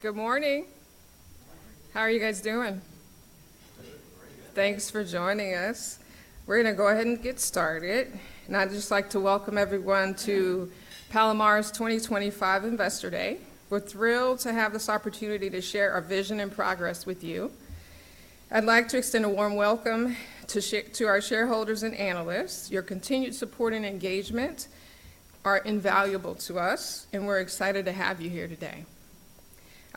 Good morning. How are you guys doing? Good. Thanks for joining us. We're going to go ahead and get started. I'd just like to welcome everyone to Palomar's 2025 Investor Day. We're thrilled to have this opportunity to share our vision and progress with you. I'd like to extend a warm welcome to our shareholders and analysts. Your continued support and engagement are invaluable to us, and we're excited to have you here today.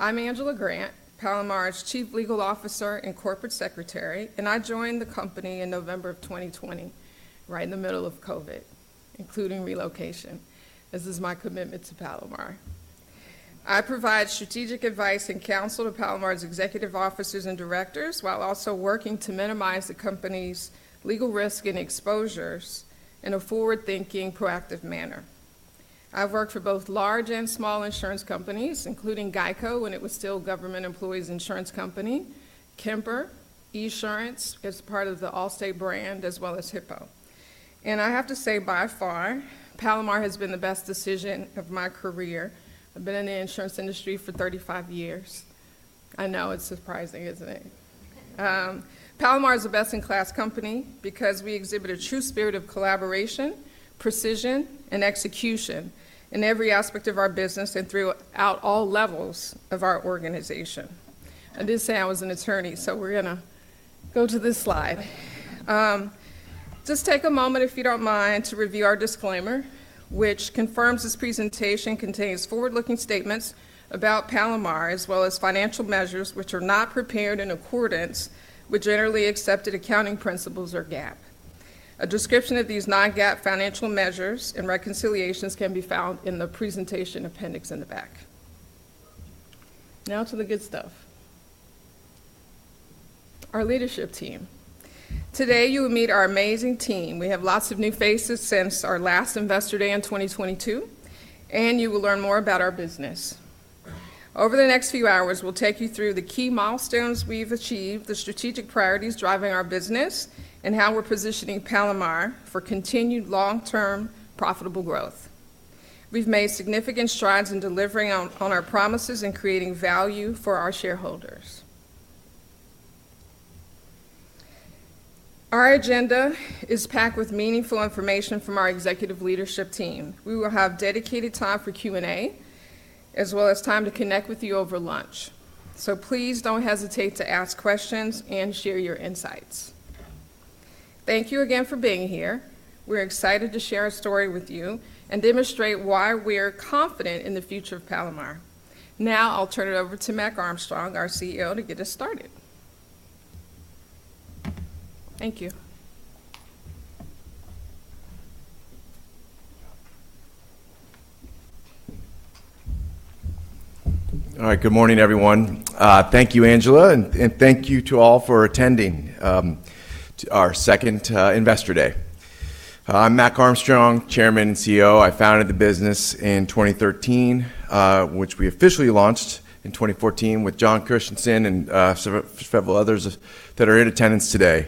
I'm Angela Grant, Palomar's Chief Legal Officer and Corporate Secretary, and I joined the company in November of 2020, right in the middle of COVID, including relocation. This is my commitment to Palomar. I provide strategic advice and counsel to Palomar's executive officers and directors while also working to minimize the company's legal risk and exposures in a forward-thinking, proactive manner. I've worked for both large and small insurance companies, including GEICO when it was still a government-employees insurance company, Kemper, Esurance as part of the Allstate brand, as well as HIPPO. I have to say, by far, Palomar has been the best decision of my career. I've been in the insurance industry for 35 years. I know it's surprising, isn't it? Palomar is a best-in-class company because we exhibit a true spirit of collaboration, precision, and execution in every aspect of our business and throughout all levels of our organization. I did say I was an attorney, so we're going to go to this slide. Just take a moment, if you don't mind, to review our disclaimer, which confirms this presentation contains forward-looking statements about Palomar, as well as financial measures which are not prepared in accordance with generally accepted accounting principles or GAAP. A description of these non-GAAP financial measures and reconciliations can be found in the presentation appendix in the back. Now to the good stuff. Our leadership team. Today, you will meet our amazing team. We have lots of new faces since our last Investor Day in 2022, and you will learn more about our business. Over the next few hours, we will take you through the key milestones we have achieved, the strategic priorities driving our business, and how we are positioning Palomar for continued long-term profitable growth. We have made significant strides in delivering on our promises and creating value for our shareholders. Our agenda is packed with meaningful information from our executive leadership team. We will have dedicated time for Q&A, as well as time to connect with you over lunch. Please do not hesitate to ask questions and share your insights. Thank you again for being here. We're excited to share a story with you and demonstrate why we're confident in the future of Palomar. Now I'll turn it over to Mac Armstrong, our CEO, to get us started. Thank you. All right. Good morning, everyone. Thank you, Angela, and thank you to all for attending our second Investor Day. I'm Mac Armstrong, Chairman and CEO. I founded the business in 2013, which we officially launched in 2014 with Jon Christianson and several others that are in attendance today.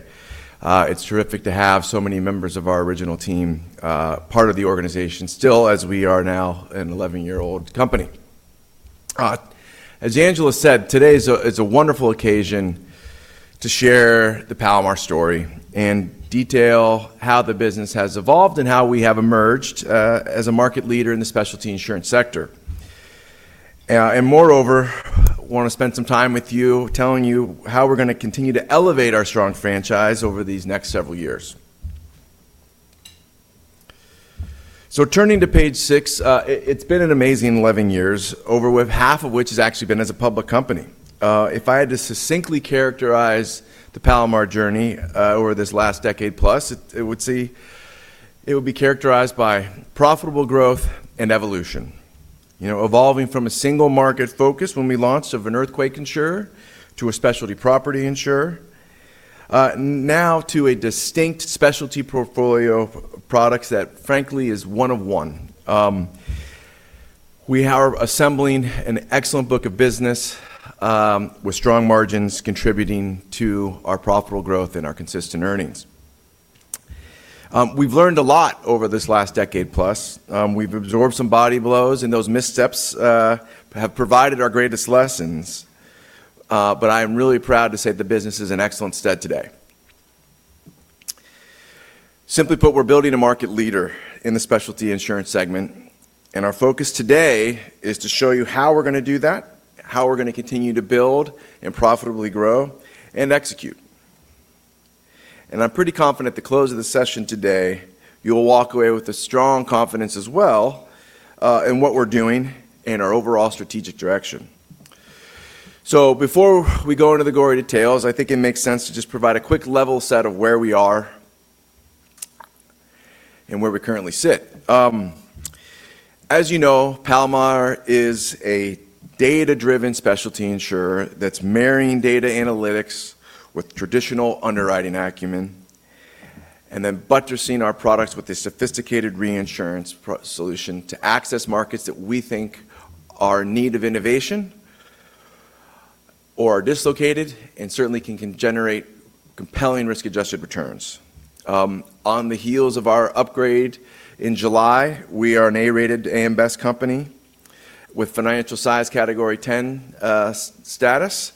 It's terrific to have so many members of our original team part of the organization still as we are now an 11-year-old company. As Angela said, today is a wonderful occasion to share the Palomar story and detail how the business has evolved and how we have emerged as a market leader in the specialty insurance sector. Moreover, I want to spend some time with you telling you how we're going to continue to elevate our strong franchise over these next several years. Turning to page six, it's been an amazing 11 years, over half of which has actually been as a public company. If I had to succinctly characterize the Palomar journey over this last decade plus, it would be characterized by profitable growth and evolution, evolving from a single market focus when we launched of an earthquake insurer to a specialty property insurer, now to a distinct specialty portfolio of products that, frankly, is one of one. We are assembling an excellent book of business with strong margins contributing to our profitable growth and our consistent earnings. We've learned a lot over this last decade plus. We've absorbed some body blows, and those missteps have provided our greatest lessons. I am really proud to say the business is in excellent stead today. Simply put, we're building a market leader in the specialty insurance segment, and our focus today is to show you how we're going to do that, how we're going to continue to build and profitably grow and execute. I'm pretty confident at the close of the session today, you'll walk away with a strong confidence as well in what we're doing and our overall strategic direction. Before we go into the gory details, I think it makes sense to just provide a quick level set of where we are and where we currently sit. As you know, Palomar is a data-driven specialty insurer that's marrying data analytics with traditional underwriting acumen, and then buttressing our products with a sophisticated reinsurance solution to access markets that we think are in need of innovation or are dislocated and certainly can generate compelling risk-adjusted returns. On the heels of our upgrade in July, we are an A-rated AM Best company with financial size category 10 status,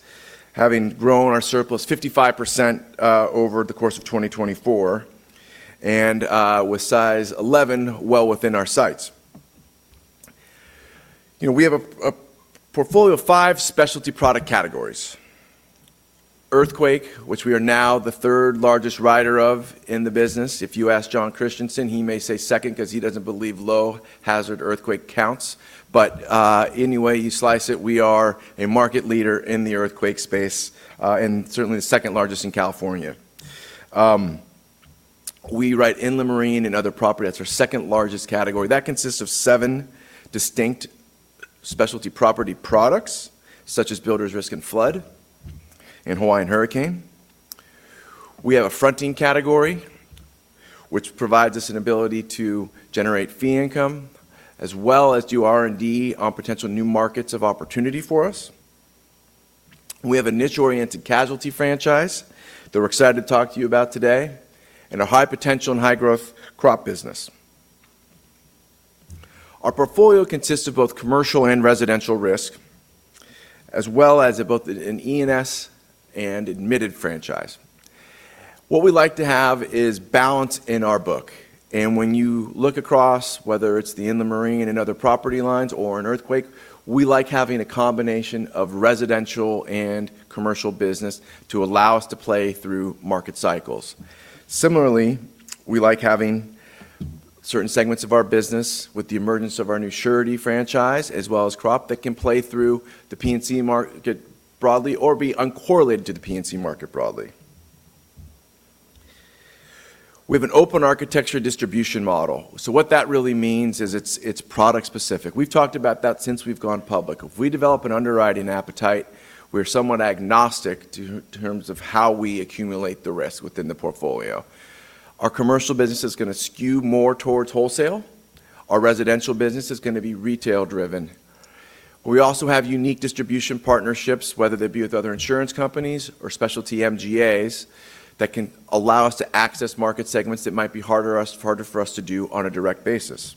having grown our surplus 55% over the course of 2024, and with size 11 well within our sights. We have a portfolio of five specialty product categories: earthquake, which we are now the third largest writer of in the business. If you ask Jon Christianson, he may say second because he does not believe low-hazard earthquake counts. Any way you slice it, we are a market leader in the earthquake space and certainly the second largest in California. We write inland marine and other property. That is our second largest category. That consists of seven distinct specialty property products, such as Builders Risk and Flood and Hawaiian Hurricane. We have a fronting category, which provides us an ability to generate fee income as well as do R&D on potential new markets of opportunity for us. We have a niche-oriented casualty franchise that we're excited to talk to you about today and a high-potential and high-growth crop business. Our portfolio consists of both commercial and residential risk, as well as both an E&S and admitted franchise. What we like to have is balance in our book. When you look across, whether it's the inland marine and other property lines or an earthquake, we like having a combination of residential and commercial business to allow us to play through market cycles. Similarly, we like having certain segments of our business with the emergence of our new surety franchise, as well as crop that can play through the P&C market broadly or be uncorrelated to the P&C market broadly. We have an open architecture distribution model. What that really means is it's product-specific. We've talked about that since we've gone public. If we develop an underwriting appetite, we're somewhat agnostic in terms of how we accumulate the risk within the portfolio. Our commercial business is going to skew more towards wholesale. Our residential business is going to be retail-driven. We also have unique distribution partnerships, whether they be with other insurance companies or specialty MGAs that can allow us to access market segments that might be harder for us to do on a direct basis.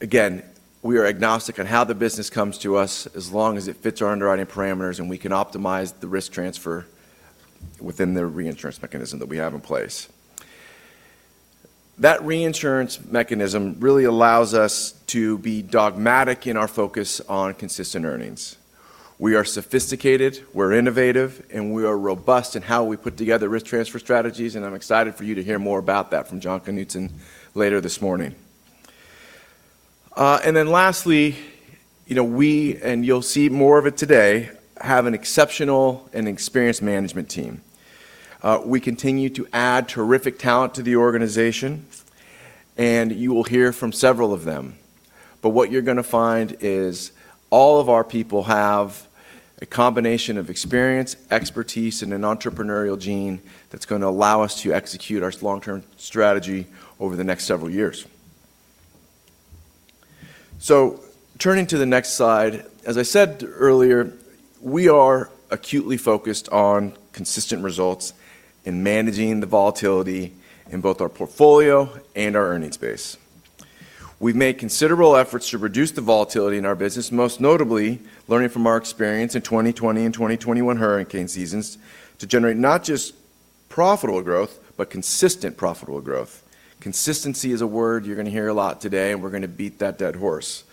Again, we are agnostic on how the business comes to us as long as it fits our underwriting parameters and we can optimize the risk transfer within the reinsurance mechanism that we have in place. That reinsurance mechanism really allows us to be dogmatic in our focus on consistent earnings. We are sophisticated, we're innovative, and we are robust in how we put together risk transfer strategies, and I'm excited for you to hear more about that from Jon Knutzen later this morning. Lastly, and you'll see more of it today, have an exceptional and experienced management team. We continue to add terrific talent to the organization, and you will hear from several of them. What you're going to find is all of our people have a combination of experience, expertise, and an entrepreneurial gene that's going to allow us to execute our long-term strategy over the next several years. Turning to the next slide, as I said earlier, we are acutely focused on consistent results in managing the volatility in both our portfolio and our earnings base. We've made considerable efforts to reduce the volatility in our business, most notably learning from our experience in the 2020 and 2021 hurricane seasons to generate not just profitable growth, but consistent profitable growth. Consistency is a word you're going to hear a lot today, and we're going to beat that dead horse.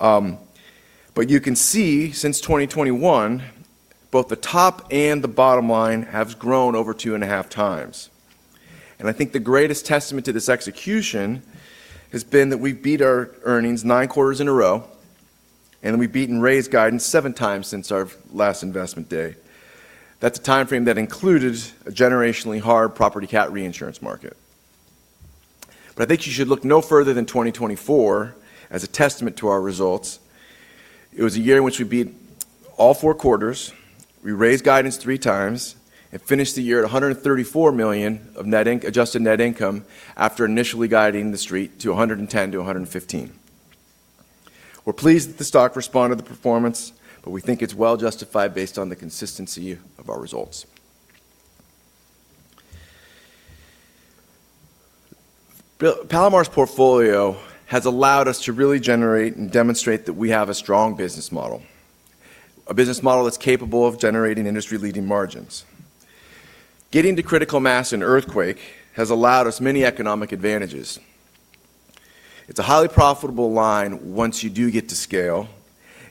You can see since 2021, both the top and the bottom line have grown over two and a half times. I think the greatest testament to this execution has been that we've beat our earnings nine quarters in a row, and we've beaten raise guidance seven times since our last investment day. That's a timeframe that included a generationally hard property cat reinsurance market. I think you should look no further than 2024 as a testament to our results. It was a year in which we beat all four quarters. We raised guidance three times and finished the year at $134 million of net adjusted net income after initially guiding the street to $110-$115. We're pleased that the stock responded to the performance, but we think it's well justified based on the consistency of our results. Palomar's portfolio has allowed us to really generate and demonstrate that we have a strong business model, a business model that's capable of generating industry-leading margins. Getting to critical mass in earthquake has allowed us many economic advantages. It's a highly profitable line once you do get to scale,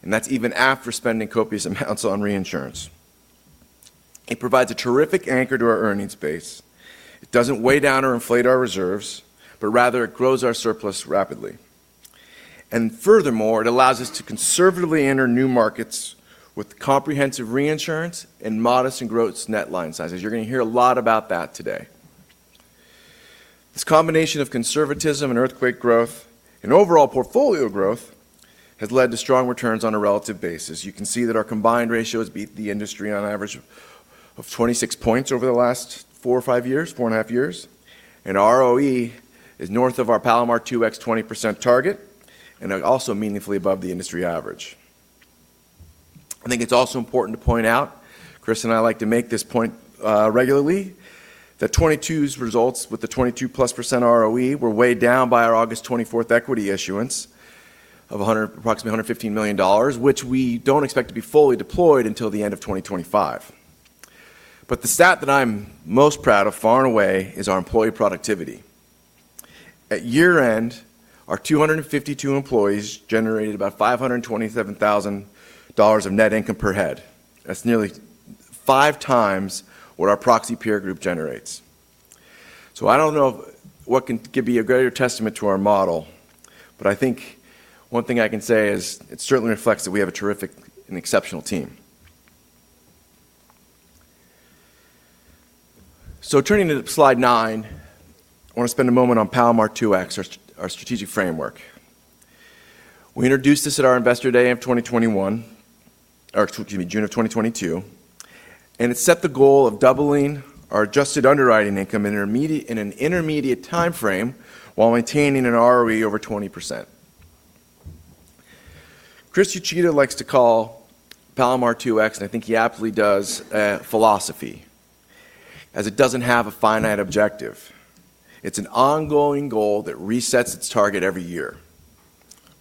and that's even after spending copious amounts on reinsurance. It provides a terrific anchor to our earnings base. It doesn't weigh down or inflate our reserves, but rather it grows our surplus rapidly. Furthermore, it allows us to conservatively enter new markets with comprehensive reinsurance and modest and gross net line sizes. You're going to hear a lot about that today. This combination of conservatism and earthquake growth and overall portfolio growth has led to strong returns on a relative basis. You can see that our combined ratios beat the industry on average of 26 points over the last four or five years, four and a half years. ROE is north of our Palomar 2X 20% target and also meaningfully above the industry average. I think it's also important to point out, Chris and I like to make this point regularly, that 2022's results with the 22+% ROE were weighed down by our August 24th equity issuance of approximately $115 million, which we don't expect to be fully deployed until the end of 2025. The stat that I'm most proud of, far and away, is our employee productivity. At year-end, our 252 employees generated about $527,000 of net income per head. That's nearly five times what our proxy peer group generates. I don't know what can be a greater testament to our model, but I think one thing I can say is it certainly reflects that we have a terrific and exceptional team. Turning to slide nine, I want to spend a moment on Palomar 2X, our strategic framework. We introduced this at our Investor Day of 2021, or excuse me, June of 2022, and it set the goal of doubling our adjusted underwriting income in an intermediate timeframe while maintaining an ROE over 20%. Chris Uchida likes to call Palomar 2X, and I think he aptly does, philosophy, as it doesn't have a finite objective. It's an ongoing goal that resets its target every year.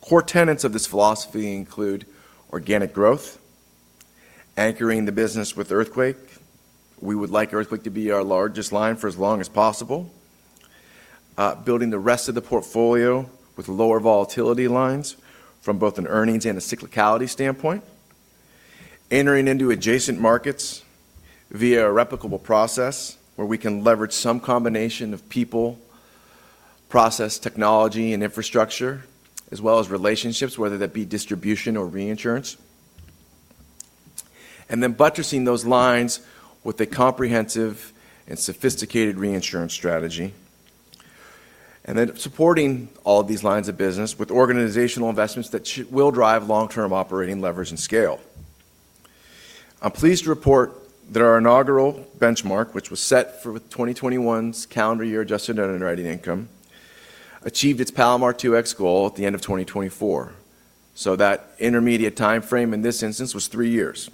Core tenets of this philosophy include organic growth, anchoring the business with earthquake. We would like earthquake to be our largest line for as long as possible, building the rest of the portfolio with lower volatility lines from both an earnings and a cyclicality standpoint, entering into adjacent markets via a replicable process where we can leverage some combination of people, process, technology, and infrastructure, as well as relationships, whether that be distribution or reinsurance, and then buttressing those lines with a comprehensive and sophisticated reinsurance strategy, and then supporting all of these lines of business with organizational investments that will drive long-term operating leverage and scale. I'm pleased to report that our inaugural benchmark, which was set for 2021's calendar year adjusted underwriting income, achieved its Palomar 2X goal at the end of 2024. That intermediate timeframe in this instance was three years.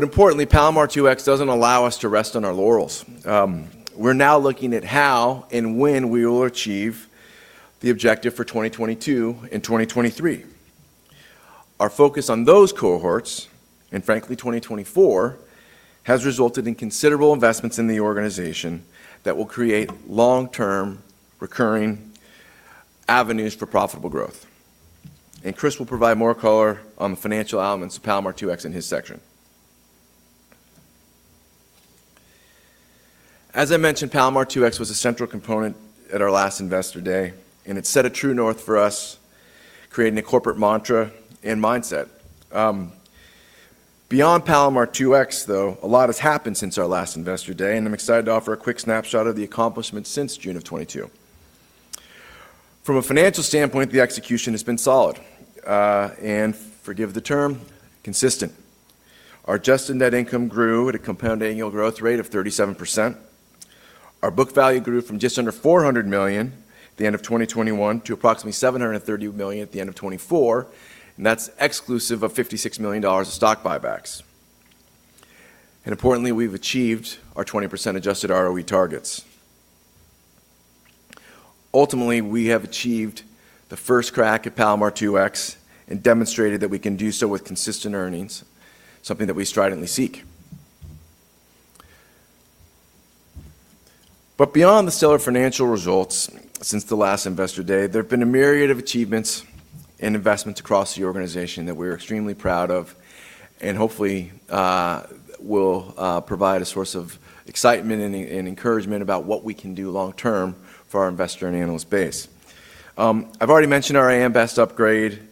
Importantly, Palomar 2X does not allow us to rest on our laurels. We are now looking at how and when we will achieve the objective for 2022 and 2023. Our focus on those cohorts, and frankly, 2024, has resulted in considerable investments in the organization that will create long-term recurring avenues for profitable growth. Chris will provide more color on the financial elements of Palomar 2X in his section. As I mentioned, Palomar 2X was a central component at our last Investor Day, and it set a true north for us, creating a corporate mantra and mindset. Beyond Palomar 2X, though, a lot has happened since our last Investor Day, and I am excited to offer a quick snapshot of the accomplishments since June of 2022. From a financial standpoint, the execution has been solid, and forgive the term, consistent. Our adjusted net income grew at a compound annual growth rate of 37%. Our book value grew from just under $400 million at the end of 2021 to approximately $730 million at the end of 2024, and that is exclusive of $56 million of stock buybacks. Importantly, we have achieved our 20% adjusted ROE targets. Ultimately, we have achieved the first crack at Palomar 2X and demonstrated that we can do so with consistent earnings, something that we stridently seek. Beyond the stellar financial results since the last Investor Day, there have been a myriad of achievements and investments across the organization that we are extremely proud of and hopefully will provide a source of excitement and encouragement about what we can do long-term for our investor and analyst base. I've already mentioned our AM Best upgrade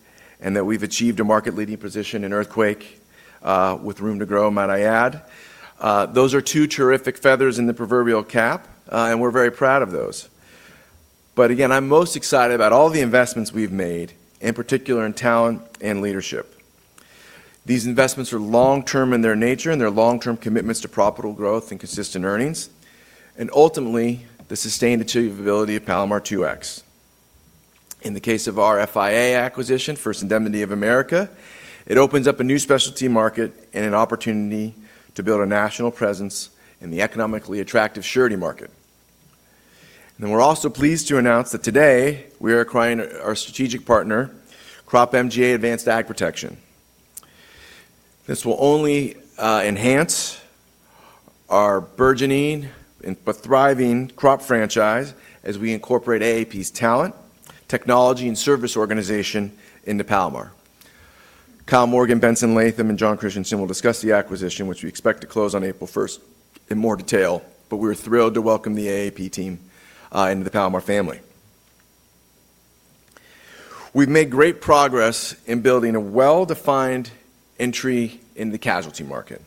and that we've achieved a market-leading position in earthquake with room to grow, might I add. Those are two terrific feathers in the proverbial cap, and we're very proud of those. Again, I'm most excited about all the investments we've made, in particular in talent and leadership. These investments are long-term in their nature and their long-term commitments to profitable growth and consistent earnings, and ultimately the sustained achievability of Palomar 2X. In the case of our FIA acquisition, First Indemnity of America, it opens up a new specialty market and an opportunity to build a national presence in the economically attractive surety market. We're also pleased to announce that today we are acquiring our strategic partner, Crop MGA Advanced AgProtection. This will only enhance our burgeoning and thriving crop franchise as we incorporate AAP's talent, technology, and service organization into Palomar. Kyle Morgan, Benson Latham, and Jon Christianson will discuss the acquisition, which we expect to close on April 1st in more detail, but we're thrilled to welcome the AAP team into the Palomar family. We've made great progress in building a well-defined entry in the casualty market.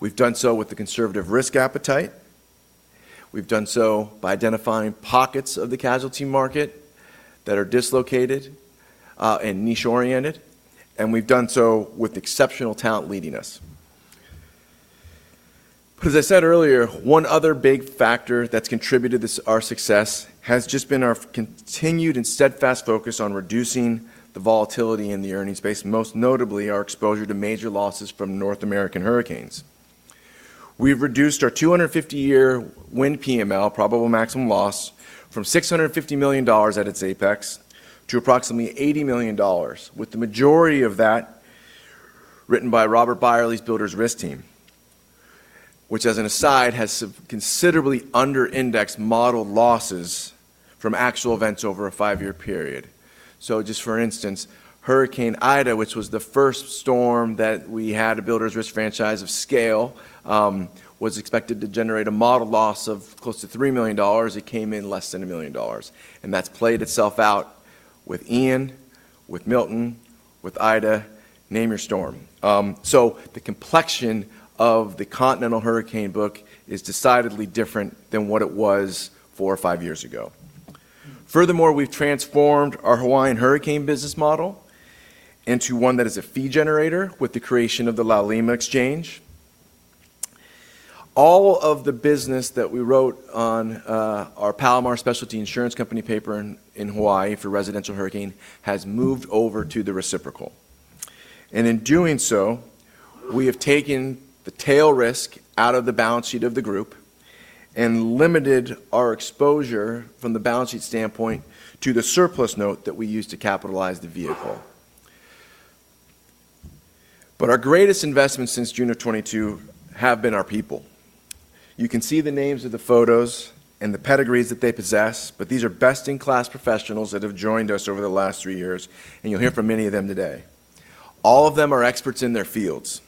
We've done so with the conservative risk appetite. We've done so by identifying pockets of the casualty market that are dislocated and niche-oriented, and we've done so with exceptional talent leading us. As I said earlier, one other big factor that's contributed to our success has just been our continued and steadfast focus on reducing the volatility in the earnings base, most notably our exposure to major losses from North American hurricanes. We've reduced our 250-year wind PML, probable maximum loss, from $650 million at its apex to approximately $80 million, with the majority of that written by Robert Beyerle's Builders Risk Team, which, as an aside, has considerably under-indexed model losses from actual events over a five-year period. Just for instance, Hurricane Ida, which was the first storm that we had a Builders Risk franchise of scale, was expected to generate a model loss of close to $3 million. It came in less than $1 million. That's played itself out with Ian, with Milton, with Ida, name your storm. The complexion of the continental hurricane book is decidedly different than what it was four or five years ago. Furthermore, we've transformed our Hawaiian hurricane business model into one that is a fee generator with the creation of the Laulima Exchange. All of the business that we wrote on our Palomar Specialty Insurance Company paper in Hawaii for residential hurricane has moved over to the reciprocal. In doing so, we have taken the tail risk out of the balance sheet of the group and limited our exposure from the balance sheet standpoint to the surplus note that we use to capitalize the vehicle. Our greatest investments since June of 2022 have been our people. You can see the names of the photos and the pedigrees that they possess, but these are best-in-class professionals that have joined us over the last three years, and you'll hear from many of them today. All of them are experts in their fields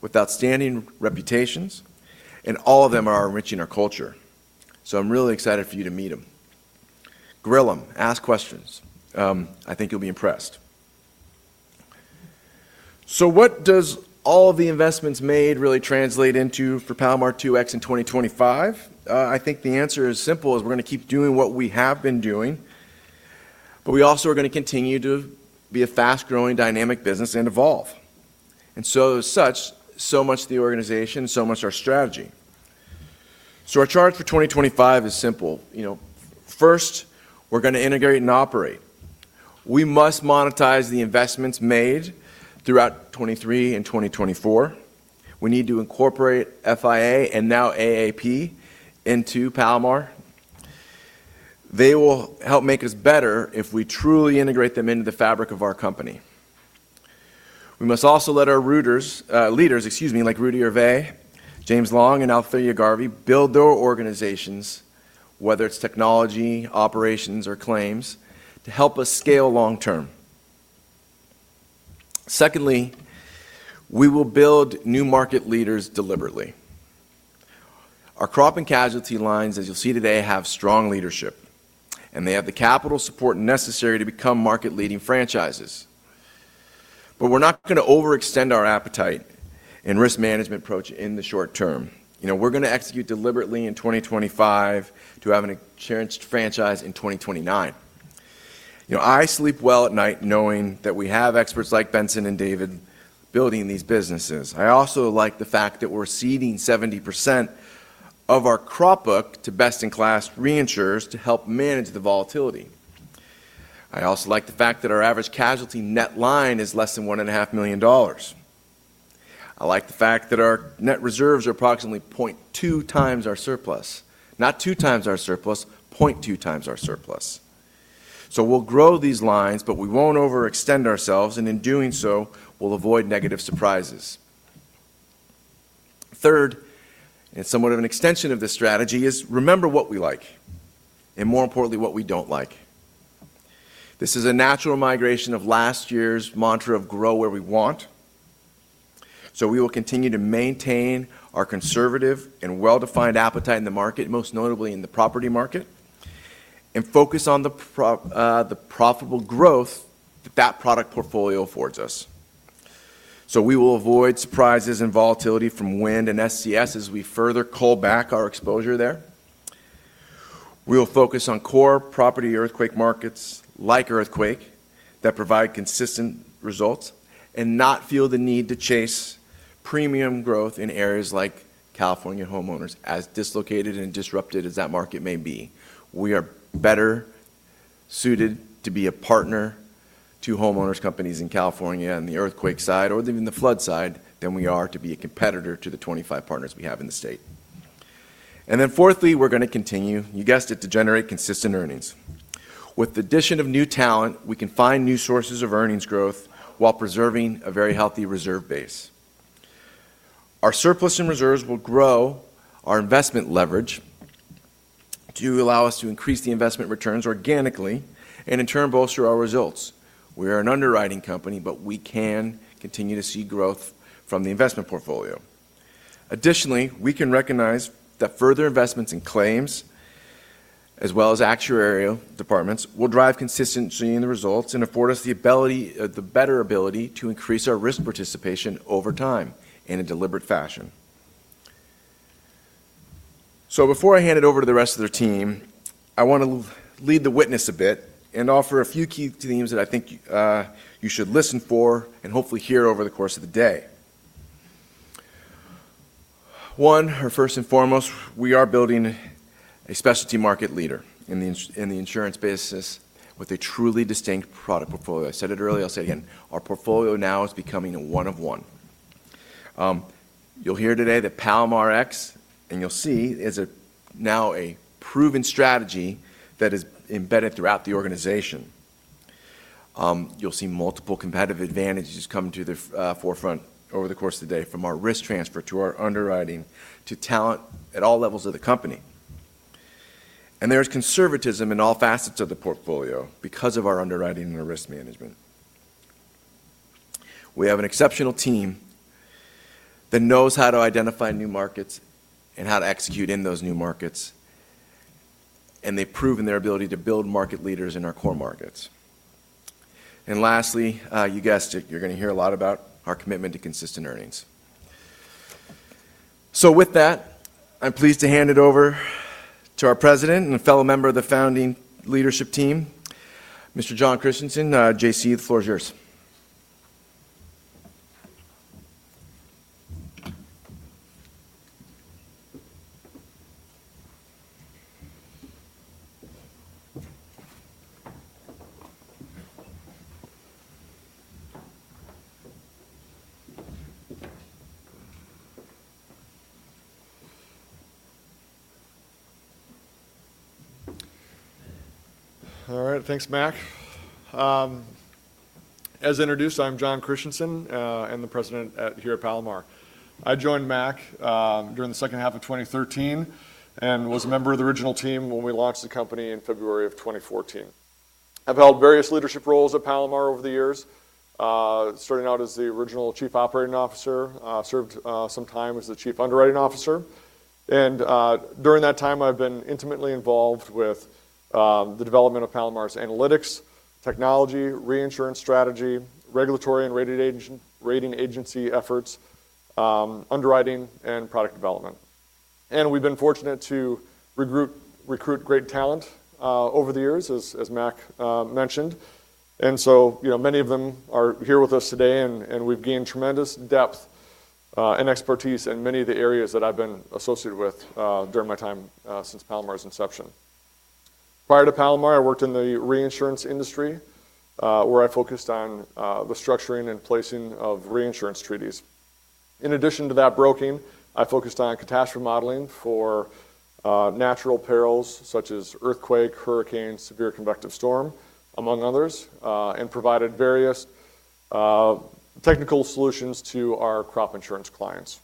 with outstanding reputations, and all of them are enriching our culture. I'm really excited for you to meet them. Grill them, ask questions. I think you'll be impressed. What does all of the investments made really translate into for Palomar 2X in 2025? I think the answer is simple as we're going to keep doing what we have been doing, but we also are going to continue to be a fast-growing dynamic business and evolve. As such, so much the organization, so much our strategy. Our charge for 2025 is simple. First, we're going to integrate and operate. We must monetize the investments made throughout 2023 and 2024. We need to incorporate FIA and now AAP into Palomar. They will help make us better if we truly integrate them into the fabric of our company. We must also let our leaders, excuse me, like Rudy Hervé, James Long, and Althea Garvey build their organizations, whether it's technology, operations, or claims, to help us scale long-term. Secondly, we will build new market leaders deliberately. Our crop and casualty lines, as you'll see today, have strong leadership, and they have the capital support necessary to become market-leading franchises. We are not going to overextend our appetite and risk management approach in the short term. We are going to execute deliberately in 2025 to have an insurance franchise in 2029. I sleep well at night knowing that we have experts like Benson and David building these businesses. I also like the fact that we are ceding 70% of our crop book to best-in-class reinsurers to help manage the volatility. I also like the fact that our average casualty net line is less than $1.5 million. I like the fact that our net reserves are approximately 0.2 times our surplus. Not two times our surplus, 0.2 times our surplus. We will grow these lines, but we will not overextend ourselves, and in doing so, we will avoid negative surprises. Third, and somewhat of an extension of this strategy, is remember what we like and, more importantly, what we do not like. This is a natural migration of last year's mantra of grow where we want. We will continue to maintain our conservative and well-defined appetite in the market, most notably in the property market, and focus on the profitable growth that that product portfolio affords us. We will avoid surprises and volatility from wind and SCS as we further pull back our exposure there. We will focus on core property earthquake markets like earthquake that provide consistent results and not feel the need to chase premium growth in areas like California homeowners. As dislocated and disrupted as that market may be, we are better suited to be a partner to homeowners companies in California on the earthquake side or even the flood side than we are to be a competitor to the 25 partners we have in the state. Fourthly, we're going to continue, you guessed it, to generate consistent earnings. With the addition of new talent, we can find new sources of earnings growth while preserving a very healthy reserve base. Our surplus and reserves will grow our investment leverage to allow us to increase the investment returns organically and, in turn, bolster our results. We are an underwriting company, but we can continue to see growth from the investment portfolio. Additionally, we can recognize that further investments in claims, as well as actuarial departments, will drive consistency in the results and afford us the better ability to increase our risk participation over time in a deliberate fashion. Before I hand it over to the rest of the team, I want to lead the witness a bit and offer a few key themes that I think you should listen for and hopefully hear over the course of the day. One, or first and foremost, we are building a specialty market leader in the insurance basis with a truly distinct product portfolio. I said it earlier. I'll say it again. Our portfolio now is becoming a one-of-one. You'll hear today that Palomar X, and you'll see, is now a proven strategy that is embedded throughout the organization. You'll see multiple competitive advantages come to the forefront over the course of the day from our risk transfer to our underwriting to talent at all levels of the company. There is conservatism in all facets of the portfolio because of our underwriting and our risk management. We have an exceptional team that knows how to identify new markets and how to execute in those new markets, and they prove in their ability to build market leaders in our core markets. Lastly, you guessed it. You're going to hear a lot about our commitment to consistent earnings. With that, I'm pleased to hand it over to our President and a fellow member of the founding leadership team, Mr. Jon Christianson. JC, the floor is yours. All right. Thanks, Mac. As introduced, I'm Jon Christianson and the President here at Palomar. I joined Mac during the second half of 2013 and was a member of the original team when we launched the company in February of 2014. I've held various leadership roles at Palomar over the years, starting out as the original Chief Operating Officer, served some time as the Chief Underwriting Officer. During that time, I've been intimately involved with the development of Palomar's analytics, technology, reinsurance strategy, regulatory and rating agency efforts, underwriting, and product development. We've been fortunate to recruit great talent over the years, as Mac mentioned. So many of them are here with us today, and we've gained tremendous depth and expertise in many of the areas that I've been associated with during my time since Palomar's inception. Prior to Palomar, I worked in the reinsurance industry where I focused on the structuring and placing of reinsurance treaties. In addition to that broking, I focused on catastrophe modeling for natural perils such as earthquake, hurricane, severe convective storm, among others, and provided various technical solutions to our crop insurance clients.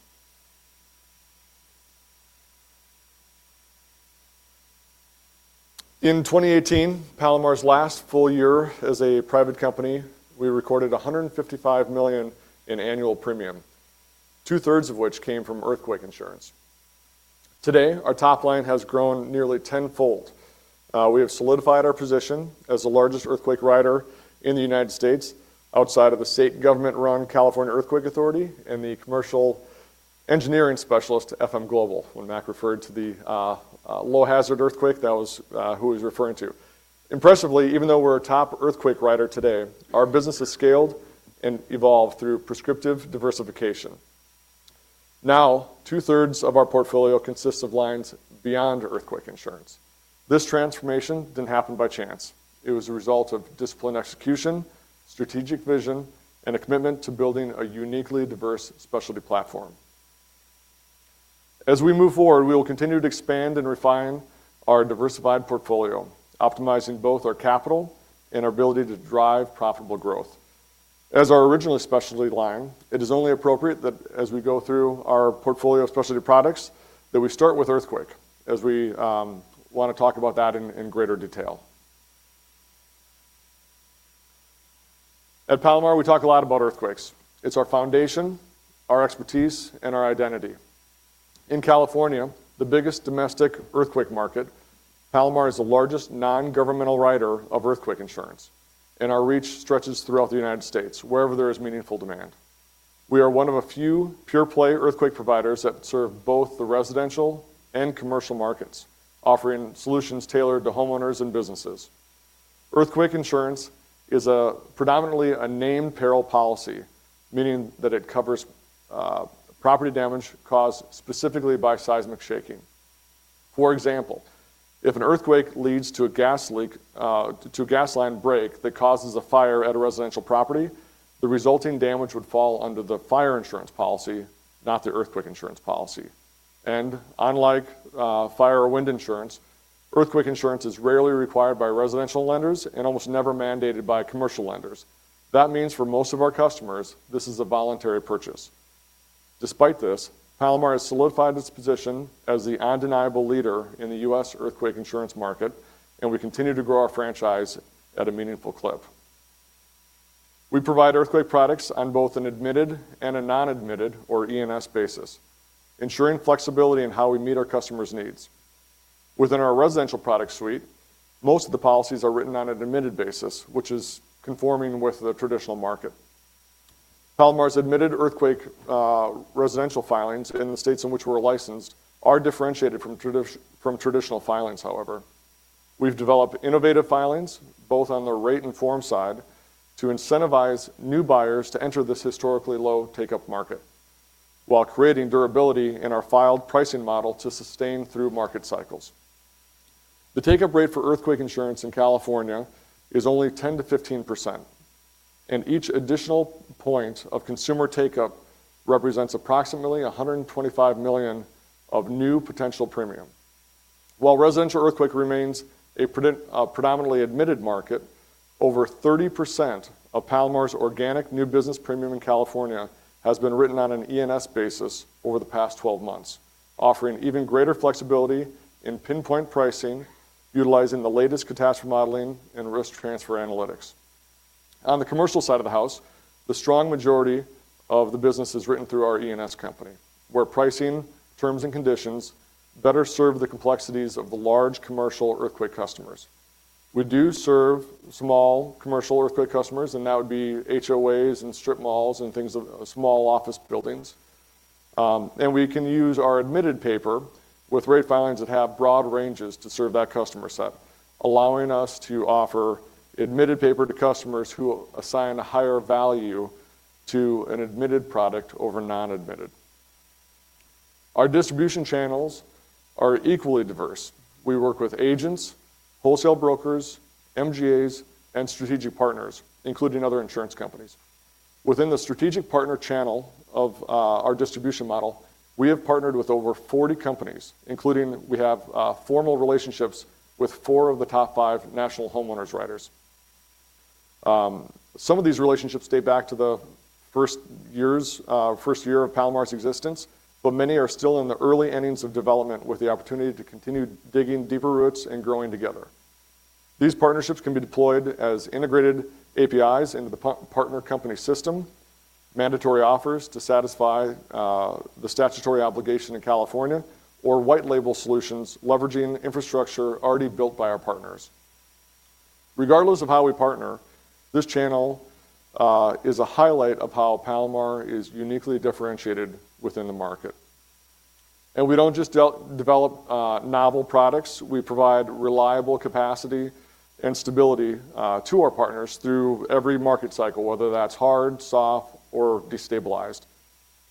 In 2018, Palomar's last full year as a private company, we recorded $155 million in annual premium, two-thirds of which came from earthquake insurance. Today, our top line has grown nearly tenfold. We have solidified our position as the largest earthquake writer in the United States outside of the state government-run California Earthquake Authority and the commercial engineering specialist FM Global. When Mac referred to the low-hazard earthquake, that was who he was referring to. Impressively, even though we're a top earthquake writer today, our business has scaled and evolved through prescriptive diversification. Now, two-thirds of our portfolio consists of lines beyond earthquake insurance. This transformation didn't happen by chance. It was a result of disciplined execution, strategic vision, and a commitment to building a uniquely diverse specialty platform. As we move forward, we will continue to expand and refine our diversified portfolio, optimizing both our capital and our ability to drive profitable growth. As our original specialty line, it is only appropriate that as we go through our portfolio of specialty products, that we start with earthquake, as we want to talk about that in greater detail. At Palomar, we talk a lot about earthquakes. It's our foundation, our expertise, and our identity. In California, the biggest domestic earthquake market, Palomar is the largest non-governmental writer of earthquake insurance, and our reach stretches throughout the United States, wherever there is meaningful demand. We are one of a few pure-play earthquake providers that serve both the residential and commercial markets, offering solutions tailored to homeowners and businesses. Earthquake insurance is predominantly a named peril policy, meaning that it covers property damage caused specifically by seismic shaking. For example, if an earthquake leads to a gas line break that causes a fire at a residential property, the resulting damage would fall under the fire insurance policy, not the earthquake insurance policy. Unlike fire or wind insurance, earthquake insurance is rarely required by residential lenders and almost never mandated by commercial lenders. That means for most of our customers, this is a voluntary purchase. Despite this, Palomar has solidified its position as the undeniable leader in the U.S. earthquake insurance market, and we continue to grow our franchise at a meaningful clip. We provide earthquake products on both an admitted and a non-admitted, or E&S, basis, ensuring flexibility in how we meet our customers' needs. Within our residential product suite, most of the policies are written on an admitted basis, which is conforming with the traditional market. Palomar's admitted earthquake residential filings in the states in which we're licensed are differentiated from traditional filings, however. We've developed innovative filings, both on the rate and form side, to incentivize new buyers to enter this historically low take-up market while creating durability in our filed pricing model to sustain through market cycles. The take-up rate for earthquake insurance in California is only 10-15%, and each additional point of consumer take-up represents approximately $125 million of new potential premium. While residential earthquake remains a predominantly admitted market, over 30% of Palomar's organic new business premium in California has been written on an E&S basis over the past 12 months, offering even greater flexibility in pinpoint pricing, utilizing the latest catastrophe modeling and risk transfer analytics. On the commercial side of the house, the strong majority of the business is written through our E&S company, where pricing, terms, and conditions better serve the complexities of the large commercial earthquake customers. We do serve small commercial earthquake customers, and that would be HOAs and strip malls and things of small office buildings. We can use our admitted paper with rate filings that have broad ranges to serve that customer set, allowing us to offer admitted paper to customers who assign a higher value to an admitted product over non-admitted. Our distribution channels are equally diverse. We work with agents, wholesale brokers, MGAs, and strategic partners, including other insurance companies. Within the strategic partner channel of our distribution model, we have partnered with over 40 companies, including we have formal relationships with four of the top five national homeowners writers. Some of these relationships date back to the first year of Palomar's existence, but many are still in the early innings of development with the opportunity to continue digging deeper roots and growing together. These partnerships can be deployed as integrated APIs into the partner company system, mandatory offers to satisfy the statutory obligation in California, or white-label solutions leveraging infrastructure already built by our partners. Regardless of how we partner, this channel is a highlight of how Palomar is uniquely differentiated within the market. We do not just develop novel products. We provide reliable capacity and stability to our partners through every market cycle, whether that's hard, soft, or destabilized.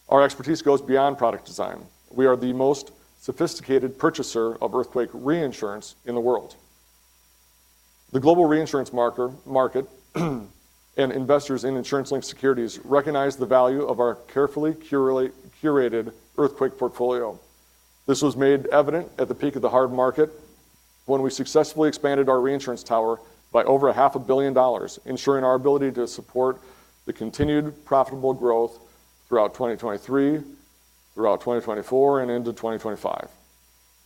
Our expertise goes beyond product design. We are the most sophisticated purchaser of earthquake reinsurance in the world. The global reinsurance market and investors in InsuranceLink Securities recognize the value of our carefully curated earthquake portfolio. This was made evident at the peak of the hard market when we successfully expanded our reinsurance tower by over $500,000,000, ensuring our ability to support the continued profitable growth throughout 2023, throughout 2024, and into 2025.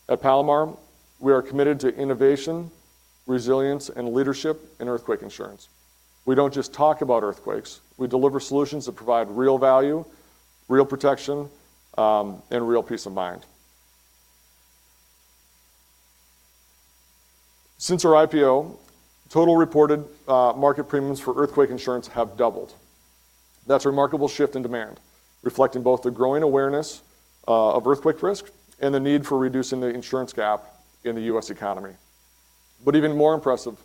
At Palomar, we are committed to innovation, resilience, and leadership in earthquake insurance. We don't just talk about earthquakes. We deliver solutions that provide real value, real protection, and real peace of mind. Since our IPO, total reported market premiums for earthquake insurance have doubled. That's a remarkable shift in demand, reflecting both the growing awareness of earthquake risk and the need for reducing the insurance gap in the U.S. economy. Even more impressive,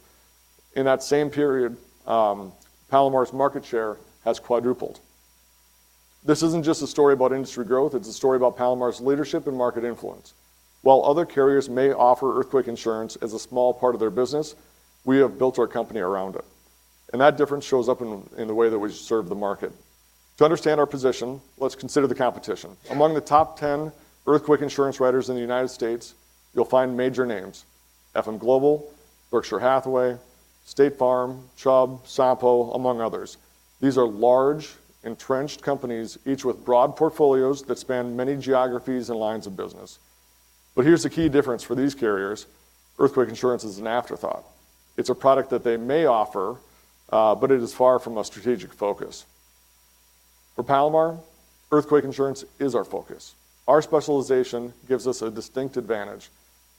in that same period, Palomar's market share has quadrupled. This isn't just a story about industry growth. It's a story about Palomar's leadership and market influence. While other carriers may offer earthquake insurance as a small part of their business, we have built our company around it. That difference shows up in the way that we serve the market. To understand our position, let's consider the competition. Among the top 10 earthquake insurance writers in the United States, you'll find major names: FM Global, Berkshire Hathaway, State Farm, Chubb, Sampo, among others. These are large, entrenched companies, each with broad portfolios that span many geographies and lines of business. Here's the key difference for these carriers. Earthquake insurance is an afterthought. It's a product that they may offer, but it is far from a strategic focus. For Palomar, earthquake insurance is our focus. Our specialization gives us a distinct advantage.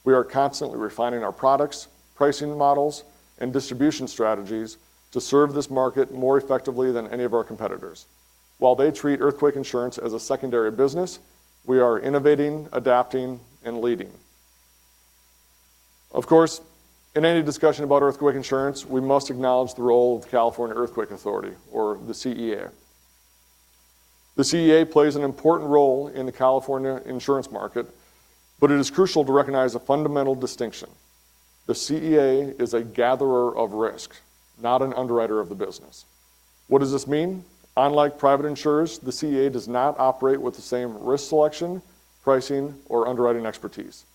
We are constantly refining our products, pricing models, and distribution strategies to serve this market more effectively than any of our competitors. While they treat earthquake insurance as a secondary business, we are innovating, adapting, and leading. Of course, in any discussion about earthquake insurance, we must acknowledge the role of the California Earthquake Authority, or the CEA. The CEA plays an important role in the California insurance market, but it is crucial to recognize a fundamental distinction. The CEA is a gatherer of risk, not an underwriter of the business. What does this mean? Unlike private insurers, the CEA does not operate with the same risk selection, pricing, or underwriting expertise.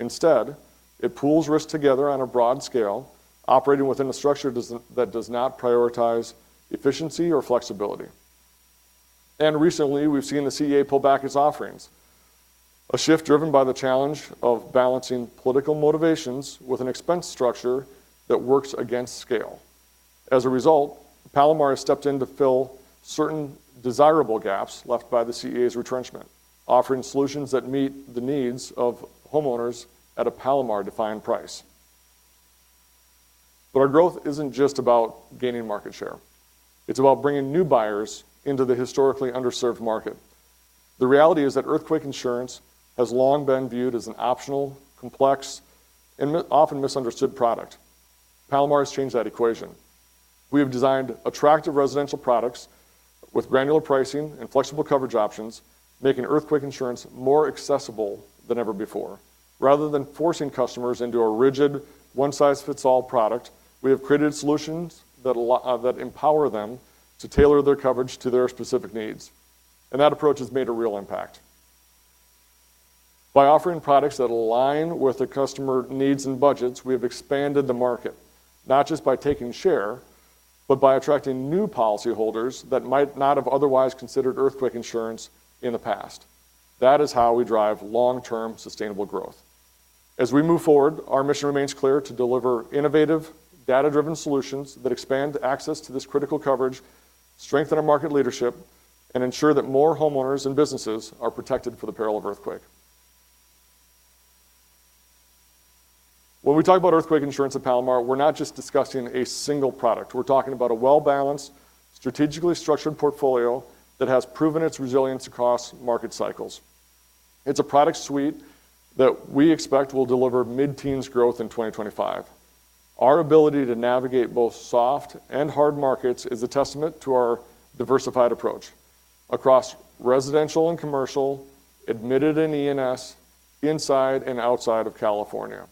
Instead, it pools risk together on a broad scale, operating within a structure that does not prioritize efficiency or flexibility. Recently, we've seen the CEA pull back its offerings, a shift driven by the challenge of balancing political motivations with an expense structure that works against scale. As a result, Palomar has stepped in to fill certain desirable gaps left by the CEA's retrenchment, offering solutions that meet the needs of homeowners at a Palomar-defined price. Our growth isn't just about gaining market share. It's about bringing new buyers into the historically underserved market. The reality is that earthquake insurance has long been viewed as an optional, complex, and often misunderstood product. Palomar has changed that equation. We have designed attractive residential products with granular pricing and flexible coverage options, making earthquake insurance more accessible than ever before. Rather than forcing customers into a rigid, one-size-fits-all product, we have created solutions that empower them to tailor their coverage to their specific needs. That approach has made a real impact. By offering products that align with the customer needs and budgets, we have expanded the market, not just by taking share, but by attracting new policyholders that might not have otherwise considered earthquake insurance in the past. That is how we drive long-term sustainable growth. As we move forward, our mission remains clear to deliver innovative, data-driven solutions that expand access to this critical coverage, strengthen our market leadership, and ensure that more homeowners and businesses are protected for the peril of earthquake. When we talk about earthquake insurance at Palomar, we're not just discussing a single product. We're talking about a well-balanced, strategically structured portfolio that has proven its resilience across market cycles. It's a product suite that we expect will deliver mid-teens growth in 2025. Our ability to navigate both soft and hard markets is a testament to our diversified approach across residential and commercial, admitted and E&S, inside and outside of California.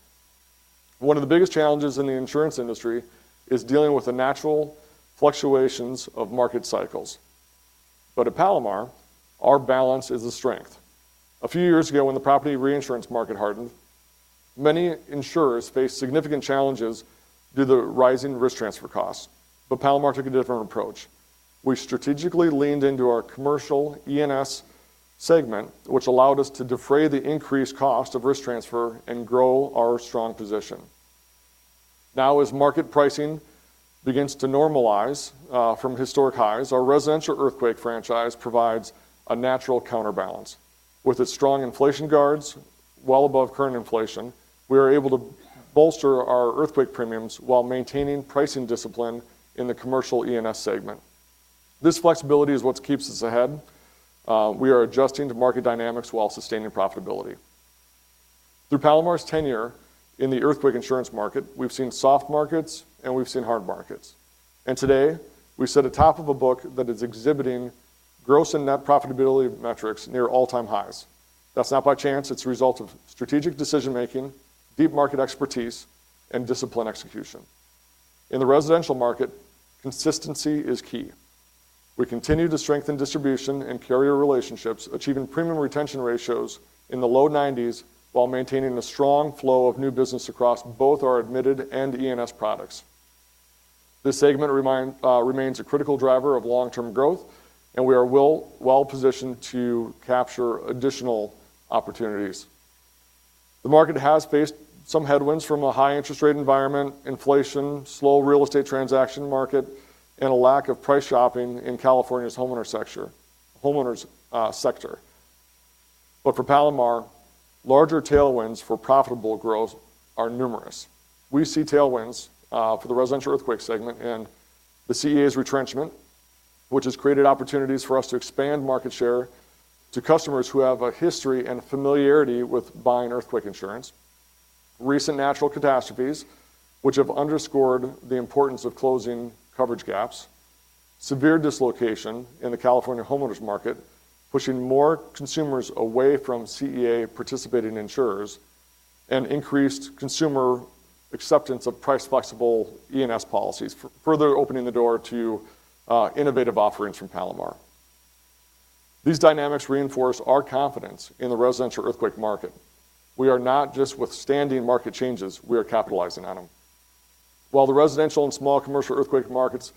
One of the biggest challenges in the insurance industry is dealing with the natural fluctuations of market cycles. At Palomar, our balance is a strength. A few years ago, when the property reinsurance market hardened, many insurers faced significant challenges due to the rising risk transfer costs. Palomar took a different approach. We strategically leaned into our commercial E&S segment, which allowed us to defray the increased cost of risk transfer and grow our strong position. Now, as market pricing begins to normalize from historic highs, our residential earthquake franchise provides a natural counterbalance. With its strong inflation guards well above current inflation, we are able to bolster our earthquake premiums while maintaining pricing discipline in the commercial E&S segment. This flexibility is what keeps us ahead. We are adjusting to market dynamics while sustaining profitability. Through Palomar's tenure in the earthquake insurance market, we've seen soft markets and we've seen hard markets. Today, we sit atop of a book that is exhibiting gross and net profitability metrics near all-time highs. That's not by chance. It's the result of strategic decision-making, deep market expertise, and discipline execution. In the residential market, consistency is key. We continue to strengthen distribution and carrier relationships, achieving premium retention ratios in the low 90% while maintaining a strong flow of new business across both our admitted and E&S products. This segment remains a critical driver of long-term growth, and we are well-positioned to capture additional opportunities. The market has faced some headwinds from a high interest rate environment, inflation, slow real estate transaction market, and a lack of price shopping in California's homeowners sector. For Palomar, larger tailwinds for profitable growth are numerous. We see tailwinds for the residential earthquake segment and the CEA's retrenchment, which has created opportunities for us to expand market share to customers who have a history and familiarity with buying earthquake insurance. Recent natural catastrophes, which have underscored the importance of closing coverage gaps. Severe dislocation in the California homeowners market, pushing more consumers away from CEA-participating insurers, and increased consumer acceptance of price-flexible E&S policies, further opening the door to innovative offerings from Palomar. These dynamics reinforce our confidence in the residential earthquake market. We are not just withstanding market changes. We are capitalizing on them. While the residential and small commercial earthquake markets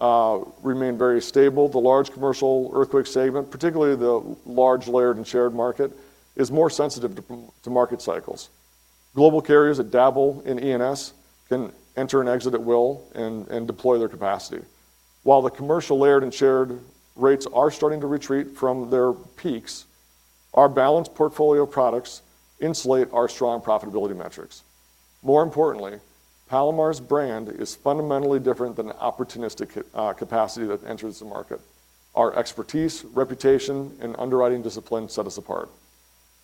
remain very stable, the large commercial earthquake segment, particularly the large layered and shared market, is more sensitive to market cycles. Global carriers that dabble in E&S can enter and exit at will and deploy their capacity. While the commercial layered and shared rates are starting to retreat from their peaks, our balanced portfolio products insulate our strong profitability metrics. More importantly, Palomar's brand is fundamentally different than opportunistic capacity that enters the market. Our expertise, reputation, and underwriting discipline set us apart.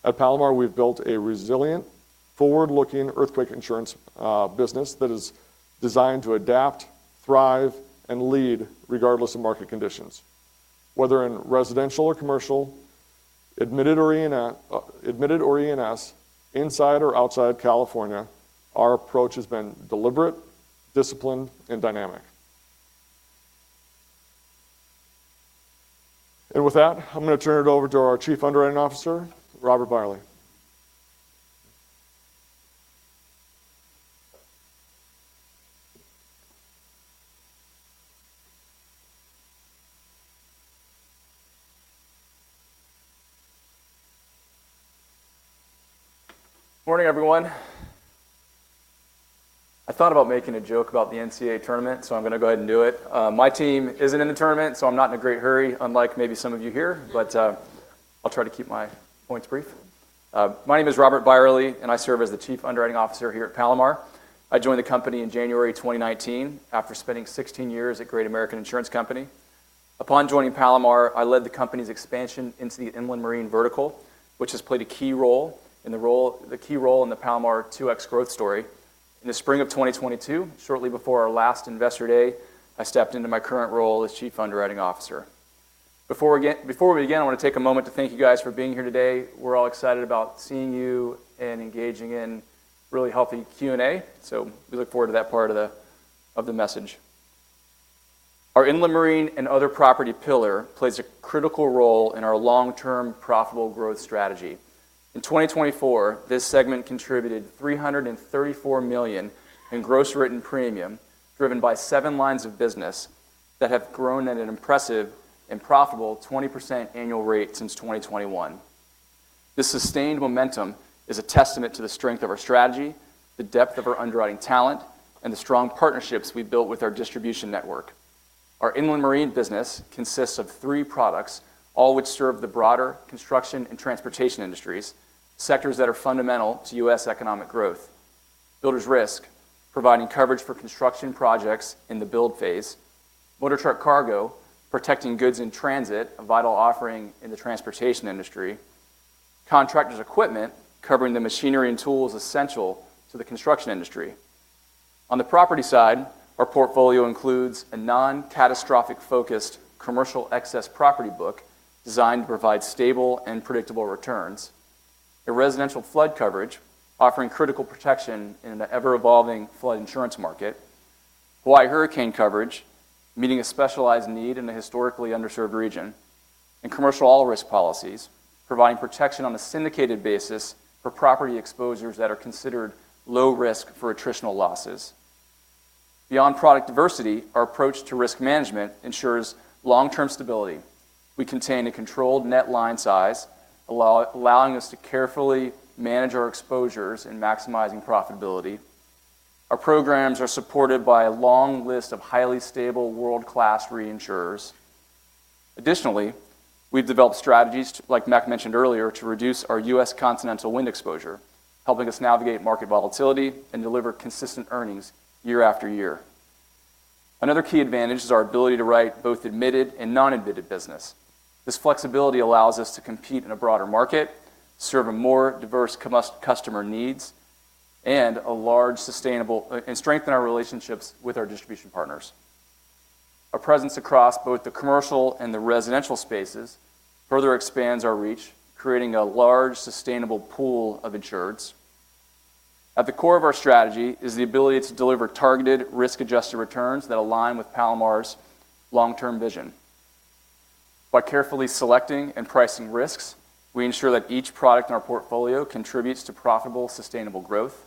At Palomar, we've built a resilient, forward-looking earthquake insurance business that is designed to adapt, thrive, and lead regardless of market conditions. Whether in residential or commercial, admitted or E&S, inside or outside California, our approach has been deliberate, disciplined, and dynamic. With that, I'm going to turn it over to our Chief Underwriting Officer, Robert Beyerle. Morning, everyone. I thought about making a joke about the NCAA tournament, so I'm going to go ahead and do it. My team isn't in the tournament, so I'm not in a great hurry, unlike maybe some of you here, but I'll try to keep my points brief. My name is Robert Beyerle, and I serve as the Chief Underwriting Officer here at Palomar. I joined the company in January 2019 after spending 16 years at Great American Insurance Company. Upon joining Palomar, I led the company's expansion into the inland marine vertical, which has played a key role in the Palomar 2X growth story. In the spring of 2022, shortly before our last investor day, I stepped into my current role as Chief Underwriting Officer. Before we begin, I want to take a moment to thank you guys for being here today. We're all excited about seeing you and engaging in really healthy Q&A, so we look forward to that part of the message. Our inland marine and other property pillar plays a critical role in our long-term profitable growth strategy. In 2024, this segment contributed $334 million in gross written premium, driven by seven lines of business that have grown at an impressive and profitable 20% annual rate since 2021. This sustained momentum is a testament to the strength of our strategy, the depth of our underwriting talent, and the strong partnerships we built with our distribution network. Our inland marine business consists of three products, all which serve the broader construction and transportation industries, sectors that are fundamental to U.S. Economic growth: Builders' risk, providing coverage for construction projects in the build phase, motor truck cargo, protecting goods in transit, a vital offering in the transportation industry, contractors' equipment, covering the machinery and tools essential to the construction industry. On the property side, our portfolio includes a non-catastrophic-focused commercial excess property book designed to provide stable and predictable returns, a residential flood coverage, offering critical protection in the ever-evolving flood insurance market, Hawaii hurricane coverage, meeting a specialized need in a historically underserved region, and commercial all-risk policies, providing protection on a syndicated basis for property exposures that are considered low risk for attritional losses. Beyond product diversity, our approach to risk management ensures long-term stability. We contain a controlled net line size, allowing us to carefully manage our exposures and maximize profitability. Our programs are supported by a long list of highly stable, world-class reinsurers. Additionally, we've developed strategies, like Mac mentioned earlier, to reduce our U.S. continental wind exposure, helping us navigate market volatility and deliver consistent earnings year after year. Another key advantage is our ability to write both admitted and non-admitted business. This flexibility allows us to compete in a broader market, serve more diverse customer needs, and strengthen our relationships with our distribution partners. Our presence across both the commercial and the residential spaces further expands our reach, creating a large, sustainable pool of insureds. At the core of our strategy is the ability to deliver targeted, risk-adjusted returns that align with Palomar's long-term vision. By carefully selecting and pricing risks, we ensure that each product in our portfolio contributes to profitable, sustainable growth.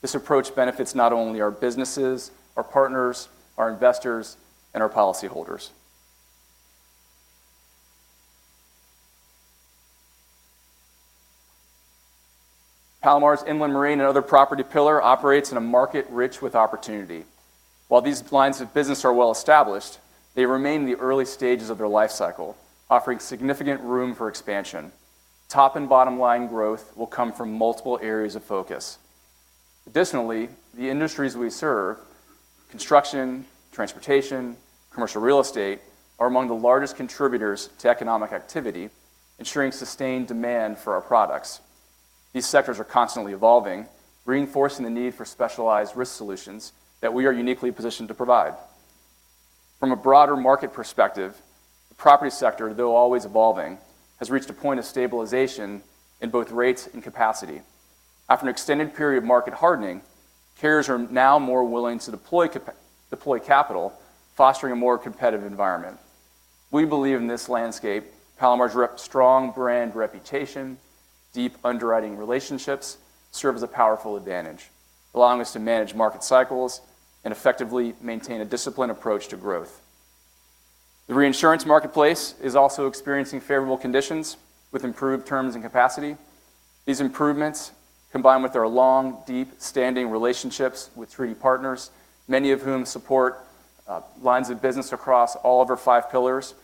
This approach benefits not only our businesses, our partners, our investors, and our policyholders. Palomar's inland marine and other property pillar operates in a market rich with opportunity. While these lines of business are well-established, they remain in the early stages of their life cycle, offering significant room for expansion. Top and bottom line growth will come from multiple areas of focus. Additionally, the industries we serve—construction, transportation, commercial real estate—are among the largest contributors to economic activity, ensuring sustained demand for our products. These sectors are constantly evolving, reinforcing the need for specialized risk solutions that we are uniquely positioned to provide. From a broader market perspective, the property sector, though always evolving, has reached a point of stabilization in both rates and capacity. After an extended period of market hardening, carriers are now more willing to deploy capital, fostering a more competitive environment. We believe in this landscape, Palomar's strong brand reputation, deep underwriting relationships serve as a powerful advantage, allowing us to manage market cycles and effectively maintain a disciplined approach to growth. The reinsurance marketplace is also experiencing favorable conditions with improved terms and capacity. These improvements, combined with our long, deep-standing relationships with treaty partners, many of whom support lines of business across all of our five pillars,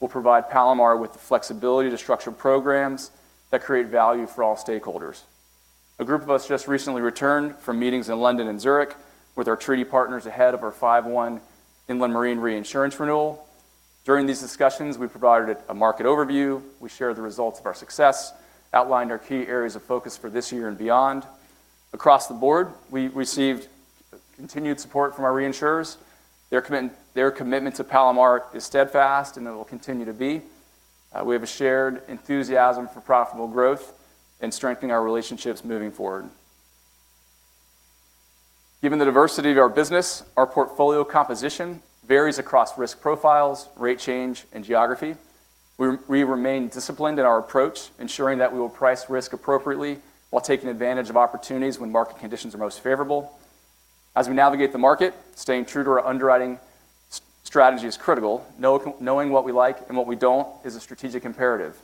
will provide Palomar with the flexibility to structure programs that create value for all stakeholders. A group of us just recently returned from meetings in London and Zurich with our treaty partners ahead of our 5/1 inland marine reinsurance renewal. During these discussions, we provided a market overview. We shared the results of our success, outlined our key areas of focus for this year and beyond. Across the board, we received continued support from our reinsurers. Their commitment to Palomar is steadfast, and it will continue to be. We have a shared enthusiasm for profitable growth and strengthening our relationships moving forward. Given the diversity of our business, our portfolio composition varies across risk profiles, rate change, and geography. We remain disciplined in our approach, ensuring that we will price risk appropriately while taking advantage of opportunities when market conditions are most favorable. As we navigate the market, staying true to our underwriting strategy is critical. Knowing what we like and what we do not is a strategic imperative.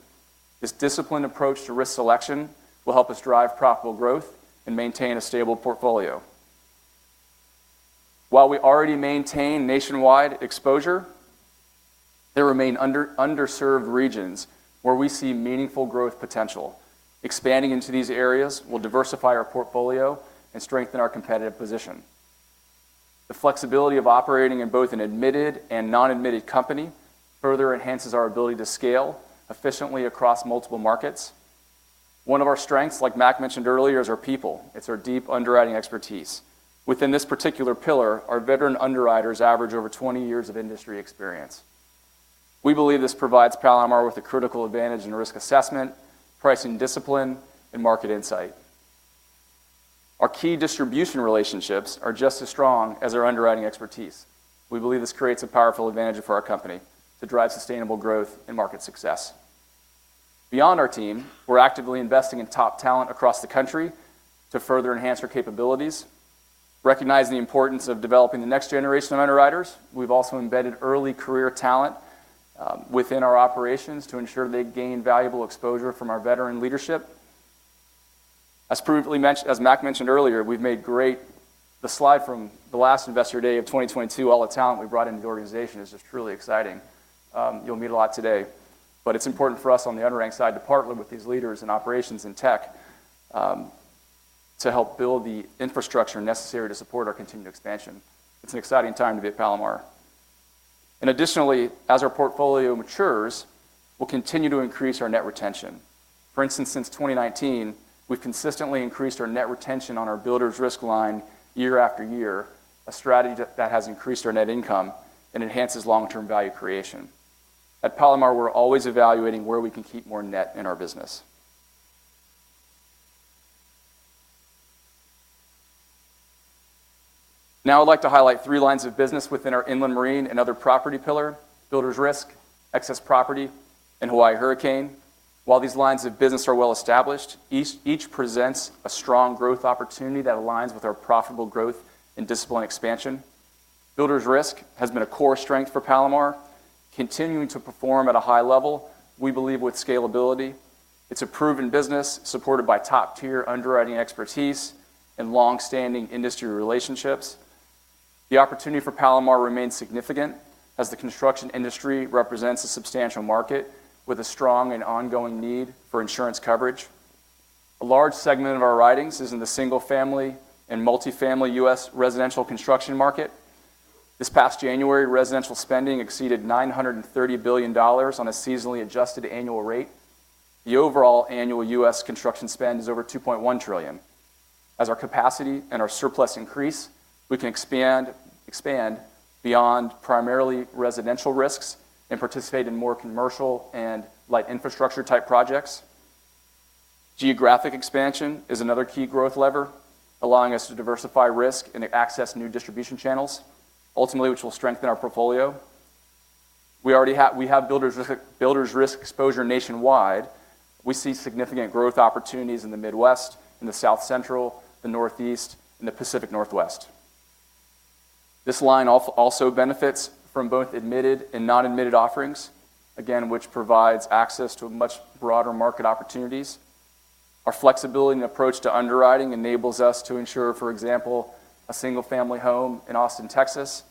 This disciplined approach to risk selection will help us drive profitable growth and maintain a stable portfolio. While we already maintain nationwide exposure, there remain underserved regions where we see meaningful growth potential. Expanding into these areas will diversify our portfolio and strengthen our competitive position. The flexibility of operating in both an admitted and non-admitted company further enhances our ability to scale efficiently across multiple markets. One of our strengths, like Mac mentioned earlier, is our people. It's our deep underwriting expertise. Within this particular pillar, our veteran underwriters average over 20 years of industry experience. We believe this provides Palomar with a critical advantage in risk assessment, pricing discipline, and market insight. Our key distribution relationships are just as strong as our underwriting expertise. We believe this creates a powerful advantage for our company to drive sustainable growth and market success. Beyond our team, we're actively investing in top talent across the country to further enhance our capabilities. Recognizing the importance of developing the next generation of underwriters, we've also embedded early career talent within our operations to ensure they gain valuable exposure from our veteran leadership. As Mac mentioned earlier, we've made great—the slide from the last investor day of 2022, all the talent we brought into the organization is just truly exciting. You'll meet a lot today. It is important for us on the underwriting side to partner with these leaders in operations and tech to help build the infrastructure necessary to support our continued expansion. It's an exciting time to be at Palomar. Additionally, as our portfolio matures, we'll continue to increase our net retention. For instance, since 2019, we've consistently increased our net retention on our builders' risk line year after year, a strategy that has increased our net income and enhances long-term value creation. At Palomar, we're always evaluating where we can keep more net in our business. Now I'd like to highlight three lines of business within our inland marine and other property pillar: Builders' risk, excess property, and Hawaii hurricane. While these lines of business are well-established, each presents a strong growth opportunity that aligns with our profitable growth and discipline expansion. Builders' risk has been a core strength for Palomar, continuing to perform at a high level, we believe, with scalability. It's a proven business supported by top-tier underwriting expertise and long-standing industry relationships. The opportunity for Palomar remains significant as the construction industry represents a substantial market with a strong and ongoing need for insurance coverage. A large segment of our writings is in the single-family and multi-family U.S. residential construction market. This past January, residential spending exceeded $930 billion on a seasonally adjusted annual rate. The overall annual U.S. construction spend is over $2.1 trillion. As our capacity and our surplus increase, we can expand beyond primarily residential risks and participate in more commercial and light infrastructure-type projects. Geographic expansion is another key growth lever, allowing us to diversify risk and access new distribution channels, ultimately, which will strengthen our portfolio. We have Builders' risk exposure nationwide. We see significant growth opportunities in the Midwest, in the South Central, the Northeast, and the Pacific Northwest. This line also benefits from both admitted and non-admitted offerings, again, which provides access to much broader market opportunities. Our flexibility and approach to underwriting enables us to ensure, for example, a single-family home in Austin, Texas,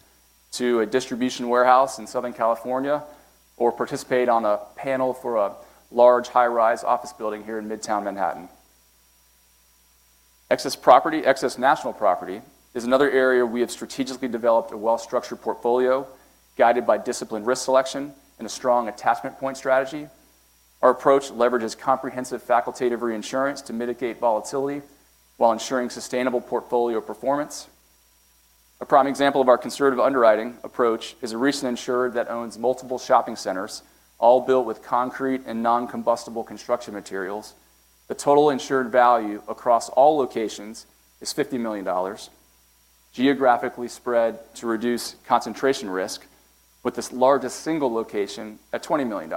to a distribution warehouse in Southern California, or participate on a panel for a large high-rise office building here in Midtown Manhattan. Excess national property is another area we have strategically developed a well-structured portfolio guided by disciplined risk selection and a strong attachment point strategy. Our approach leverages comprehensive facultative reinsurance to mitigate volatility while ensuring sustainable portfolio performance. A prime example of our conservative underwriting approach is a recent insured that owns multiple shopping centers, all built with concrete and non-combustible construction materials. The total insured value across all locations is $50 million, geographically spread to reduce concentration risk, with this largest single location at $20 million.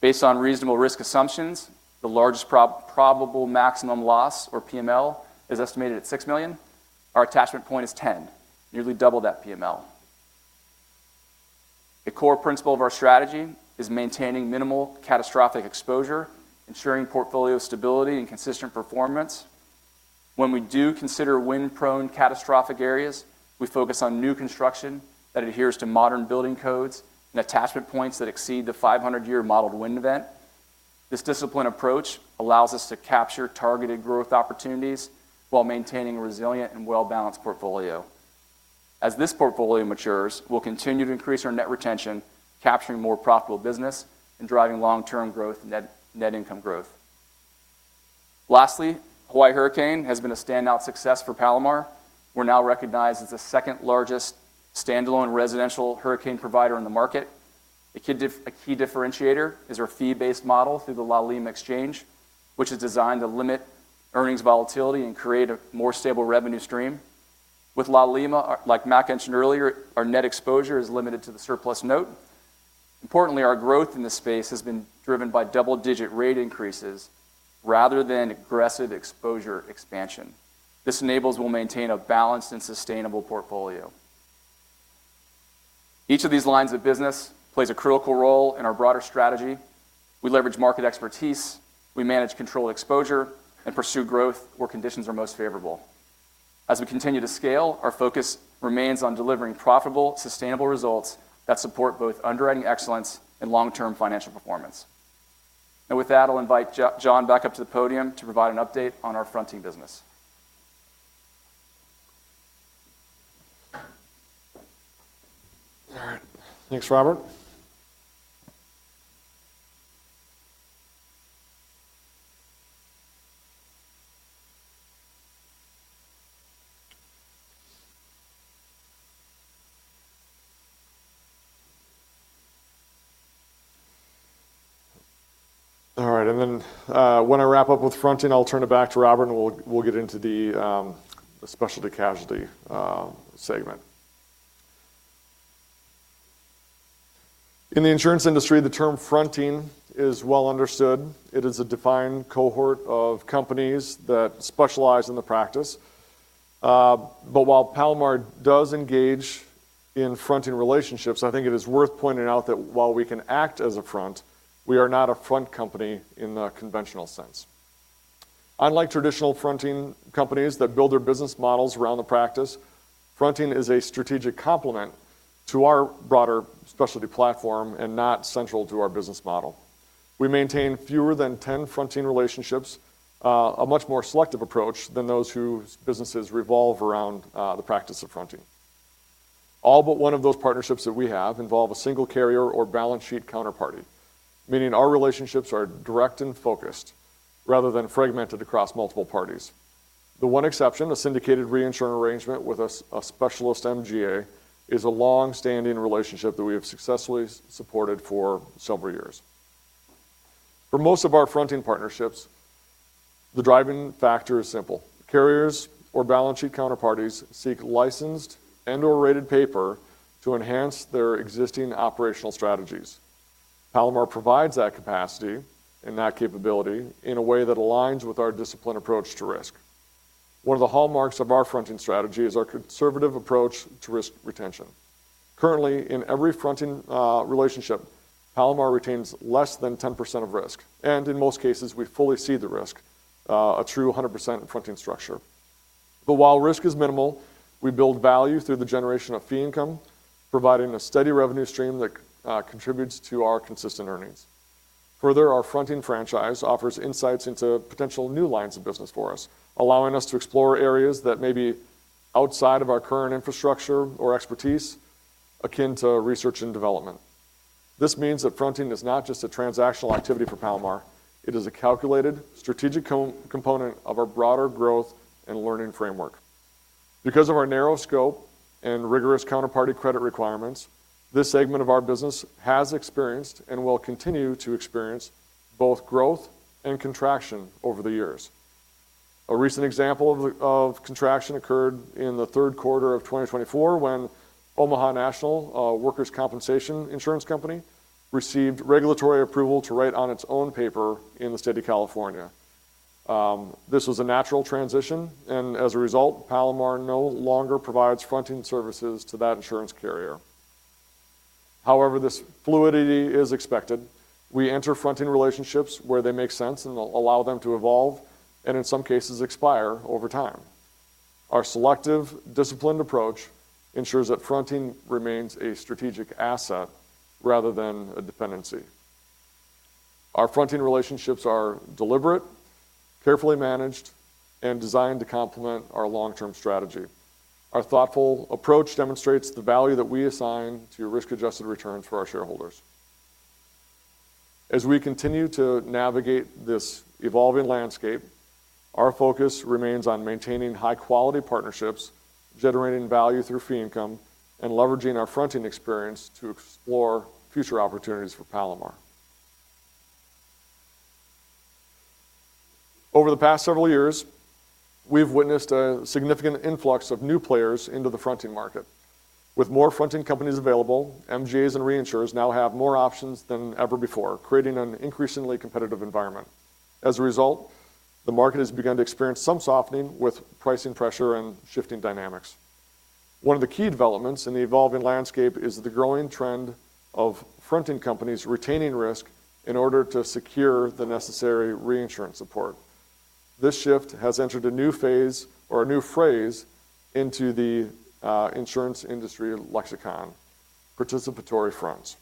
Based on reasonable risk assumptions, the largest probable maximum loss, or PML, is estimated at $6 million. Our attachment point is 10, nearly double that PML. A core principle of our strategy is maintaining minimal catastrophic exposure, ensuring portfolio stability and consistent performance. When we do consider wind-prone catastrophic areas, we focus on new construction that adheres to modern building codes and attachment points that exceed the 500-year modeled wind event. This disciplined approach allows us to capture targeted growth opportunities while maintaining a resilient and well-balanced portfolio. As this portfolio matures, we'll continue to increase our net retention, capturing more profitable business and driving long-term growth and net income growth. Lastly, Hawaii hurricane has been a standout success for Palomar. We're now recognized as the second largest standalone residential hurricane provider in the market. A key differentiator is our fee-based model through the Laulima Exchange, which is designed to limit earnings volatility and create a more stable revenue stream. With Laulima, like Mac mentioned earlier, our net exposure is limited to the surplus note. Importantly, our growth in this space has been driven by double-digit rate increases rather than aggressive exposure expansion. This enables us to maintain a balanced and sustainable portfolio. Each of these lines of business plays a critical role in our broader strategy. We leverage market expertise. We manage controlled exposure and pursue growth where conditions are most favorable. As we continue to scale, our focus remains on delivering profitable, sustainable results that support both underwriting excellence and long-term financial performance. I will invite Jon back up to the podium to provide an update on our fronting business. All right. Thanks, Robert. All right. When I wrap up with fronting, I'll turn it back to Robert, and we'll get into the specialty casualty segment. In the insurance industry, the term fronting is well understood. It is a defined cohort of companies that specialize in the practice. While Palomar does engage in fronting relationships, I think it is worth pointing out that while we can act as a front, we are not a front company in the conventional sense. Unlike traditional fronting companies that build their business models around the practice, fronting is a strategic complement to our broader specialty platform and not central to our business model. We maintain fewer than 10 fronting relationships, a much more selective approach than those whose businesses revolve around the practice of fronting. All but one of those partnerships that we have involve a single carrier or balance sheet counterparty, meaning our relationships are direct and focused rather than fragmented across multiple parties. The one exception, a syndicated reinsurance arrangement with a specialist MGA, is a long-standing relationship that we have successfully supported for several years. For most of our fronting partnerships, the driving factor is simple. Carriers or balance sheet counterparties seek licensed and/or rated paper to enhance their existing operational strategies. Palomar provides that capacity and that capability in a way that aligns with our disciplined approach to risk. One of the hallmarks of our fronting strategy is our conservative approach to risk retention. Currently, in every fronting relationship, Palomar retains less than 10% of risk. In most cases, we fully cede the risk, a true 100% fronting structure. While risk is minimal, we build value through the generation of fee income, providing a steady revenue stream that contributes to our consistent earnings. Further, our fronting franchise offers insights into potential new lines of business for us, allowing us to explore areas that may be outside of our current infrastructure or expertise, akin to research and development. This means that fronting is not just a transactional activity for Palomar. It is a calculated, strategic component of our broader growth and learning framework. Because of our narrow scope and rigorous counterparty credit requirements, this segment of our business has experienced and will continue to experience both growth and contraction over the years. A recent example of contraction occurred in the third quarter of 2024 when Omaha National, a workers' compensation insurance company, received regulatory approval to write on its own paper in the state of California. This was a natural transition, and as a result, Palomar no longer provides fronting services to that insurance carrier. However, this fluidity is expected. We enter fronting relationships where they make sense and allow them to evolve and, in some cases, expire over time. Our selective, disciplined approach ensures that fronting remains a strategic asset rather than a dependency. Our fronting relationships are deliberate, carefully managed, and designed to complement our long-term strategy. Our thoughtful approach demonstrates the value that we assign to risk-adjusted returns for our shareholders. As we continue to navigate this evolving landscape, our focus remains on maintaining high-quality partnerships, generating value through fee income, and leveraging our fronting experience to explore future opportunities for Palomar. Over the past several years, we've witnessed a significant influx of new players into the fronting market. With more fronting companies available, MGAs and reinsurers now have more options than ever before, creating an increasingly competitive environment. As a result, the market has begun to experience some softening with pricing pressure and shifting dynamics. One of the key developments in the evolving landscape is the growing trend of fronting companies retaining risk in order to secure the necessary reinsurance support. This shift has entered a new phase or a new phrase into the insurance industry lexicon, participatory fronts.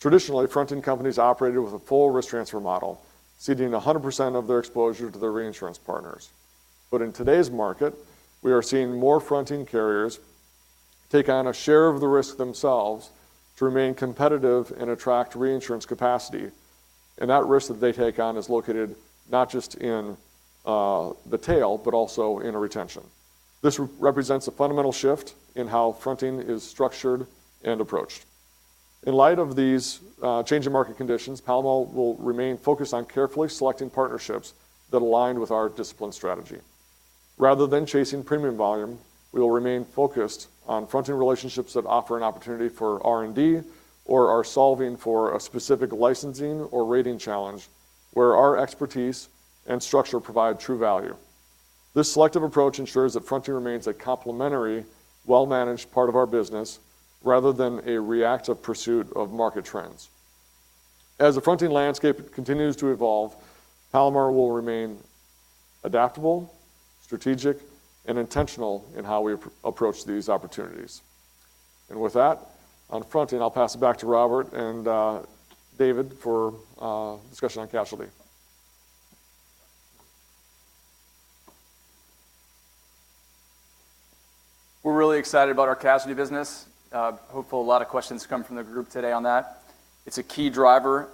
Traditionally, fronting companies operated with a full risk transfer model, ceding 100% of their exposure to their reinsurance partners. In today's market, we are seeing more fronting carriers take on a share of the risk themselves to remain competitive and attract reinsurance capacity. That risk that they take on is located not just in the tail, but also in retention. This represents a fundamental shift in how fronting is structured and approached. In light of these changing market conditions, Palomar will remain focused on carefully selecting partnerships that align with our discipline strategy. Rather than chasing premium volume, we will remain focused on fronting relationships that offer an opportunity for R&D or are solving for a specific licensing or rating challenge where our expertise and structure provide true value. This selective approach ensures that fronting remains a complementary, well-managed part of our business rather than a reactive pursuit of market trends. As the fronting landscape continues to evolve, Palomar will remain adaptable, strategic, and intentional in how we approach these opportunities. On fronting, I'll pass it back to Robert and David for discussion on casualty. We're really excited about our casualty business. Hopefully, a lot of questions come from the group today on that. It's a key driver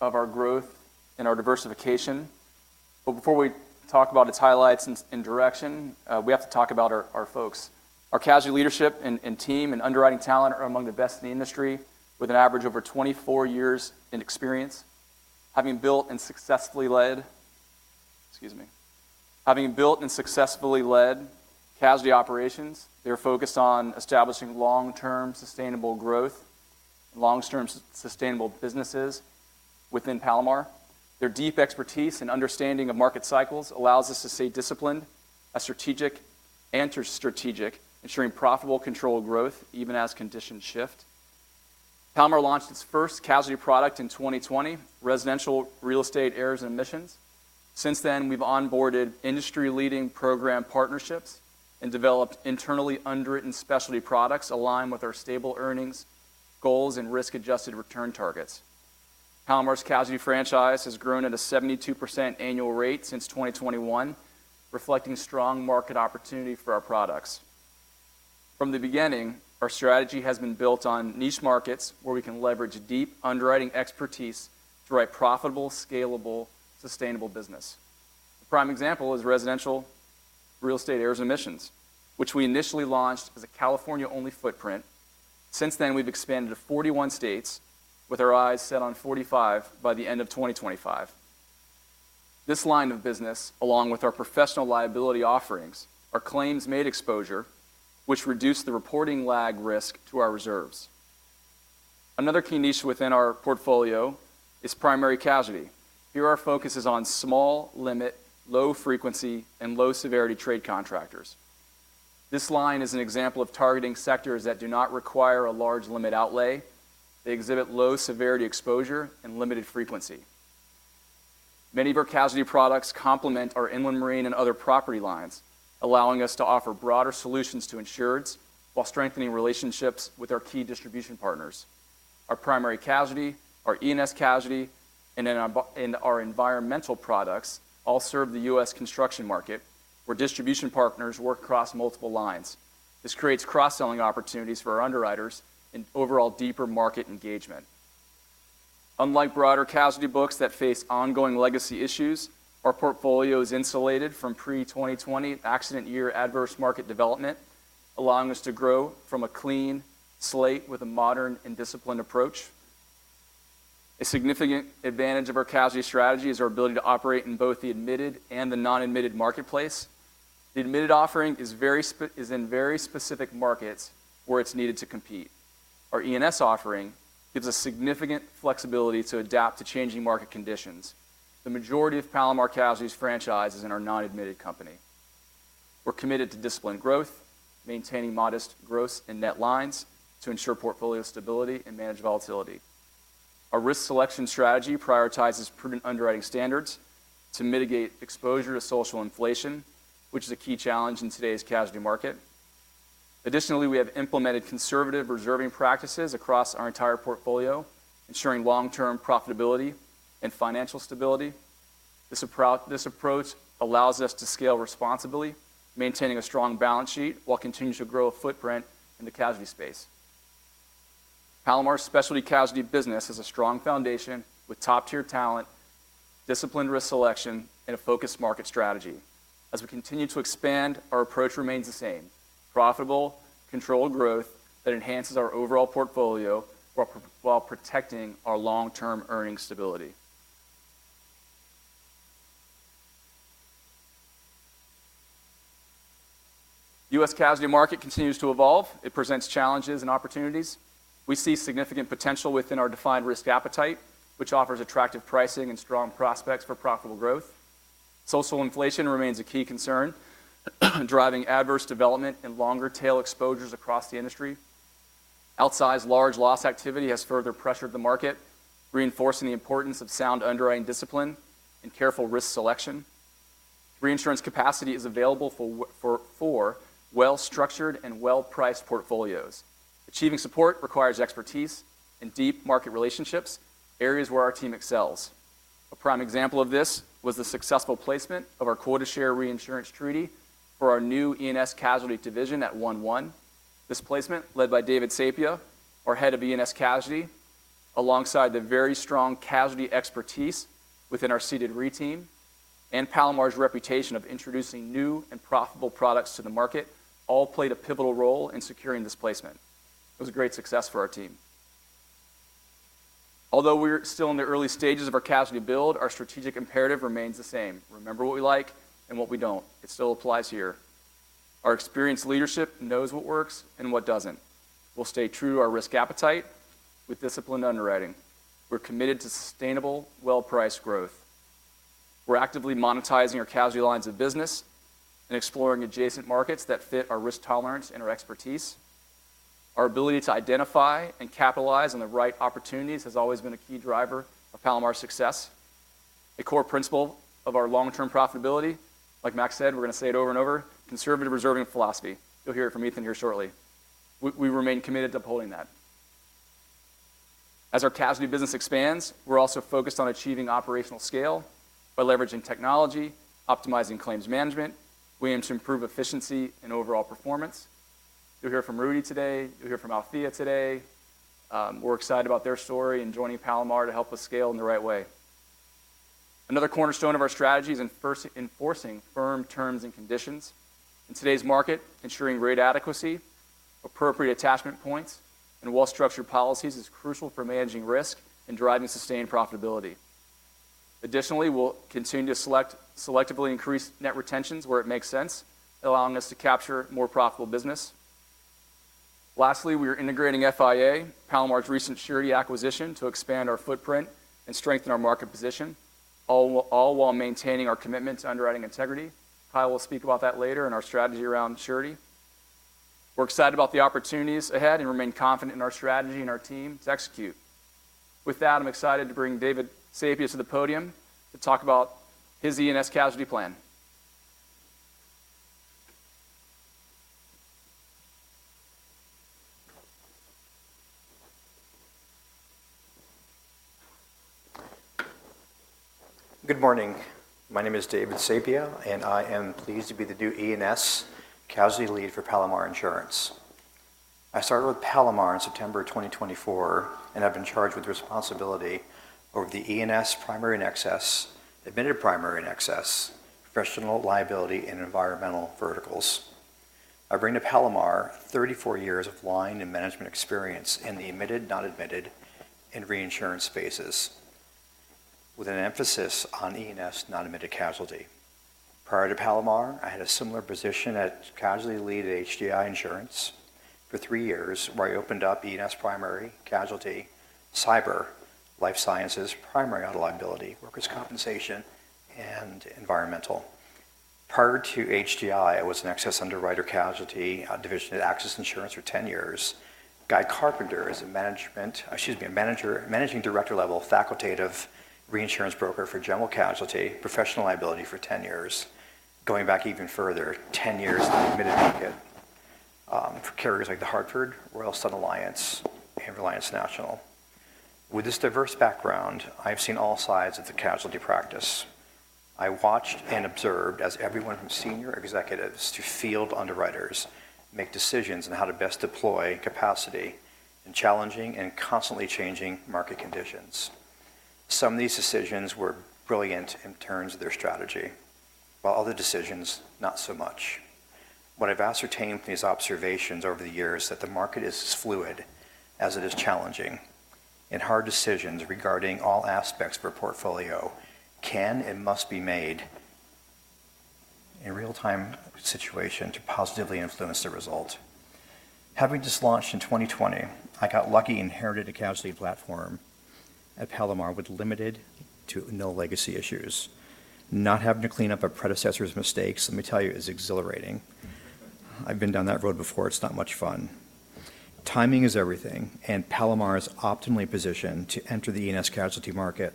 of our growth and our diversification. Before we talk about its highlights and direction, we have to talk about our folks. Our casualty leadership and team and underwriting talent are among the best in the industry, with an average of over 24 years in experience. Having built and successfully led, excuse me, having built and successfully led casualty operations, they are focused on establishing long-term sustainable growth, long-term sustainable businesses within Palomar. Their deep expertise and understanding of market cycles allows us to stay disciplined and strategic, ensuring profitable control of growth even as conditions shift. Palomar launched its first casualty product in 2020, residential real estate errors and omissions. Since then, we've onboarded industry-leading program partnerships and developed internally underwritten specialty products aligned with our stable earnings goals and risk-adjusted return targets. Palomar's casualty franchise has grown at a 72% annual rate since 2021, reflecting strong market opportunity for our products. From the beginning, our strategy has been built on niche markets where we can leverage deep underwriting expertise to write profitable, scalable, sustainable business. A prime example is residential real estate errors and omissions, which we initially launched as a California-only footprint. Since then, we've expanded to 41 states with our eyes set on 45 by the end of 2025. This line of business, along with our professional liability offerings, are claims-made exposure, which reduces the reporting lag risk to our reserves. Another key niche within our portfolio is primary casualty. Here, our focus is on small, limit, low-frequency, and low-severity trade contractors. This line is an example of targeting sectors that do not require a large limit outlay. They exhibit low-severity exposure and limited frequency. Many of our casualty products complement our inland marine and other property lines, allowing us to offer broader solutions to insureds while strengthening relationships with our key distribution partners. Our primary casualty, our E&S casualty, and our environmental products all serve the U.S. construction market, where distribution partners work across multiple lines. This creates cross-selling opportunities for our underwriters and overall deeper market engagement. Unlike broader casualty books that face ongoing legacy issues, our portfolio is insulated from pre-2020 accident-year adverse market development, allowing us to grow from a clean slate with a modern and disciplined approach. A significant advantage of our casualty strategy is our ability to operate in both the admitted and the non-admitted marketplace. The admitted offering is in very specific markets where it's needed to compete. Our E&S offering gives us significant flexibility to adapt to changing market conditions. The majority of Palomar Casualty's franchise is in our non-admitted company. We're committed to disciplined growth, maintaining modest gross and net lines to ensure portfolio stability and manage volatility. Our risk selection strategy prioritizes prudent underwriting standards to mitigate exposure to social inflation, which is a key challenge in today's casualty market. Additionally, we have implemented conservative reserving practices across our entire portfolio, ensuring long-term profitability and financial stability. This approach allows us to scale responsibly, maintaining a strong balance sheet while continuing to grow a footprint in the casualty space. Palomar's specialty casualty business has a strong foundation with top-tier talent, disciplined risk selection, and a focused market strategy. As we continue to expand, our approach remains the same: profitable, controlled growth that enhances our overall portfolio while protecting our long-term earnings stability. The U.S. casualty market continues to evolve. It presents challenges and opportunities. We see significant potential within our defined risk appetite, which offers attractive pricing and strong prospects for profitable growth. Social inflation remains a key concern, driving adverse development and longer tail exposures across the industry. Outsized large loss activity has further pressured the market, reinforcing the importance of sound underwriting discipline and careful risk selection. Reinsurance capacity is available for well-structured and well-priced portfolios. Achieving support requires expertise and deep market relationships, areas where our team excels. A prime example of this was the successful placement of our quota share reinsurance treaty for our new E&S casualty division at 11. This placement, led by David Sapia, our Head of E&S Casualty, alongside the very strong casualty expertise within our seated re-team and Palomar's reputation of introducing new and profitable products to the market, all played a pivotal role in securing this placement. It was a great success for our team. Although we're still in the early stages of our casualty build, our strategic imperative remains the same. Remember what we like and what we don't. It still applies here. Our experienced leadership knows what works and what doesn't. We'll stay true to our risk appetite with disciplined underwriting. We're committed to sustainable, well-priced growth. We're actively monetizing our casualty lines of business and exploring adjacent markets that fit our risk tolerance and our expertise. Our ability to identify and capitalize on the right opportunities has always been a key driver of Palomar's success. A core principle of our long-term profitability, like Mac said, we're going to say it over and over, conservative reserving philosophy. You'll hear it from Ethan here shortly. We remain committed to upholding that. As our casualty business expands, we're also focused on achieving operational scale by leveraging technology, optimizing claims management. We aim to improve efficiency and overall performance. You'll hear from Rudy today. You'll hear from Althea today. We're excited about their story and joining Palomar to help us scale in the right way. Another cornerstone of our strategy is enforcing firm terms and conditions. In today's market, ensuring rate adequacy, appropriate attachment points, and well-structured policies is crucial for managing risk and driving sustained profitability. Additionally, we'll continue to selectively increase net retentions where it makes sense, allowing us to capture more profitable business. Lastly, we are integrating FIA, Palomar's recent surety acquisition, to expand our footprint and strengthen our market position, all while maintaining our commitment to underwriting integrity. Kyle will speak about that later in our strategy around surety. We're excited about the opportunities ahead and remain confident in our strategy and our team to execute. With that, I'm excited to bring David Sapia to the podium to talk about his E&S casualty plan. Good morning. My name is David Sapia, and I am pleased to be the new E&S casualty lead for Palomar Insurance. I started with Palomar in September 2024, and I've been charged with responsibility over the E&S primary and excess, admitted primary and excess, professional liability, and environmental verticals. I bring to Palomar 34 years of line and management experience in the admitted, non-admitted, and reinsurance spaces, with an emphasis on E&S non-admitted casualty. Prior to Palomar, I had a similar position at casualty lead at HDI Insurance for three years, where I opened up E&S primary casualty, cyber, life sciences, primary auto liability, workers' compensation, and environmental. Prior to HDI, I was an excess underwriter casualty division at Access Insurance for 10 years, Guy Carpenter as a managing director level facultative reinsurance broker for general casualty, professional liability for 10 years, going back even further, 10 years in the admitted market for carriers like The Hartford, Royal Sun Alliance, and Reliance National. With this diverse background, I've seen all sides of the casualty practice. I watched and observed as everyone from senior executives to field underwriters make decisions on how to best deploy capacity in challenging and constantly changing market conditions. Some of these decisions were brilliant in terms of their strategy, while other decisions not so much. What I've ascertained from these observations over the years is that the market is as fluid as it is challenging, and hard decisions regarding all aspects of our portfolio can and must be made in a real-time situation to positively influence the result. Having just launched in 2020, I got lucky and inherited a casualty platform at Palomar with limited to no legacy issues. Not having to clean up a predecessor's mistakes, let me tell you, is exhilarating. I've been down that road before. It's not much fun. Timing is everything, and Palomar is optimally positioned to enter the E&S casualty market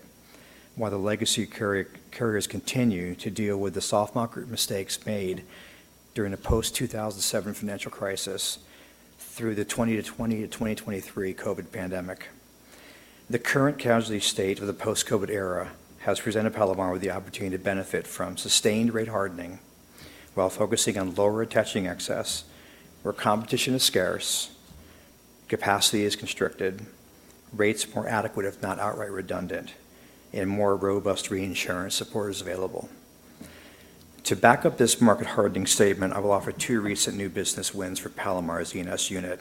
while the legacy carriers continue to deal with the soft market mistakes made during the post-2007 financial crisis through the 2020 to 2023 COVID pandemic. The current casualty state of the post-COVID era has presented Palomar with the opportunity to benefit from sustained rate hardening while focusing on lower attaching excess, where competition is scarce, capacity is constricted, rates more adequate, if not outright redundant, and more robust reinsurance support is available. To back up this market hardening statement, I will offer two recent new business wins for Palomar's E&S unit.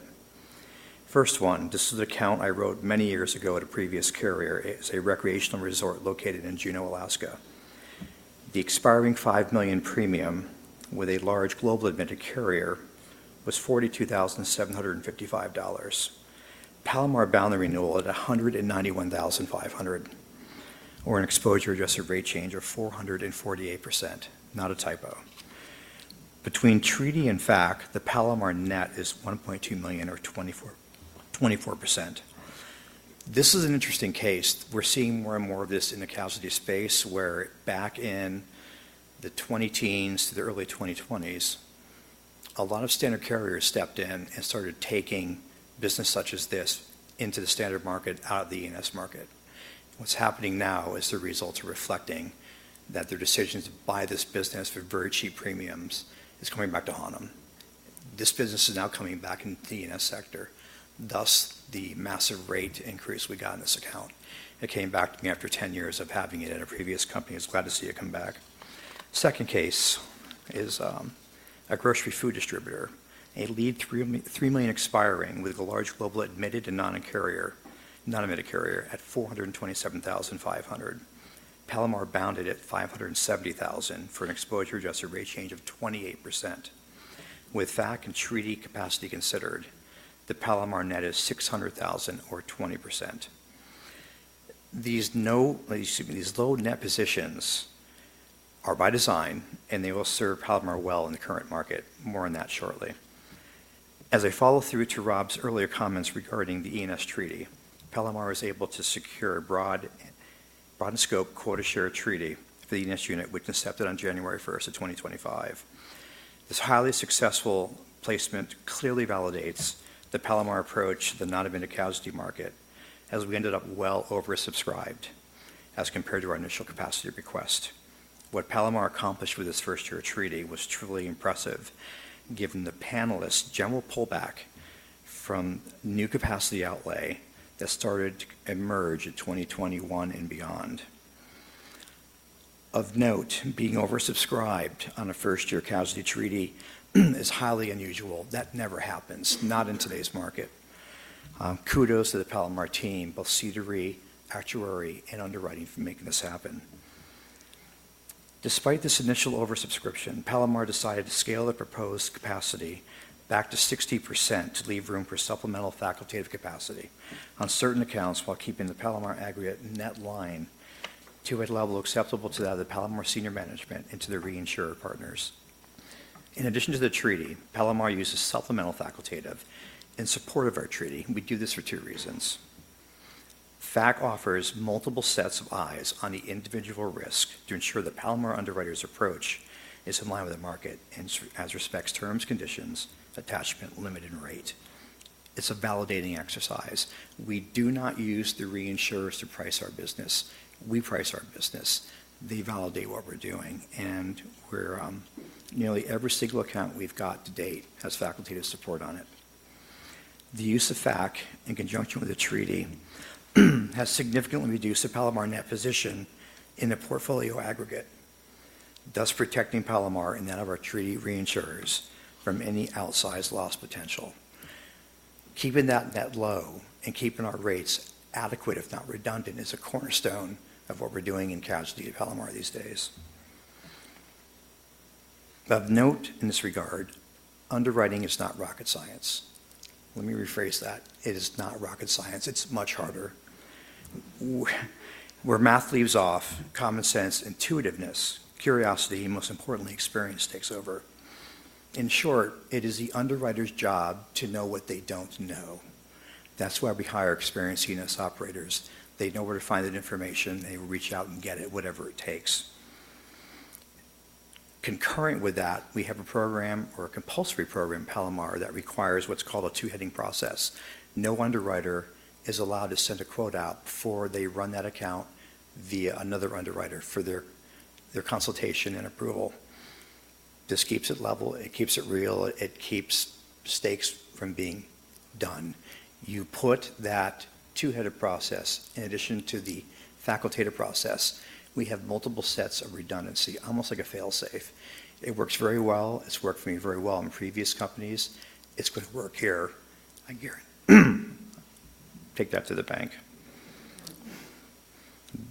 First one, this is an account I wrote many years ago at a previous carrier as a recreational resort located in Juneau, Alaska. The expiring $5 million premium with a large global admitted carrier was $42,755. Palomar bound the renewal at $191,500, or an exposure adjusted rate change of 448%, not a typo. Between treaty and fact, the Palomar net is $1.2 million or 24%. This is an interesting case. We're seeing more and more of this in the casualty space, where back in the 2010s to the early 2020s, a lot of standard carriers stepped in and started taking business such as this into the standard market out of the E&S market. What's happening now is the results are reflecting that their decisions to buy this business for very cheap premiums is coming back to haunt them. This business is now coming back into the E&S sector, thus the massive rate increase we got in this account. It came back to me after 10 years of having it at a previous company. I was glad to see it come back. Second case is a grocery food distributor, a lead $3 million expiring with a large global admitted and non-admitted carrier at $427,500. Palomar bounded at $570,000 for an exposure adjusted rate change of 28%. With FAC and treaty capacity considered, the Palomar net is $600,000 or 20%. These low net positions are by design, and they will serve Palomar well in the current market. More on that shortly. As I follow through to Rob's earlier comments regarding the E&S treaty, Palomar was able to secure a broad-scope quota share treaty for the E&S unit which accepted on January 1 of 2025. This highly successful placement clearly validates the Palomar approach to the non-admitted casualty market, as we ended up well over-subscribed as compared to our initial capacity request. What Palomar accomplished with this first-year treaty was truly impressive, given the panelists' general pullback from new capacity outlay that started to emerge in 2021 and beyond. Of note, being oversubscribed on a first-year casualty treaty is highly unusual. That never happens, not in today's market. Kudos to the Palomar team, both CDRE, actuary, and underwriting for making this happen. Despite this initial oversubscription, Palomar decided to scale the proposed capacity back to 60% to leave room for supplemental facultative capacity on certain accounts while keeping the Palomar aggregate net line to a level acceptable to that of the Palomar senior management and to the reinsurer partners. In addition to the treaty, Palomar uses supplemental facultative in support of our treaty. We do this for two reasons. FAC offers multiple sets of eyes on the individual risk to ensure the Palomar underwriter's approach is in line with the market as respects terms, conditions, attachment, limited rate. It's a validating exercise. We do not use the reinsurers to price our business. We price our business. They validate what we're doing. Nearly every single account we've got to date has facultative support on it. The use of FAC in conjunction with the treaty has significantly reduced the Palomar net position in the portfolio aggregate, thus protecting Palomar and that of our treaty reinsurers from any outsized loss potential. Keeping that net low and keeping our rates adequate, if not redundant, is a cornerstone of what we're doing in casualty at Palomar these days. Of note, in this regard, underwriting is not rocket science. Let me rephrase that. It is not rocket science. It's much harder. Where math leaves off, common sense, intuitiveness, curiosity, and most importantly, experience takes over. In short, it is the underwriter's job to know what they don't know. That's why we hire experienced E&S operators. They know where to find that information. They will reach out and get it, whatever it takes. Concurrent with that, we have a program or a compulsory program at Palomar that requires what's called a two-heading process. No underwriter is allowed to send a quote out before they run that account via another underwriter for their consultation and approval. This keeps it level. It keeps it real. It keeps stakes from being done. You put that two-headed process in addition to the facultative process, we have multiple sets of redundancy, almost like a fail-safe. It works very well. It's worked for me very well in previous companies. It's going to work here. I guarantee it. Take that to the bank.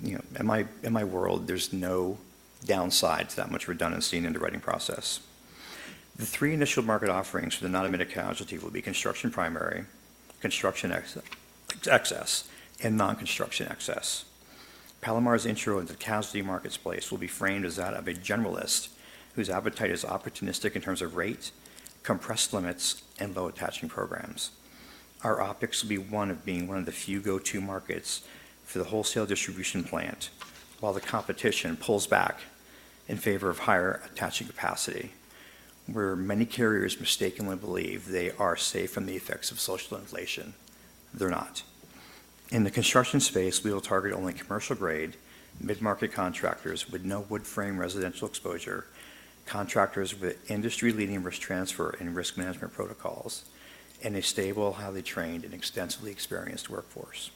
In my world, there's no downside to that much redundancy in the underwriting process. The three initial market offerings for the non-admitted casualty will be construction primary, construction excess, and non-construction excess. Palomar's intro into the casualty marketplace will be framed as that of a generalist whose appetite is opportunistic in terms of rate, compressed limits, and low attaching programs. Our optics will be one of being one of the few go-to markets for the wholesale distribution plant, while the competition pulls back in favor of higher attaching capacity, where many carriers mistakenly believe they are safe from the effects of social inflation. They're not. In the construction space, we will target only commercial-grade, mid-market contractors with no wood frame residential exposure, contractors with industry-leading risk transfer and risk management protocols, and a stable, highly trained, and extensively experienced workforce.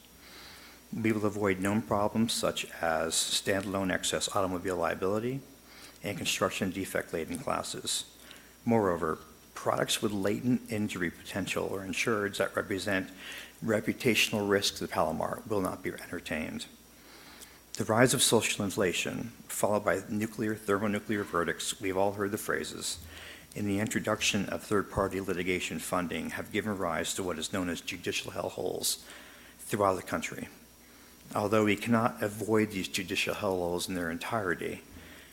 We will avoid known problems such as standalone excess automobile liability and construction defect-laden classes. Moreover, products with latent injury potential or insureds that represent reputational risks at Palomar will not be entertained. The rise of social inflation, followed by nuclear, thermonuclear verdicts—we've all heard the phrases—in the introduction of third-party litigation funding have given rise to what is known as judicial hellholes throughout the country. Although we cannot avoid these judicial hellholes in their entirety,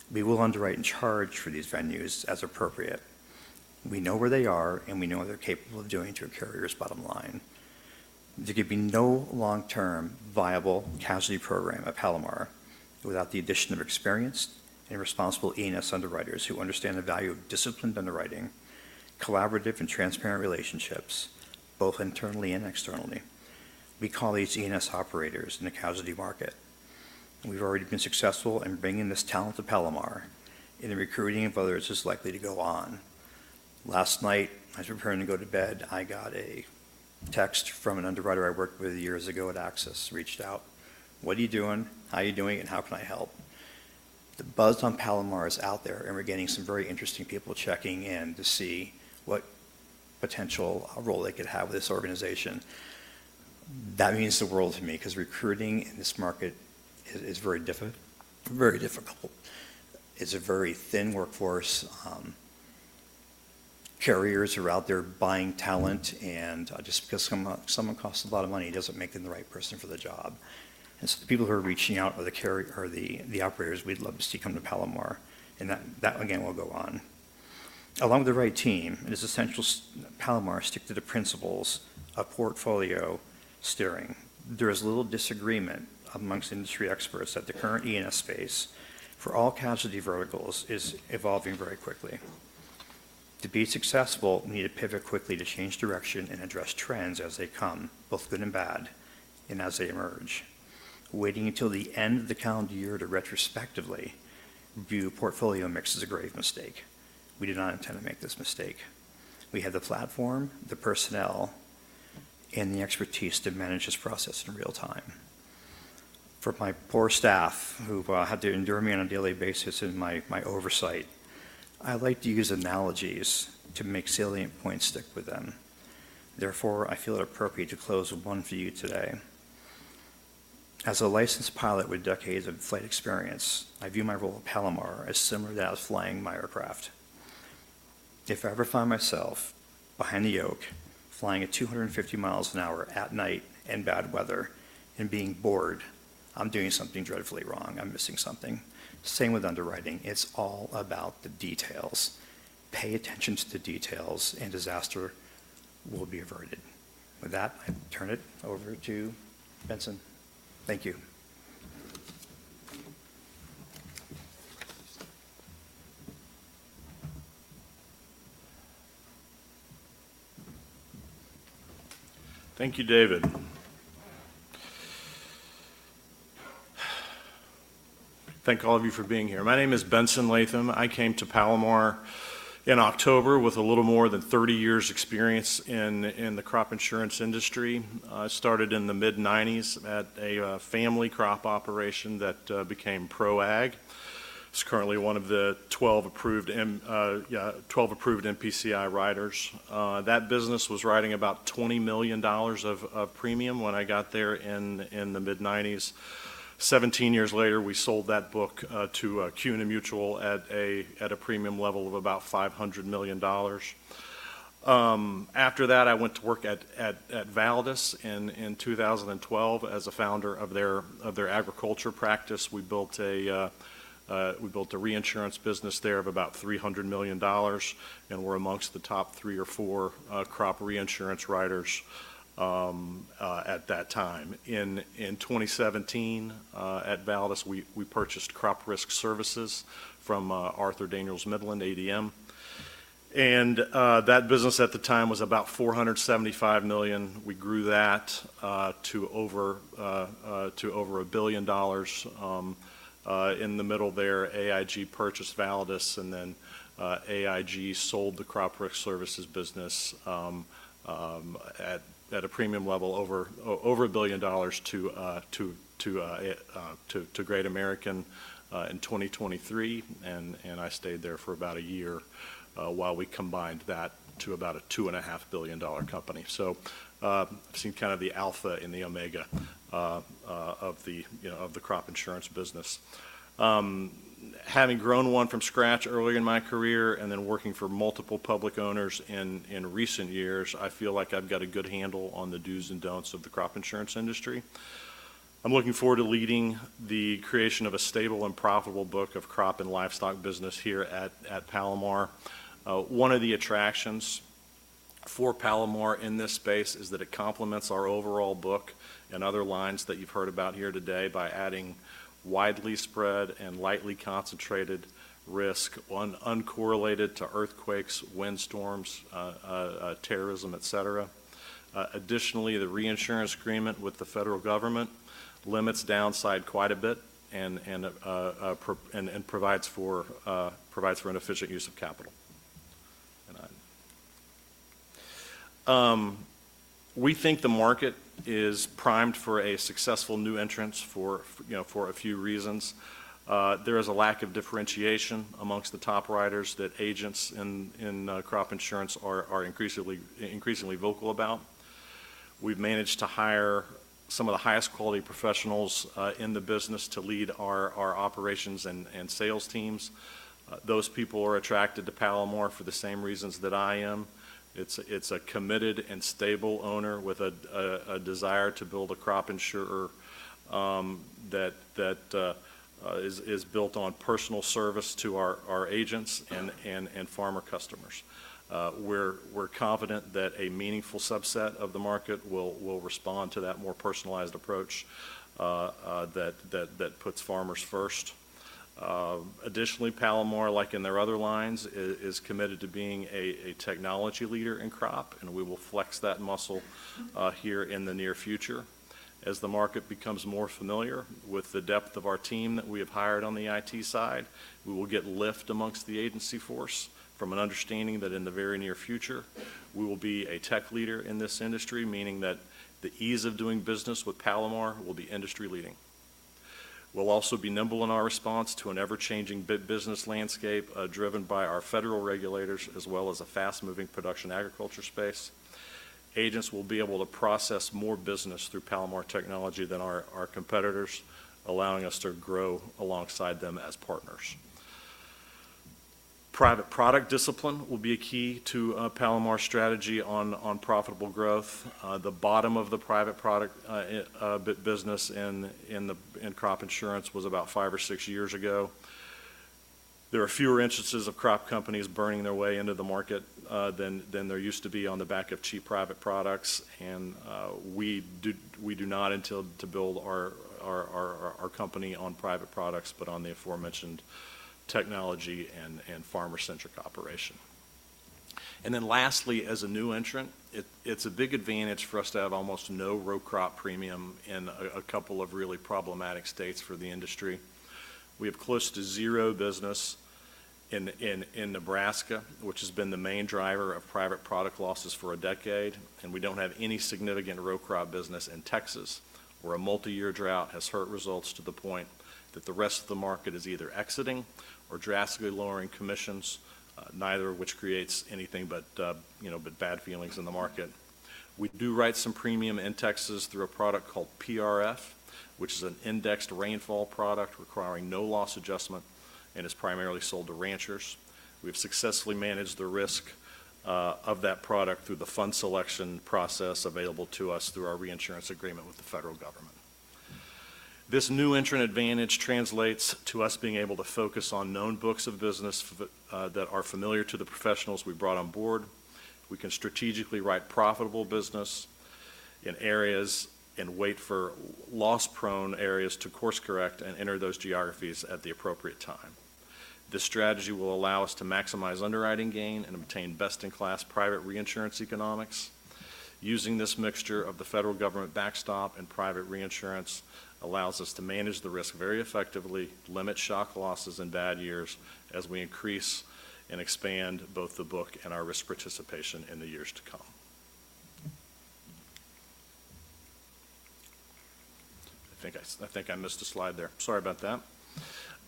we will underwrite and charge for these venues as appropriate. We know where they are, and we know what they're capable of doing to a carrier's bottom line. There could be no long-term viable casualty program at Palomar without the addition of experienced and responsible E&S underwriters who understand the value of disciplined underwriting, collaborative, and transparent relationships, both internally and externally. We call these E&S operators in the casualty market. We've already been successful in bringing this talent to Palomar in the recruiting of others who's likely to go on. Last night, as we were preparing to go to bed, I got a text from an underwriter I worked with years ago at Access. He reached out. "What are you doing? How are you doing? And how can I help?" The buzz on Palomar is out there, and we're getting some very interesting people checking in to see what potential role they could have with this organization. That means the world to me because recruiting in this market is very difficult. It's a very thin workforce. Carriers are out there buying talent, and just because someone costs a lot of money, it doesn't make them the right person for the job. The people who are reaching out are the operators. We'd love to see them come to Palomar. That, again, will go on. Along with the right team, it is essential Palomar stick to the principles of portfolio steering. There is little disagreement amongst industry experts that the current E&S space for all casualty verticals is evolving very quickly. To be successful, we need to pivot quickly to change direction and address trends as they come, both good and bad, and as they emerge. Waiting until the end of the calendar year to retrospectively view portfolio mix is a grave mistake. We do not intend to make this mistake. We have the platform, the personnel, and the expertise to manage this process in real time. For my poor staff who had to endure me on a daily basis and my oversight, I like to use analogies to make salient points stick with them. Therefore, I feel it appropriate to close with one for you today. As a licensed pilot with decades of flight experience, I view my role at Palomar as similar to that of flying my aircraft. If I ever find myself behind the yoke flying at 250 miles an hour at night and bad weather and being bored, I'm doing something dreadfully wrong. I'm missing something. Same with underwriting. It's all about the details. Pay attention to the details, and disaster will be averted. With that, I turn it over to Benson. Thank you. Thank you, David. Thank all of you for being here. My name is Benson Latham. I came to Palomar in October with a little more than 30 years' experience in the crop insurance industry. I started in the mid-90s at a family crop operation that became ProAg. It's currently one of the 12 approved NPCI riders. That business was riding about $20 million of premium when I got there in the mid-90s. Seventeen years later, we sold that book to CUNA Mutual at a premium level of about $500 million. After that, I went to work at Validus in 2012 as a founder of their agriculture practice. We built a reinsurance business there of about $300 million, and we were amongst the top three or four crop reinsurance riders at that time. In 2017 at Validus, we purchased crop risk services from Arthur Daniels Midland, ADM. That business at the time was about $475 million. We grew that to over a billion dollars. In the middle there, AIG purchased Validus, and then AIG sold the crop risk services business at a premium level over a billion dollars to Great American in 2023. I stayed there for about a year while we combined that to about a $2.5 billion company. I have seen kind of the alpha and the omega of the crop insurance business. Having grown one from scratch earlier in my career and then working for multiple public owners in recent years, I feel like I have got a good handle on the do's and don'ts of the crop insurance industry. I am looking forward to leading the creation of a stable and profitable book of crop and livestock business here at Palomar. One of the attractions for Palomar in this space is that it complements our overall book and other lines that you've heard about here today by adding widely spread and lightly concentrated risk uncorrelated to earthquakes, windstorms, terrorism, etc. Additionally, the reinsurance agreement with the federal government limits downside quite a bit and provides for an efficient use of capital. We think the market is primed for a successful new entrance for a few reasons. There is a lack of differentiation amongst the top writers that agents in crop insurance are increasingly vocal about. We've managed to hire some of the highest quality professionals in the business to lead our operations and sales teams. Those people are attracted to Palomar for the same reasons that I am. It's a committed and stable owner with a desire to build a crop insurer that is built on personal service to our agents and farmer customers. We're confident that a meaningful subset of the market will respond to that more personalized approach that puts farmers first. Additionally, Palomar, like in their other lines, is committed to being a technology leader in crop, and we will flex that muscle here in the near future. As the market becomes more familiar with the depth of our team that we have hired on the IT side, we will get lift amongst the agency force from an understanding that in the very near future, we will be a tech leader in this industry, meaning that the ease of doing business with Palomar will be industry-leading. We'll also be nimble in our response to an ever-changing business landscape driven by our federal regulators, as well as a fast-moving production agriculture space. Agents will be able to process more business through Palomar technology than our competitors, allowing us to grow alongside them as partners. Private product discipline will be a key to Palomar's strategy on profitable growth. The bottom of the private product business in crop insurance was about five or six years ago. There are fewer instances of crop companies burning their way into the market than there used to be on the back of cheap private products. We do not intend to build our company on private products, but on the aforementioned technology and farmer-centric operation. Lastly, as a new entrant, it's a big advantage for us to have almost no row crop premium in a couple of really problematic states for the industry. We have close to zero business in Nebraska, which has been the main driver of private product losses for a decade. We don't have any significant row crop business in Texas, where a multi-year drought has hurt results to the point that the rest of the market is either exiting or drastically lowering commissions, neither of which creates anything but bad feelings in the market. We do write some premium in Texas through a product called PRF, which is an indexed rainfall product requiring no loss adjustment and is primarily sold to ranchers. We have successfully managed the risk of that product through the fund selection process available to us through our reinsurance agreement with the federal government. This new entrant advantage translates to us being able to focus on known books of business that are familiar to the professionals we brought on board. We can strategically write profitable business in areas and wait for loss-prone areas to course-correct and enter those geographies at the appropriate time. This strategy will allow us to maximize underwriting gain and obtain best-in-class private reinsurance economics. Using this mixture of the federal government backstop and private reinsurance allows us to manage the risk very effectively, limit shock losses in bad years as we increase and expand both the book and our risk participation in the years to come. I think I missed a slide there. Sorry about that.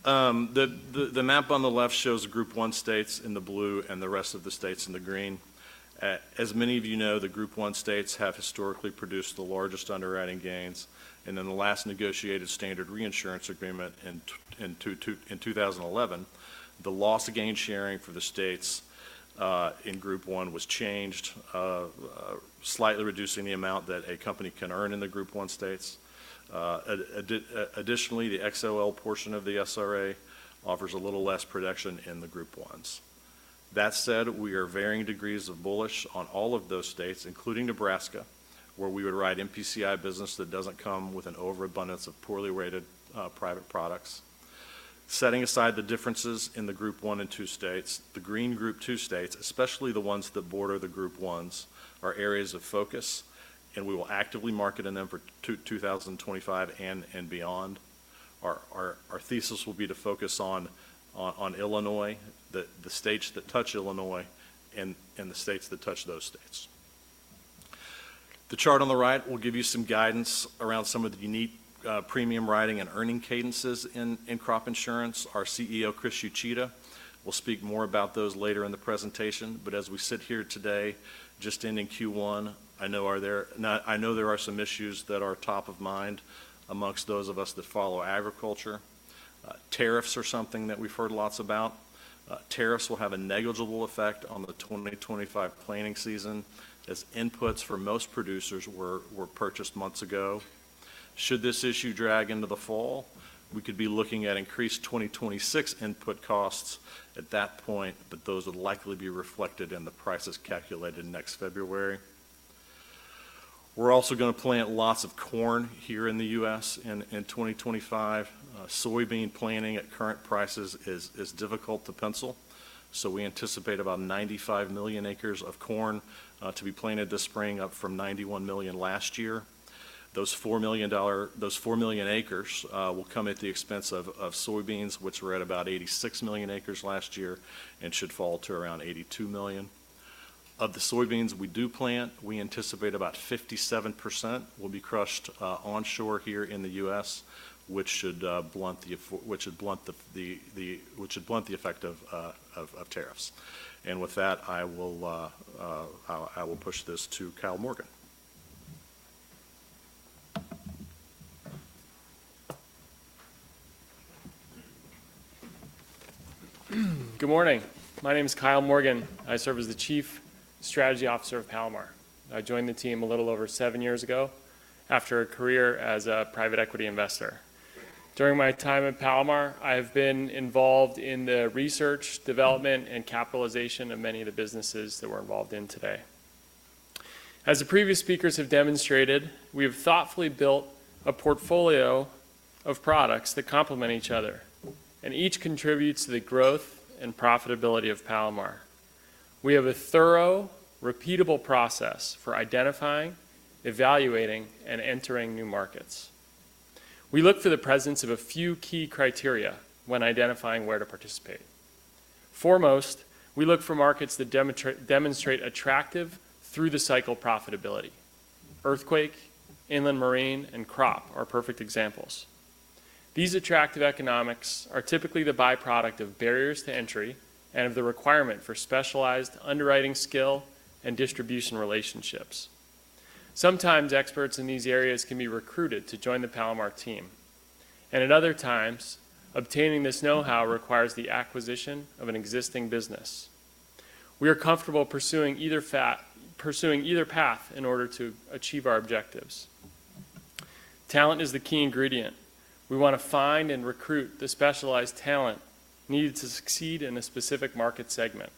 The map on the left shows Group 1 states in the blue and the rest of the states in the green. As many of you know, the Group 1 states have historically produced the largest underwriting gains. In the last negotiated standard reinsurance agreement in 2011, the loss of gain sharing for the states in Group 1 was changed, slightly reducing the amount that a company can earn in the Group 1 states. Additionally, the XOL portion of the SRA offers a little less protection in the Group 1s. That said, we are varying degrees of bullish on all of those states, including Nebraska, where we would write NPCI business that doesn't come with an overabundance of poorly rated private products. Setting aside the differences in the Group 1 and 2 states, the green Group 2 states, especially the ones that border the Group 1s, are areas of focus, and we will actively market in them for 2025 and beyond. Our thesis will be to focus on Illinois, the states that touch Illinois, and the states that touch those states. The chart on the right will give you some guidance around some of the unique premium writing and earning cadences in crop insurance. Our CEO, Chris Uchida, will speak more about those later in the presentation. As we sit here today, just ending Q1, I know there are some issues that are top of mind amongst those of us that follow agriculture. Tariffs are something that we've heard lots about. Tariffs will have a negligible effect on the 2025 planning season as inputs for most producers were purchased months ago. Should this issue drag into the fall, we could be looking at increased 2026 input costs at that point, but those would likely be reflected in the prices calculated next February. We're also going to plant lots of corn here in the U.S. in 2025. Soybean planting at current prices is difficult to pencil. We anticipate about 95 million acres of corn to be planted this spring, up from 91 million last year. Those 4 million acres will come at the expense of soybeans, which were at about 86 million acres last year and should fall to around 82 million. Of the soybeans we do plant, we anticipate about 57% will be crushed onshore here in the U.S., which should blunt the effect of tariffs. With that, I will push this to Kyle Morgan. Good morning. My name is Kyle Morgan. I serve as the Chief Strategy Officer of Palomar. I joined the team a little over seven years ago after a career as a private equity investor. During my time at Palomar, I have been involved in the research, development, and capitalization of many of the businesses that we're involved in today. As the previous speakers have demonstrated, we have thoughtfully built a portfolio of products that complement each other, and each contributes to the growth and profitability of Palomar. We have a thorough, repeatable process for identifying, evaluating, and entering new markets. We look for the presence of a few key criteria when identifying where to participate. Foremost, we look for markets that demonstrate attractive through-the-cycle profitability. Earthquake, inland marine, and crop are perfect examples. These attractive economics are typically the byproduct of barriers to entry and of the requirement for specialized underwriting skill and distribution relationships. Sometimes experts in these areas can be recruited to join the Palomar team. At other times, obtaining this know-how requires the acquisition of an existing business. We are comfortable pursuing either path in order to achieve our objectives. Talent is the key ingredient. We want to find and recruit the specialized talent needed to succeed in a specific market segment.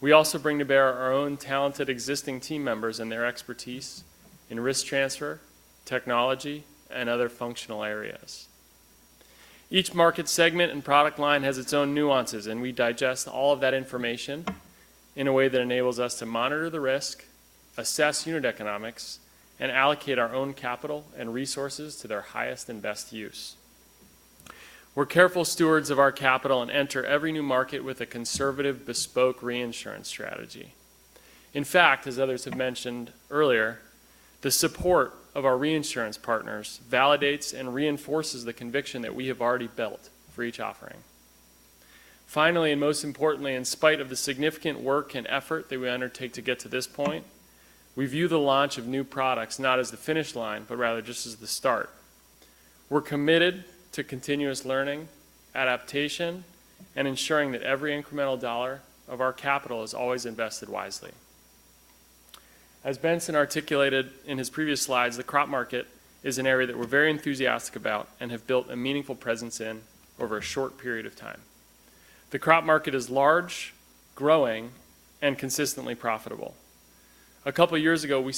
We also bring to bear our own talented existing team members and their expertise in risk transfer, technology, and other functional areas. Each market segment and product line has its own nuances, and we digest all of that information in a way that enables us to monitor the risk, assess unit economics, and allocate our own capital and resources to their highest and best use. We're careful stewards of our capital and enter every new market with a conservative, bespoke reinsurance strategy. In fact, as others have mentioned earlier, the support of our reinsurance partners validates and reinforces the conviction that we have already built for each offering. Finally, and most importantly, in spite of the significant work and effort that we undertake to get to this point, we view the launch of new products not as the finish line, but rather just as the start. We're committed to continuous learning, adaptation, and ensuring that every incremental dollar of our capital is always invested wisely. As Benson articulated in his previous slides, the crop market is an area that we're very enthusiastic about and have built a meaningful presence in over a short period of time. The crop market is large, growing, and consistently profitable. A couple of years ago, we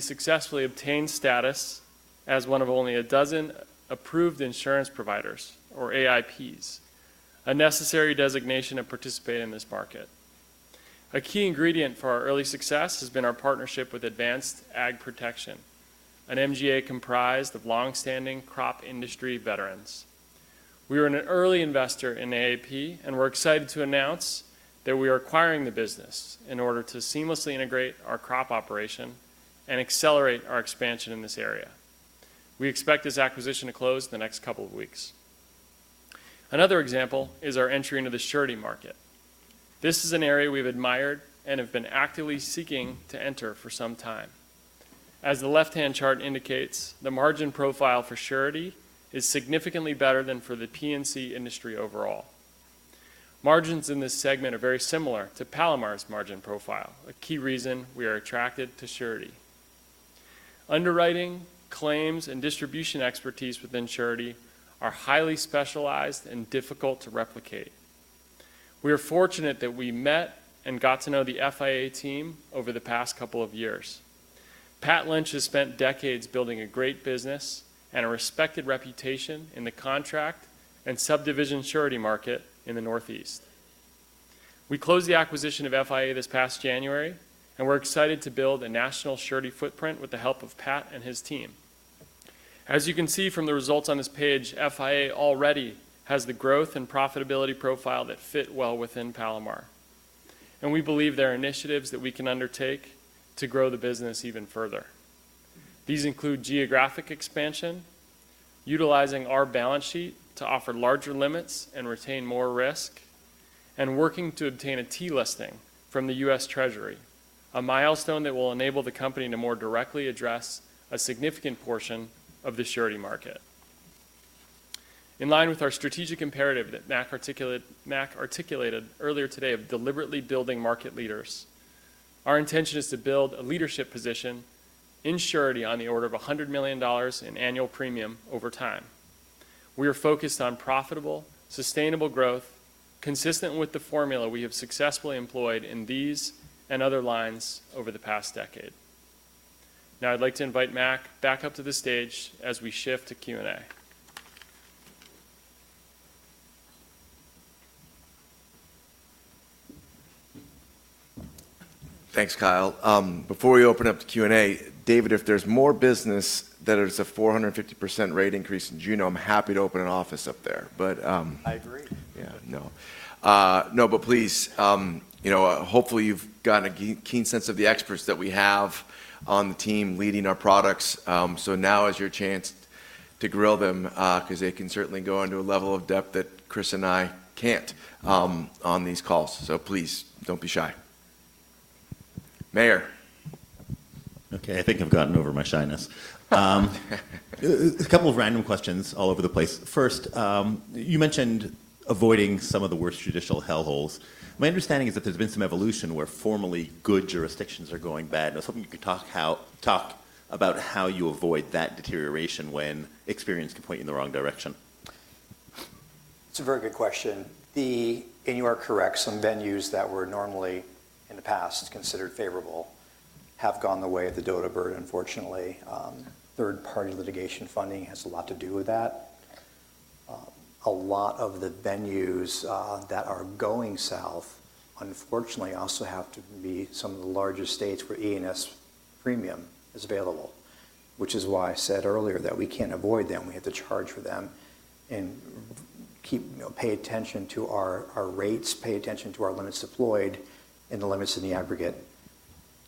successfully obtained status as one of only a dozen approved insurance providers, or AIPs, a necessary designation to participate in this market. A key ingredient for our early success has been our partnership with Advanced AgProtection, an MGA comprised of longstanding crop industry veterans. We are an early investor in AAP, and we're excited to announce that we are acquiring the business in order to seamlessly integrate our crop operation and accelerate our expansion in this area. We expect this acquisition to close in the next couple of weeks. Another example is our entry into the surety market. This is an area we've admired and have been actively seeking to enter for some time. As the left-hand chart indicates, the margin profile for surety is significantly better than for the P&C industry overall. Margins in this segment are very similar to Palomar's margin profile, a key reason we are attracted to surety. Underwriting, claims, and distribution expertise within surety are highly specialized and difficult to replicate. We are fortunate that we met and got to know the FIA team over the past couple of years. Pat Lynch has spent decades building a great business and a respected reputation in the contract and subdivision surety market in the Northeast. We closed the acquisition of FIA this past January, and we're excited to build a national surety footprint with the help of Pat and his team. As you can see from the results on this page, FIA already has the growth and profitability profile that fit well within Palomar. We believe there are initiatives that we can undertake to grow the business even further. These include geographic expansion, utilizing our balance sheet to offer larger limits and retain more risk, and working to obtain a T-listing from the U.S. Treasury, a milestone that will enable the company to more directly address a significant portion of the surety market. In line with our strategic imperative that Mac articulated earlier today of deliberately building market leaders, our intention is to build a leadership position in surety on the order of $100 million in annual premium over time. We are focused on profitable, sustainable growth, consistent with the formula we have successfully employed in these and other lines over the past decade. Now, I'd like to invite Mac back up to the stage as we shift to Q&A. Thanks, Kyle. Before we open up to Q&A, David, if there's more business that is a 450% rate increase in Juno, I'm happy to open an office up there. I agree. Yeah. No. No, but please, hopefully you've gotten a keen sense of the experts that we have on the team leading our products. Now is your chance to grill them because they can certainly go into a level of depth that Chris and I can't on these calls. Please don't be shy. Mayor. Okay. I think I've gotten over my shyness. A couple of random questions all over the place. First, you mentioned avoiding some of the worst judicial hellholes. My understanding is that there's been some evolution where formerly good jurisdictions are going bad. I was hoping you could talk about how you avoid that deterioration when experience can point you in the wrong direction. It's a very good question. You are correct. Some venues that were normally in the past considered favorable have gone the way of the dodo bird, unfortunately. Third-party litigation funding has a lot to do with that. A lot of the venues that are going south, unfortunately, also have to be some of the largest states where E&S premium is available, which is why I said earlier that we can't avoid them. We have to charge for them and pay attention to our rates, pay attention to our limits deployed and the limits in the aggregate.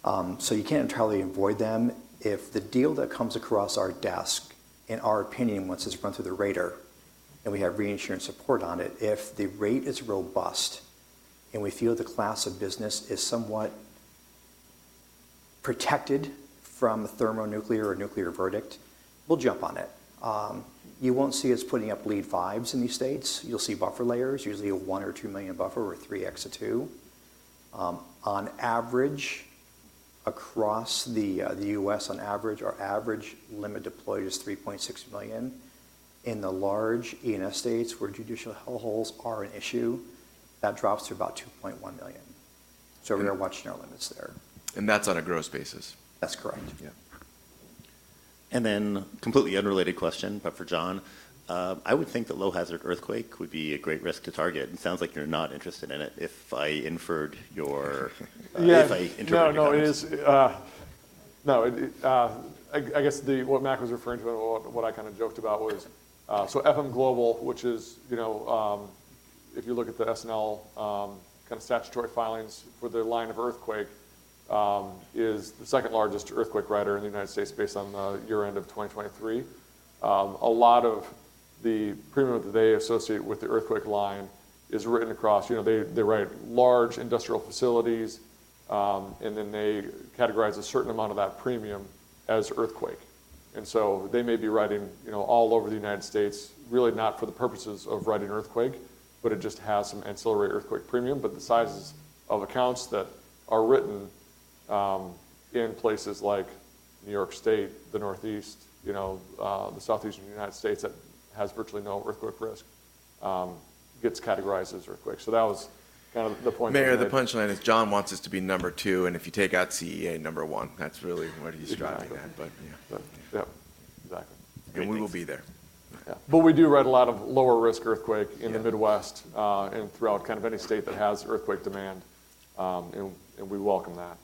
You can't entirely avoid them if the deal that comes across our desk, in our opinion, once it's run through the radar and we have reinsurance support on it, if the rate is robust and we feel the class of business is somewhat protected from a thermonuclear or nuclear verdict, we'll jump on it. You won't see us putting up lead fives in these states. You'll see buffer layers, usually a one or two million buffer or 3X of 2. On average, across the U.S., on average, our average limit deployed is $3.6 million. In the large E&S states where judicial hellholes are an issue, that drops to about $2.1 million. We're going to watch our limits there. That's on a gross basis. That's correct. Yeah. Completely unrelated question, but for Jon, I would think that low-hazard earthquake would be a great risk to target. It sounds like you're not interested in it if I inferred your. Yeah. If I interpreted your. No, no, it is. No, I guess what Mac was referring to and what I kind of joked about was FM Global, which is, if you look at the S&L kind of statutory filings for the line of earthquake, is the second largest earthquake writer in the United States based on the year-end of 2023. A lot of the premium that they associate with the earthquake line is written across. They write large industrial facilities, and then they categorize a certain amount of that premium as earthquake. They may be writing all over the United States, really not for the purposes of writing earthquake, but it just has some ancillary earthquake premium. The sizes of accounts that are written in places like New York State, the Northeast, the Southeastern United States that has virtually no earthquake risk, get categorized as earthquake. That was kind of the point. Mayor, the punchline is Jon wants us to be number two, and if you take out CEA, number one. That is really what he's striving at, but yeah. Yep. Exactly. We will be there. We do write a lot of lower-risk earthquake in the Midwest and throughout kind of any state that has earthquake demand, and we welcome that.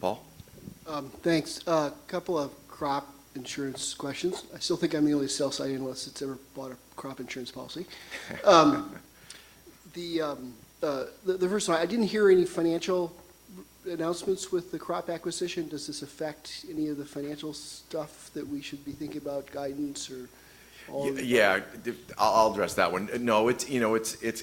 Paul? Thanks. A couple of crop insurance questions. I still think I'm the only sell-side analyst that's ever bought a crop insurance policy. The first one, I didn't hear any financial announcements with the crop acquisition. Does this affect any of the financial stuff that we should be thinking about, guidance, or? Yeah. I'll address that one. No, it's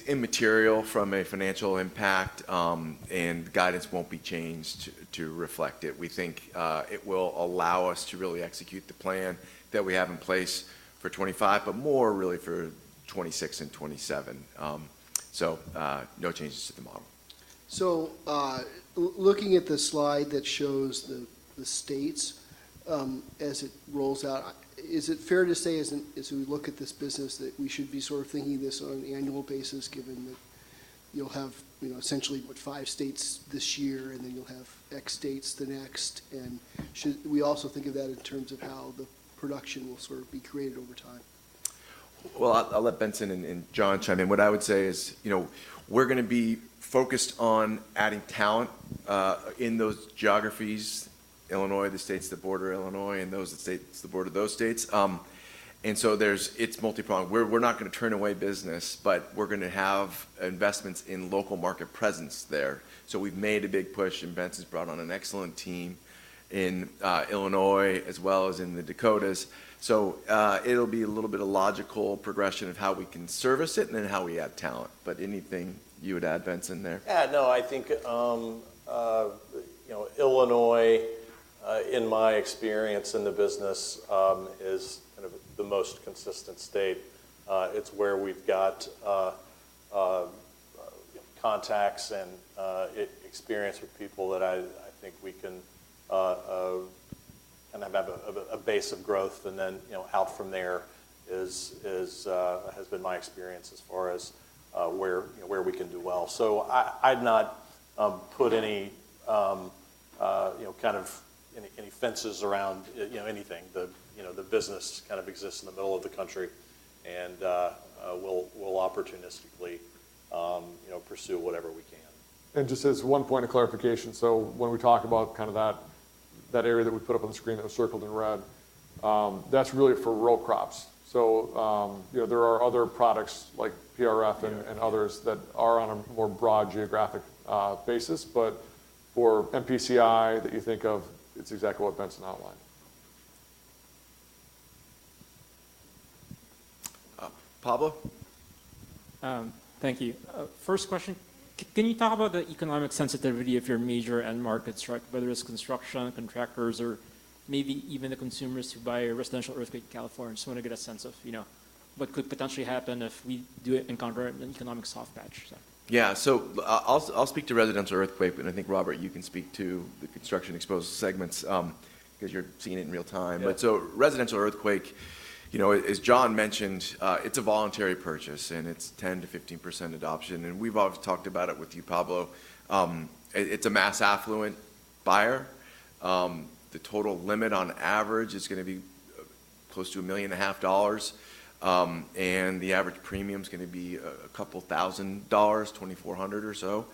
immaterial from a financial impact, and guidance won't be changed to reflect it. We think it will allow us to really execute the plan that we have in place for 2025, but more really for 2026 and 2027. No changes to the model. Looking at the slide that shows the states as it rolls out, is it fair to say, as we look at this business, that we should be sort of thinking this on an annual basis given that you'll have essentially five states this year, and then you'll have X states the next? Should we also think of that in terms of how the production will sort of be created over time? I'll let Benson and Jon chime in. What I would say is we're going to be focused on adding talent in those geographies, Illinois, the states that border Illinois, and those states that border those states. It is multi-pronged. We're not going to turn away business, but we're going to have investments in local market presence there. We've made a big push, and Benson's brought on an excellent team in Illinois as well as in the Dakotas. It will be a little bit of logical progression of how we can service it and then how we add talent. Anything you would add, Benson, there? Yeah. No, I think Illinois, in my experience in the business, is kind of the most consistent state. It's where we've got contacts and experience with people that I think we can kind of have a base of growth. Out from there has been my experience as far as where we can do well. I'd not put any fences around anything. The business kind of exists in the middle of the country, and we'll opportunistically pursue whatever we can. Just as one point of clarification, when we talk about kind of that area that we put up on the screen that was circled in red, that's really for row crops. There are other products like PRF and others that are on a more broad geographic basis. For MPCI that you think of, it's exactly what Benson outlined. Pablo? Thank you. First question. Can you talk about the economic sensitivity of your major end markets, whether it's construction, contractors, or maybe even the consumers who buy residential earthquake California? Just want to get a sense of what could potentially happen if we do encounter an economic soft patch. Yeah. I'll speak to residential earthquake, but I think, Robert, you can speak to the construction exposed segments because you're seeing it in real time. Residential earthquake, as Jon mentioned, it's a voluntary purchase, and it's 10%-15% adoption. We've always talked about it with you, Pablo. It's a mass affluent buyer. The total limit on average is going to be close to $1.5 million, and the average premium is going to be a couple thousand dollars, $2,400 or so.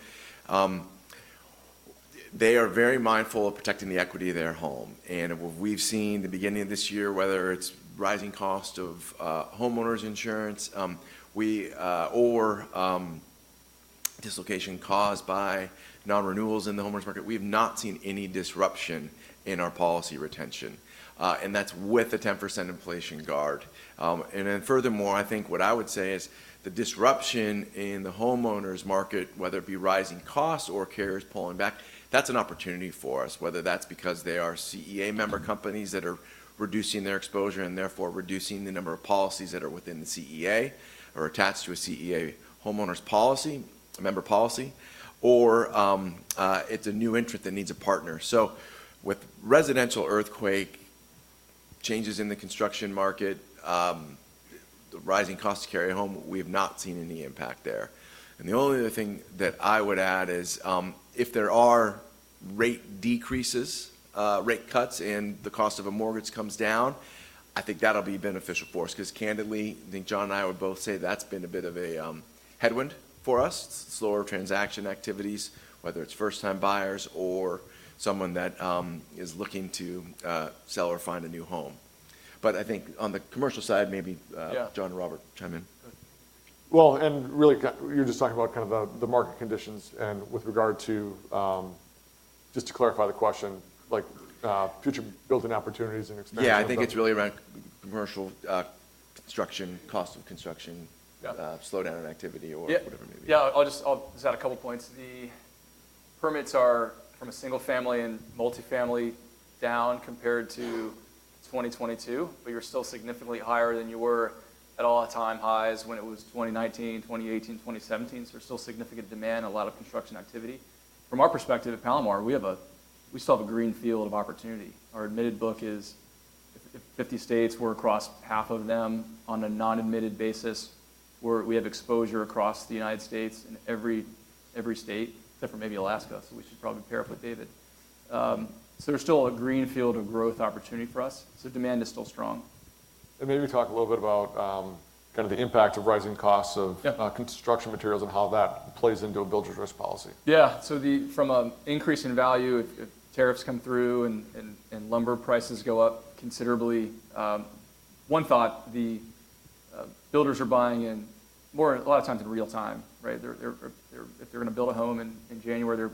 They are very mindful of protecting the equity of their home. We've seen the beginning of this year, whether it's rising cost of homeowners insurance or dislocation caused by non-renewals in the homeowners market, we have not seen any disruption in our policy retention. That's with a 10% inflation guard. Furthermore, I think what I would say is the disruption in the homeowners market, whether it be rising costs or carriers pulling back, that's an opportunity for us, whether that's because they are CEA member companies that are reducing their exposure and therefore reducing the number of policies that are within the CEA or attached to a CEA homeowners policy, a member policy, or it's a new interest that needs a partner. With residential earthquake changes in the construction market, the rising cost of carrying home, we have not seen any impact there. The only other thing that I would add is if there are rate decreases, rate cuts, and the cost of a mortgage comes down, I think that'll be beneficial for us because candidly, I think Jon and I would both say that's been a bit of a headwind for us, slower transaction activities, whether it's first-time buyers or someone that is looking to sell or find a new home. I think on the commercial side, maybe Jon and Robert, chime in. You're just talking about kind of the market conditions. And with regard to, just to clarify the question, future building opportunities and expenses. Yeah. I think it's really around commercial construction, cost of construction, slowdown in activity, or whatever it may be. Yeah. I'll just add a couple of points. The permits are from a single-family and multi-family down compared to 2022, but you're still significantly higher than you were at all-time highs when it was 2019, 2018, 2017. There is still significant demand, a lot of construction activity. From our perspective at Palomar, we still have a green field of opportunity. Our admitted book is in 50 states, we're across half of them on a non-admitted basis. We have exposure across the United States in every state, except for maybe Alaska, so we should probably pair up with David. There is still a green field of growth opportunity for us. Demand is still strong. Maybe talk a little bit about kind of the impact of rising costs of construction materials and how that plays into a builder's risk policy. Yeah. From an increase in value, if tariffs come through and lumber prices go up considerably, one thought, the builders are buying in a lot of times in real time, right? If they're going to build a home in January, they're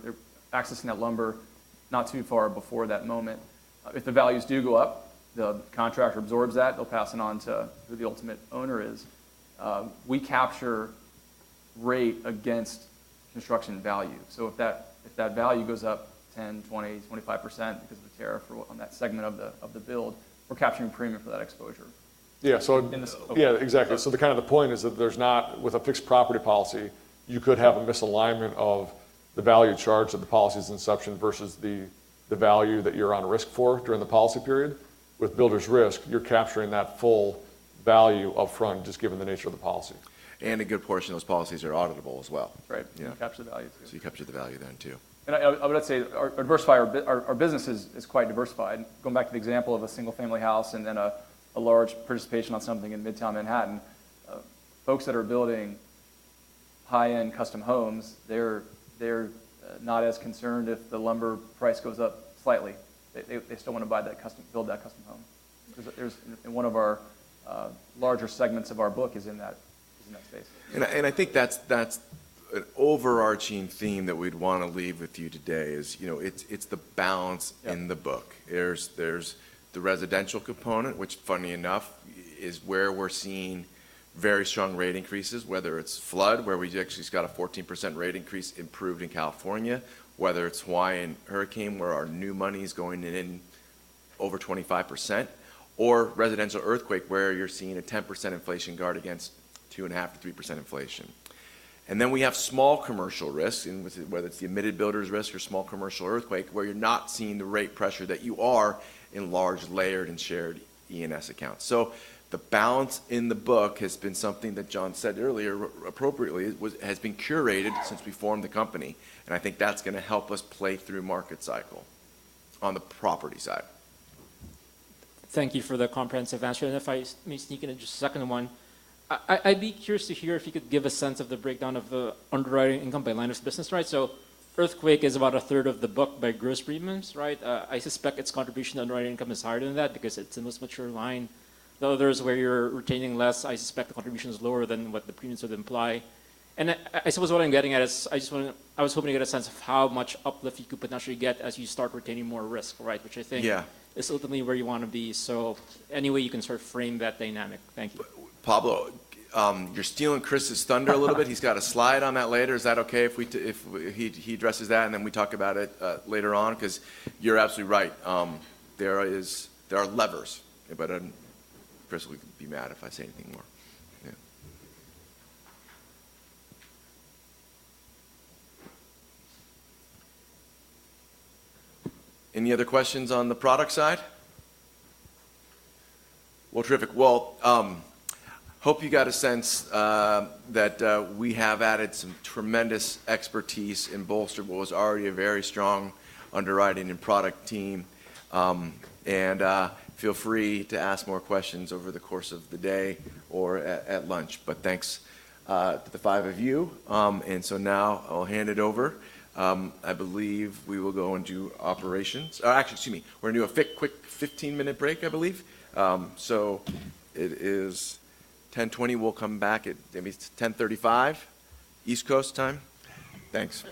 accessing that lumber not too far before that moment. If the values do go up, the contractor absorbs that, they'll pass it on to who the ultimate owner is. We capture rate against construction value. If that value goes up 10%, 20%, 25% because of the tariff on that segment of the build, we're capturing premium for that exposure. Yeah. Yeah, exactly. Kind of the point is that there's not, with a fixed property policy, you could have a misalignment of the value charged at the policy's inception versus the value that you're on risk for during the policy period. With builder's risk, you're capturing that full value upfront just given the nature of the policy. A good portion of those policies are auditable as well, Right? You capture the value. You capture the value then too. I would say our business is quite diversified. Going back to the example of a single-family house and then a large participation on something in Midtown Manhattan, folks that are building high-end custom homes, they're not as concerned if the lumber price goes up slightly. They still want to build that custom home. One of our larger segments of our book is in that space. I think that's an overarching theme that we'd want to leave with you today is it's the balance in the book. There's the residential component, which funny enough is where we're seeing very strong rate increases, whether it's flood, where we actually got a 14% rate increase approved in California, whether it's Hawaii and hurricane where our new money is going in over 25%, or residential earthquake where you're seeing a 10% inflation guard against 2.5-3% inflation. We have small commercial risk, whether it's the admitted builders risk or small commercial earthquake where you're not seeing the rate pressure that you are in large layered and shared E&S accounts. The balance in the book has been something that Jon said earlier appropriately has been curated since we formed the company. I think that's going to help us play through market cycle on the property side. Thank you for the comprehensive answer. If I may sneak in just a second one, I'd be curious to hear if you could give a sense of the breakdown of the underwriting income by line of business, right? Earthquake is about a third of the book by gross premiums, right? I suspect its contribution to underwriting income is higher than that because it's the most mature line. The others where you're retaining less, I suspect the contribution is lower than what the premiums would imply. I suppose what I'm getting at is I was hoping to get a sense of how much uplift you could potentially get as you start retaining more risk, right? I think that is ultimately where you want to be. Any way you can sort of frame that dynamic. Thank you. Pablo, you're stealing Chris's thunder a little bit. He's got a slide on that later. Is that okay if he addresses that and then we talk about it later on? Because you're absolutely right. There are levers, but Chris, we could be mad if I say anything more. Any other questions on the product side? Terrific. I hope you got a sense that we have added some tremendous expertise in bolstering what was already a very strong underwriting and product team. Feel free to ask more questions over the course of the day or at lunch. Thanks to the five of you. Now I'll hand it over. I believe we will go and do operations. Actually, excuse me. We're going to do a quick 15-minute break, I believe. It is 10:20. We'll come back at maybe 10:35 East Coast time. Thanks.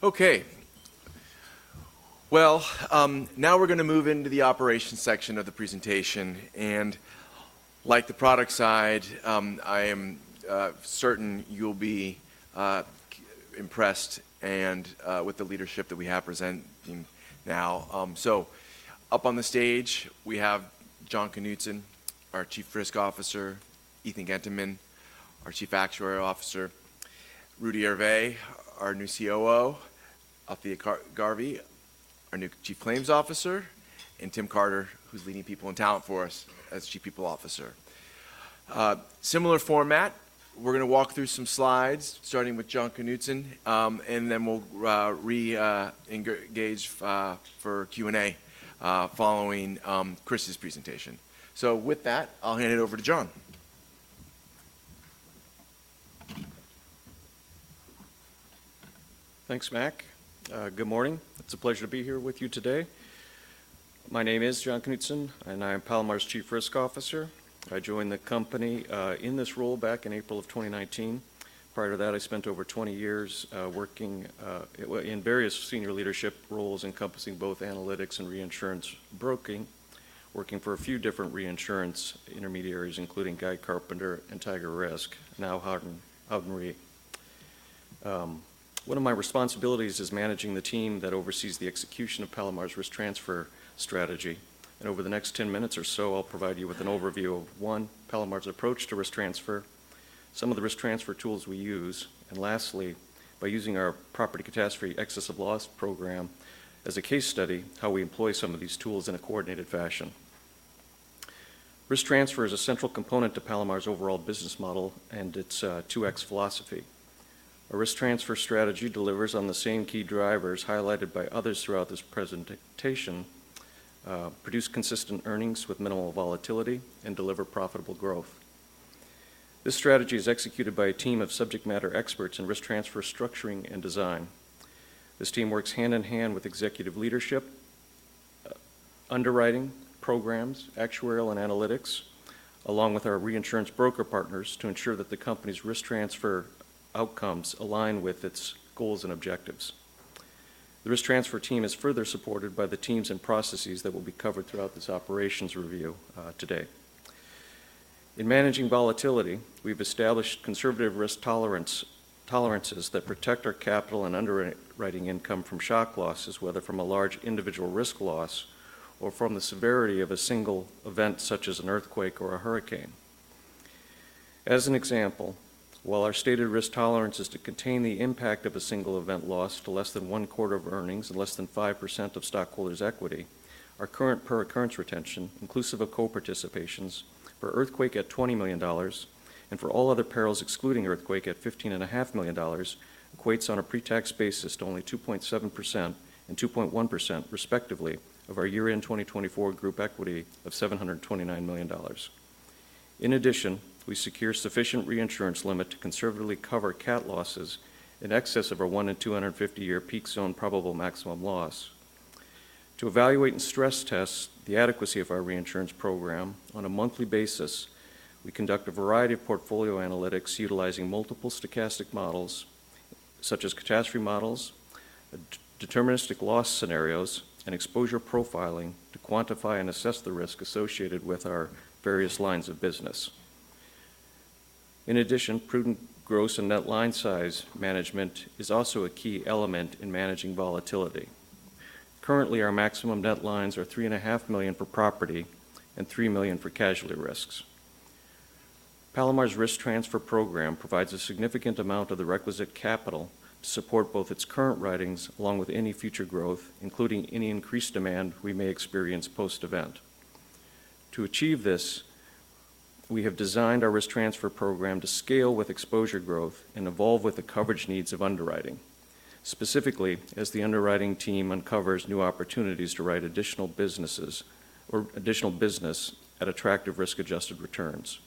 Okay. Now we're going to move into the operations section of the presentation. Like the product side, I am certain you'll be impressed with the leadership that we have presenting now. Up on the stage, we have Jon Knutzen, our Chief Risk Officer; Ethan Genteman, our Chief Actuary Officer; Rudy Hervé, our new COO; Althea Garvey, our new Chief Claims Officer; and Tim Carter, who's leading people and talent for us as Chief People Officer. Similar format, we're going to walk through some slides, starting with Jon Knutzen, and then we'll re-engage for Q&A following Chris's presentation. With that, I'll hand it over to Jon. Thanks, Mac. Good morning. It's a pleasure to be here with you today. My name is Jon Knutzen, and I am Palomar's Chief Risk Officer. I joined the company in this role back in April of 2019. Prior to that, I spent over 20 years working in various senior leadership roles encompassing both analytics and reinsurance broking, working for a few different reinsurance intermediaries, including Guy Carpenter and TigerRisk, now Howden Re. One of my responsibilities is managing the team that oversees the execution of Palomar's risk transfer strategy. Over the next 10 minutes or so, I'll provide you with an overview of, one, Palomar's approach to risk transfer, some of the risk transfer tools we use, and lastly, by using our property catastrophe excess of loss program as a case study, how we employ some of these tools in a coordinated fashion. Risk transfer is a central component to Palomar's overall business model and its 2X philosophy. A risk transfer strategy delivers on the same key drivers highlighted by others throughout this presentation, produce consistent earnings with minimal volatility, and deliver profitable growth. This strategy is executed by a team of subject matter experts in risk transfer structuring and design. This team works hand in hand with executive leadership, underwriting, programs, actuarial, and analytics, along with our reinsurance broker partners to ensure that the company's risk transfer outcomes align with its goals and objectives. The risk transfer team is further supported by the teams and processes that will be covered throughout this operations review today. In managing volatility, we've established conservative risk tolerances that protect our capital and underwriting income from shock losses, whether from a large individual risk loss or from the severity of a single event such as an earthquake or a hurricane. As an example, while our stated risk tolerance is to contain the impact of a single event loss to less than one quarter of earnings and less than 5% of stockholders' equity, our current per-occurrence retention, inclusive of co-participations, for earthquake at $20 million and for all other perils excluding earthquake at $15.5 million, equates on a pre-tax basis to only 2.7% and 2.1%, respectively, of our year-end 2024 group equity of $729 million. In addition, we secure sufficient reinsurance limit to conservatively cover cat losses in excess of our 1 in 250-year peak zone probable maximum loss. To evaluate and stress test the adequacy of our reinsurance program on a monthly basis, we conduct a variety of portfolio analytics utilizing multiple stochastic models such as catastrophe models, deterministic loss scenarios, and exposure profiling to quantify and assess the risk associated with our various lines of business. In addition, prudent gross and net line size management is also a key element in managing volatility. Currently, our maximum net lines are $3.5 million for property and $3 million for casualty risks. Palomar's risk transfer program provides a significant amount of the requisite capital to support both its current writings along with any future growth, including any increased demand we may experience post-event. To achieve this, we have designed our risk transfer program to scale with exposure growth and evolve with the coverage needs of underwriting, specifically as the underwriting team uncovers new opportunities to write additional businesses or additional business at attractive risk-adjusted returns.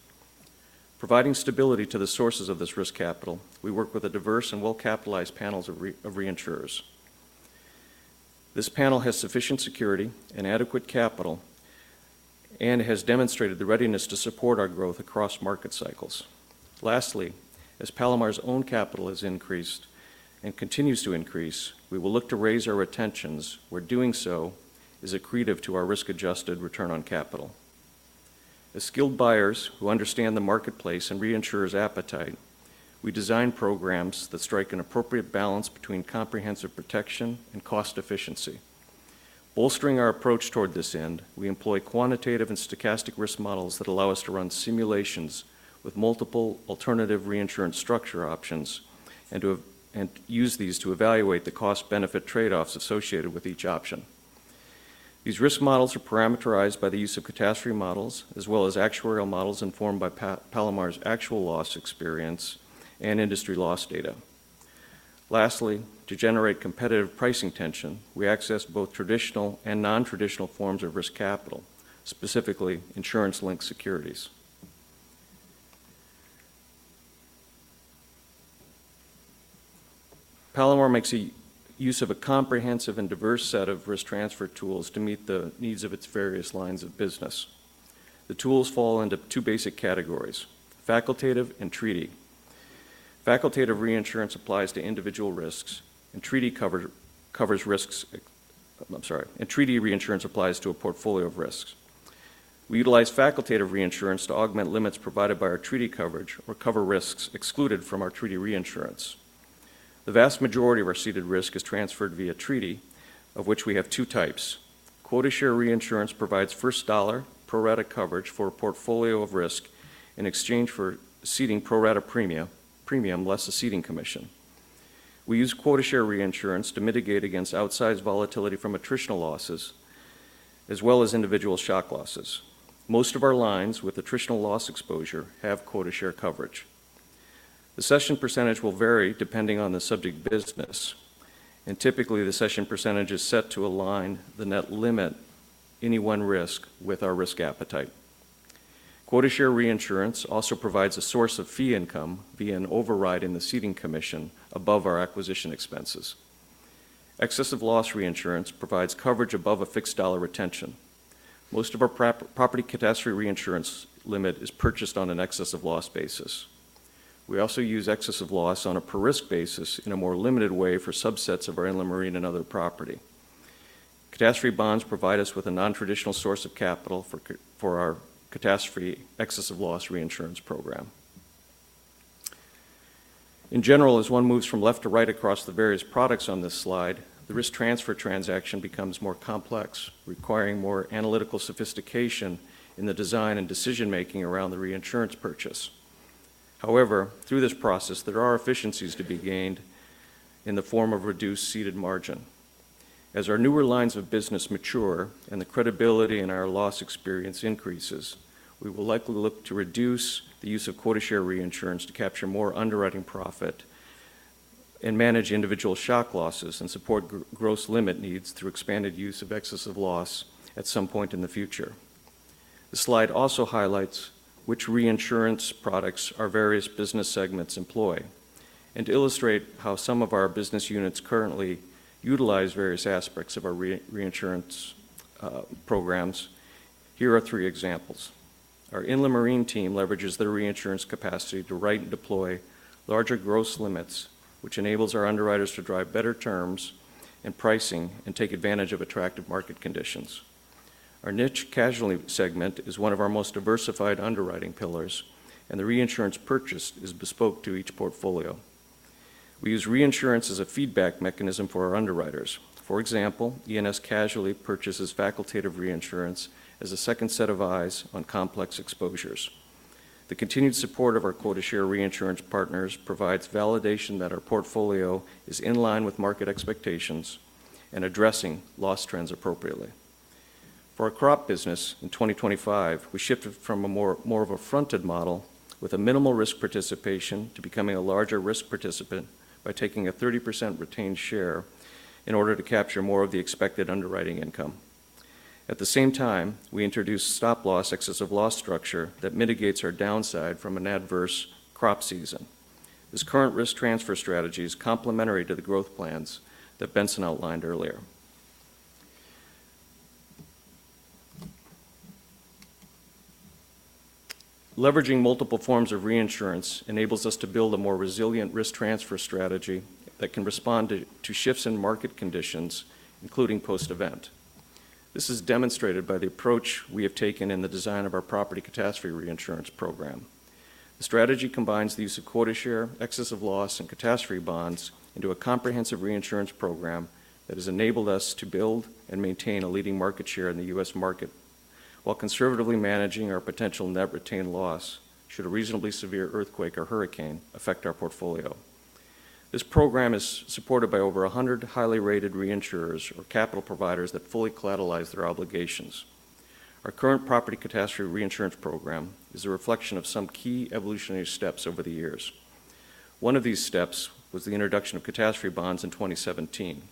Providing stability to the sources of this risk capital, we work with a diverse and well-capitalized panel of reinsurers. This panel has sufficient security and adequate capital and has demonstrated the readiness to support our growth across market cycles. Lastly, as Palomar's own capital has increased and continues to increase, we will look to raise our retentions, where doing so is accretive to our risk-adjusted return on capital. As skilled buyers who understand the marketplace and reinsurers' appetite, we design programs that strike an appropriate balance between comprehensive protection and cost efficiency. Bolstering our approach toward this end, we employ quantitative and stochastic risk models that allow us to run simulations with multiple alternative reinsurance structure options and use these to evaluate the cost-benefit trade-offs associated with each option. These risk models are parameterized by the use of catastrophe models as well as actuarial models informed by Palomar's actual loss experience and industry loss data. Lastly, to generate competitive pricing tension, we access both traditional and non-traditional forms of risk capital, specifically insurance-linked securities. Palomar makes use of a comprehensive and diverse set of risk transfer tools to meet the needs of its various lines of business. The tools fall into two basic categories: facultative and treaty. Facultative reinsurance applies to individual risks, and treaty reinsurance applies to a portfolio of risks. We utilize facultative reinsurance to augment limits provided by our treaty coverage or cover risks excluded from our treaty reinsurance. The vast majority of our ceded risk is transferred via treaty, of which we have two types. Quota share reinsurance provides first dollar pro-rata coverage for a portfolio of risk in exchange for ceding pro-rata premium less a ceding commission. We use quota share reinsurance to mitigate against outsized volatility from attritional losses as well as individual shock losses. Most of our lines with attritional loss exposure have quota share coverage. The session percentage will vary depending on the subject business, and typically, the session percentage is set to align the net limit any one risk with our risk appetite. Quota share reinsurance also provides a source of fee income via an override in the ceding commission above our acquisition expenses. Excessive loss reinsurance provides coverage above a fixed dollar retention. Most of our property catastrophe reinsurance limit is purchased on an excessive loss basis. We also use excessive loss on a per-risk basis in a more limited way for subsets of our inland marine and other property. Catastrophe bonds provide us with a non-traditional source of capital for our catastrophe excessive loss reinsurance program. In general, as one moves from left to right across the various products on this slide, the risk transfer transaction becomes more complex, requiring more analytical sophistication in the design and decision-making around the reinsurance purchase. However, through this process, there are efficiencies to be gained in the form of reduced ceded margin. As our newer lines of business mature and the credibility in our loss experience increases, we will likely look to reduce the use of quota share reinsurance to capture more underwriting profit and manage individual shock losses and support gross limit needs through expanded use of excess of loss at some point in the future. The slide also highlights which reinsurance products our various business segments employ. To illustrate how some of our business units currently utilize various aspects of our reinsurance programs, here are three examples. Our inland marine team leverages their reinsurance capacity to write and deploy larger gross limits, which enables our underwriters to drive better terms and pricing and take advantage of attractive market conditions. Our niche casualty segment is one of our most diversified underwriting pillars, and the reinsurance purchase is bespoke to each portfolio. We use reinsurance as a feedback mechanism for our underwriters. For example, E&S casualty purchases facultative reinsurance as a second set of eyes on complex exposures. The continued support of our quota share reinsurance partners provides validation that our portfolio is in line with market expectations and addressing loss trends appropriately. For our crop business, in 2025, we shifted from more of a fronted model with a minimal risk participation to becoming a larger risk participant by taking a 30% retained share in order to capture more of the expected underwriting income. At the same time, we introduced a stop-loss excessive loss structure that mitigates our downside from an adverse crop season. This current risk transfer strategy is complementary to the growth plans that Benson outlined earlier. Leveraging multiple forms of reinsurance enables us to build a more resilient risk transfer strategy that can respond to shifts in market conditions, including post-event. This is demonstrated by the approach we have taken in the design of our property catastrophe reinsurance program. The strategy combines the use of quota share, excessive loss, and catastrophe bonds into a comprehensive reinsurance program that has enabled us to build and maintain a leading market share in the U.S. market while conservatively managing our potential net retained loss should a reasonably severe earthquake or hurricane affect our portfolio. This program is supported by over 100 highly rated reinsurers or capital providers that fully collateralize their obligations. Our current property catastrophe reinsurance program is a reflection of some key evolutionary steps over the years. One of these steps was the introduction of catastrophe bonds in 2017.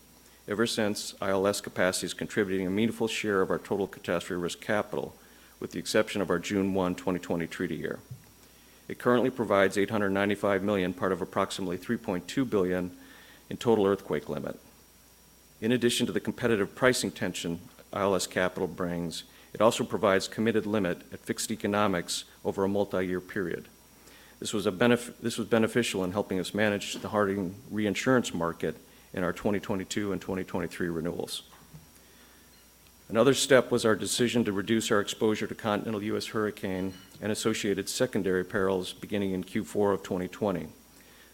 Ever since, ILS capacity has contributed a meaningful share of our total catastrophe risk capital, with the exception of our June 1, 2020, treaty year. It currently provides $895 million, part of approximately $3.2 billion in total earthquake limit. In addition to the competitive pricing tension ILS capital brings, it also provides committed limit at fixed economics over a multi-year period. This was beneficial in helping us manage the hardening reinsurance market in our 2022 and 2023 renewals. Another step was our decision to reduce our exposure to Continental U.S. Hurricane and associated secondary perils beginning in Q4 of 2020.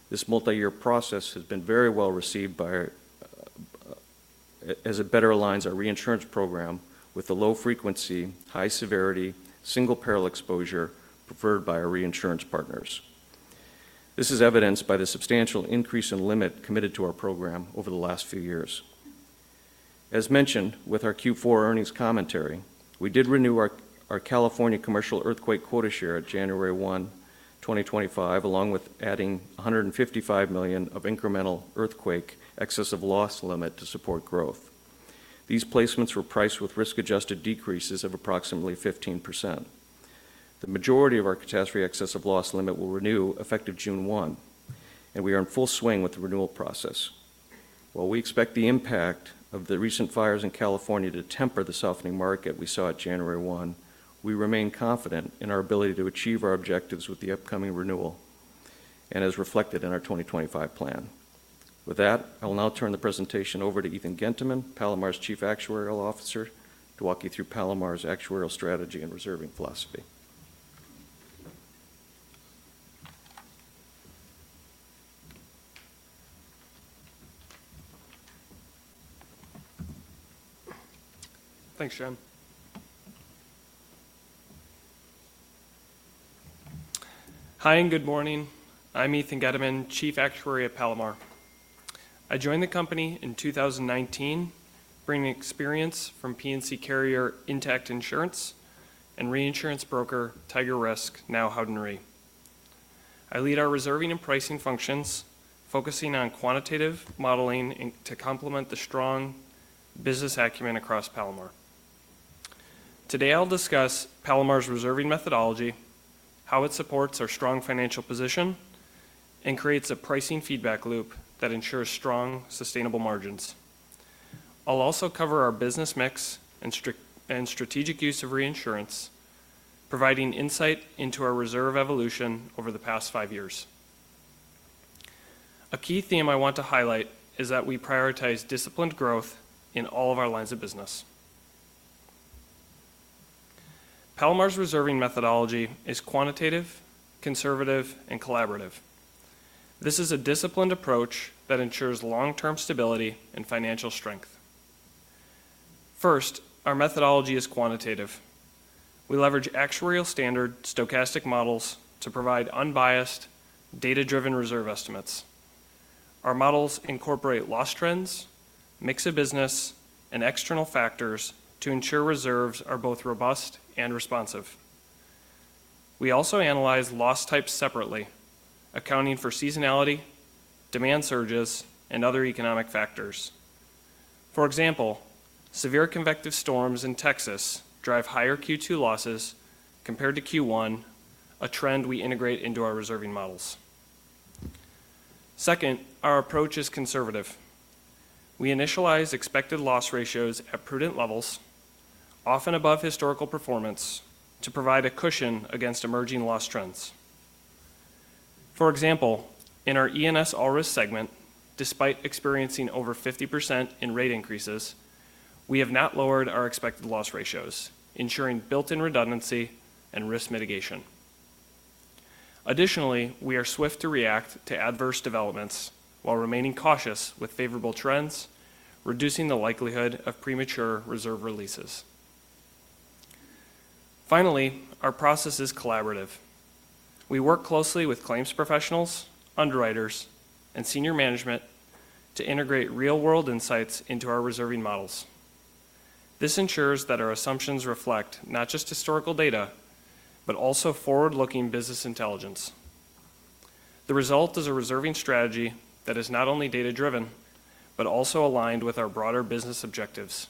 This multi-year process has been very well received by as it better aligns our reinsurance program with the low-frequency, high-severity, single-peril exposure preferred by our reinsurance partners. This is evidenced by the substantial increase in limit committed to our program over the last few years. As mentioned with our Q4 earnings commentary, we did renew our California commercial earthquake quota share at January 1, 2025, along with adding $155 million of incremental earthquake excessive loss limit to support growth. These placements were priced with risk-adjusted decreases of approximately 15%. The majority of our catastrophe excessive loss limit will renew effective June 1, and we are in full swing with the renewal process. While we expect the impact of the recent fires in California to temper the softening market we saw at January 1, we remain confident in our ability to achieve our objectives with the upcoming renewal and as reflected in our 2025 plan. With that, I will now turn the presentation over to Ethan Genteman, Palomar's Chief Actuarial Officer, to walk you through Palomar's actuarial strategy and reserving philosophy. Thanks, Jon. Hi, and good morning. I'm Ethan Genteman, Chief Actuary at Palomar. I joined the company in 2019, bringing experience from P&C carrier Intact Insurance and reinsurance broker Tiger Risk, now Howden Re. I lead our reserving and pricing functions, focusing on quantitative modeling to complement the strong business acumen across Palomar. Today, I'll discuss Palomar's reserving methodology, how it supports our strong financial position, and creates a pricing feedback loop that ensures strong, sustainable margins. I'll also cover our business mix and strategic use of reinsurance, providing insight into our reserve evolution over the past five years. A key theme I want to highlight is that we prioritize disciplined growth in all of our lines of business. Palomar's reserving methodology is quantitative, conservative, and collaborative. This is a disciplined approach that ensures long-term stability and financial strength. First, our methodology is quantitative. We leverage actuarial-standard stochastic models to provide unbiased, data-driven reserve estimates. Our models incorporate loss trends, mix of business, and external factors to ensure reserves are both robust and responsive. We also analyze loss types separately, accounting for seasonality, demand surges, and other economic factors. For example, severe convective storms in Texas drive higher Q2 losses compared to Q1, a trend we integrate into our reserving models. Second, our approach is conservative. We initialize expected loss ratios at prudent levels, often above historical performance, to provide a cushion against emerging loss trends. For example, in our E&S all-risk segment, despite experiencing over 50% in rate increases, we have not lowered our expected loss ratios, ensuring built-in redundancy and risk mitigation. Additionally, we are swift to react to adverse developments while remaining cautious with favorable trends, reducing the likelihood of premature reserve releases. Finally, our process is collaborative. We work closely with claims professionals, underwriters, and senior management to integrate real-world insights into our reserving models. This ensures that our assumptions reflect not just historical data, but also forward-looking business intelligence. The result is a reserving strategy that is not only data-driven, but also aligned with our broader business objectives.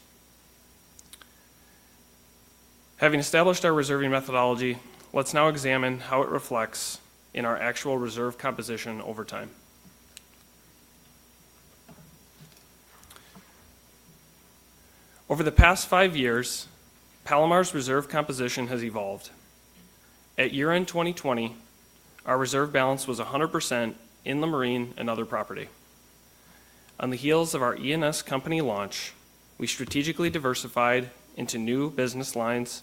Having established our reserving methodology, let's now examine how it reflects in our actual reserve composition over time. Over the past five years, Palomar's reserve composition has evolved. At year-end 2020, our reserve balance was 100% in the marine and other property. On the heels of our E&S company launch, we strategically diversified into new business lines,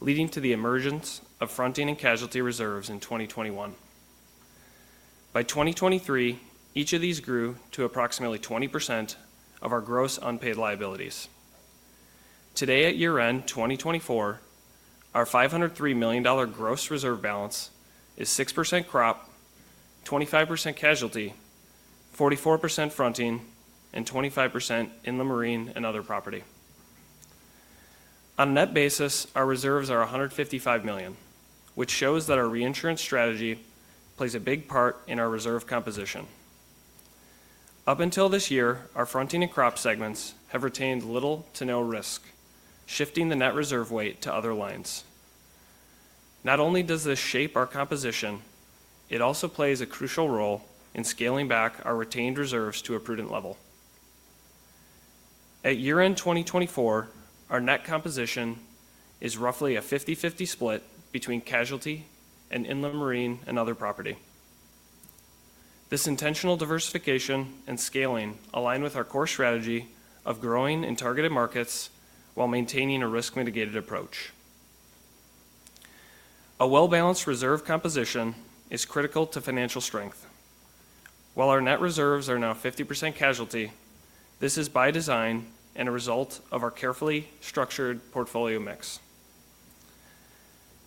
leading to the emergence of fronting and casualty reserves in 2021. By 2023, each of these grew to approximately 20% of our gross unpaid liabilities. Today, at year-end 2024, our $503 million gross reserve balance is 6% crop, 25% casualty, 44% fronting, and 25% inland marine and other property. On a net basis, our reserves are $155 million, which shows that our reinsurance strategy plays a big part in our reserve composition. Up until this year, our fronting and crop segments have retained little to no risk, shifting the net reserve weight to other lines. Not only does this shape our composition, it also plays a crucial role in scaling back our retained reserves to a prudent level. At year-end 2024, our net composition is roughly a 50/50 split between casualty and inland marine and other property. This intentional diversification and scaling align with our core strategy of growing in targeted markets while maintaining a risk-mitigated approach. A well-balanced reserve composition is critical to financial strength. While our net reserves are now 50% casualty, this is by design and a result of our carefully structured portfolio mix.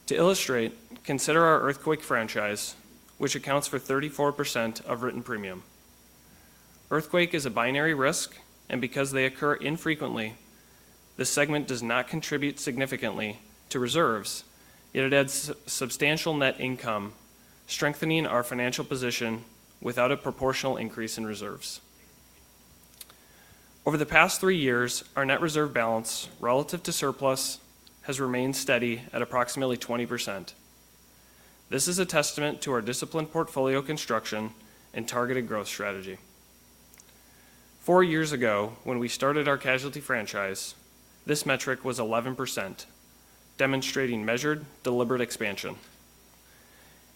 To illustrate, consider our earthquake franchise, which accounts for 34% of written premium. Earthquake is a binary risk, and because they occur infrequently, the segment does not contribute significantly to reserves, yet it adds substantial net income, strengthening our financial position without a proportional increase in reserves. Over the past three years, our net reserve balance relative to surplus has remained steady at approximately 20%. This is a testament to our disciplined portfolio construction and targeted growth strategy. Four years ago, when we started our casualty franchise, this metric was 11%, demonstrating measured, deliberate expansion.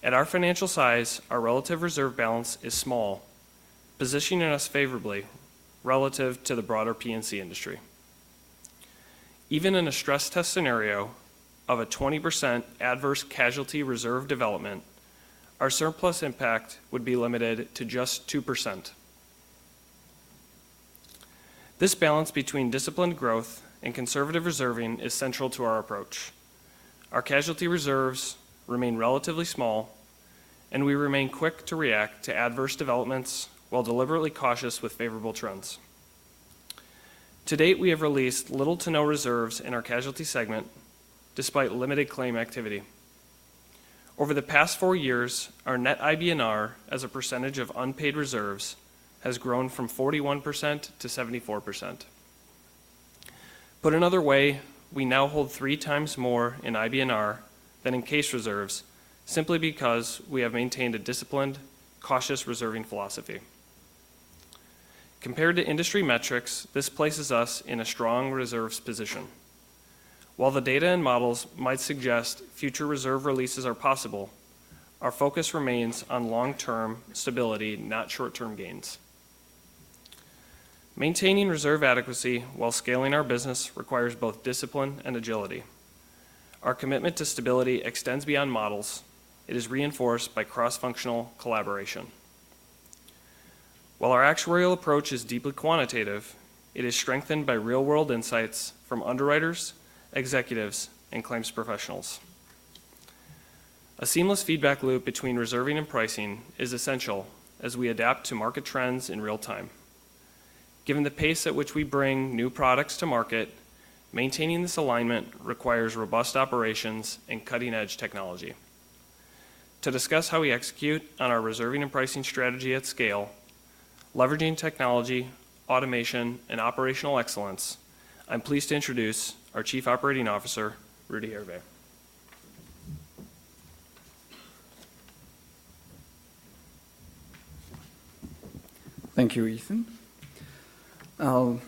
At our financial size, our relative reserve balance is small, positioning us favorably relative to the broader P&C industry. Even in a stress test scenario of a 20% adverse casualty reserve development, our surplus impact would be limited to just 2%. This balance between disciplined growth and conservative reserving is central to our approach. Our casualty reserves remain relatively small, and we remain quick to react to adverse developments while deliberately cautious with favorable trends. To date, we have released little to no reserves in our casualty segment, despite limited claim activity. Over the past four years, our net IBNR as a percentage of unpaid reserves has grown from 41% to 74%. Put another way, we now hold three times more in IBNR than in case reserves, simply because we have maintained a disciplined, cautious reserving philosophy. Compared to industry metrics, this places us in a strong reserves position. While the data and models might suggest future reserve releases are possible, our focus remains on long-term stability, not short-term gains. Maintaining reserve adequacy while scaling our business requires both discipline and agility. Our commitment to stability extends beyond models. It is reinforced by cross-functional collaboration. While our actuarial approach is deeply quantitative, it is strengthened by real-world insights from underwriters, executives, and claims professionals. A seamless feedback loop between reserving and pricing is essential as we adapt to market trends in real time. Given the pace at which we bring new products to market, maintaining this alignment requires robust operations and cutting-edge technology. To discuss how we execute on our reserving and pricing strategy at scale, leveraging technology, automation, and operational excellence, I'm pleased to introduce our Chief Operating Officer, Rudy Hervé. Thank you, Ethan. I'll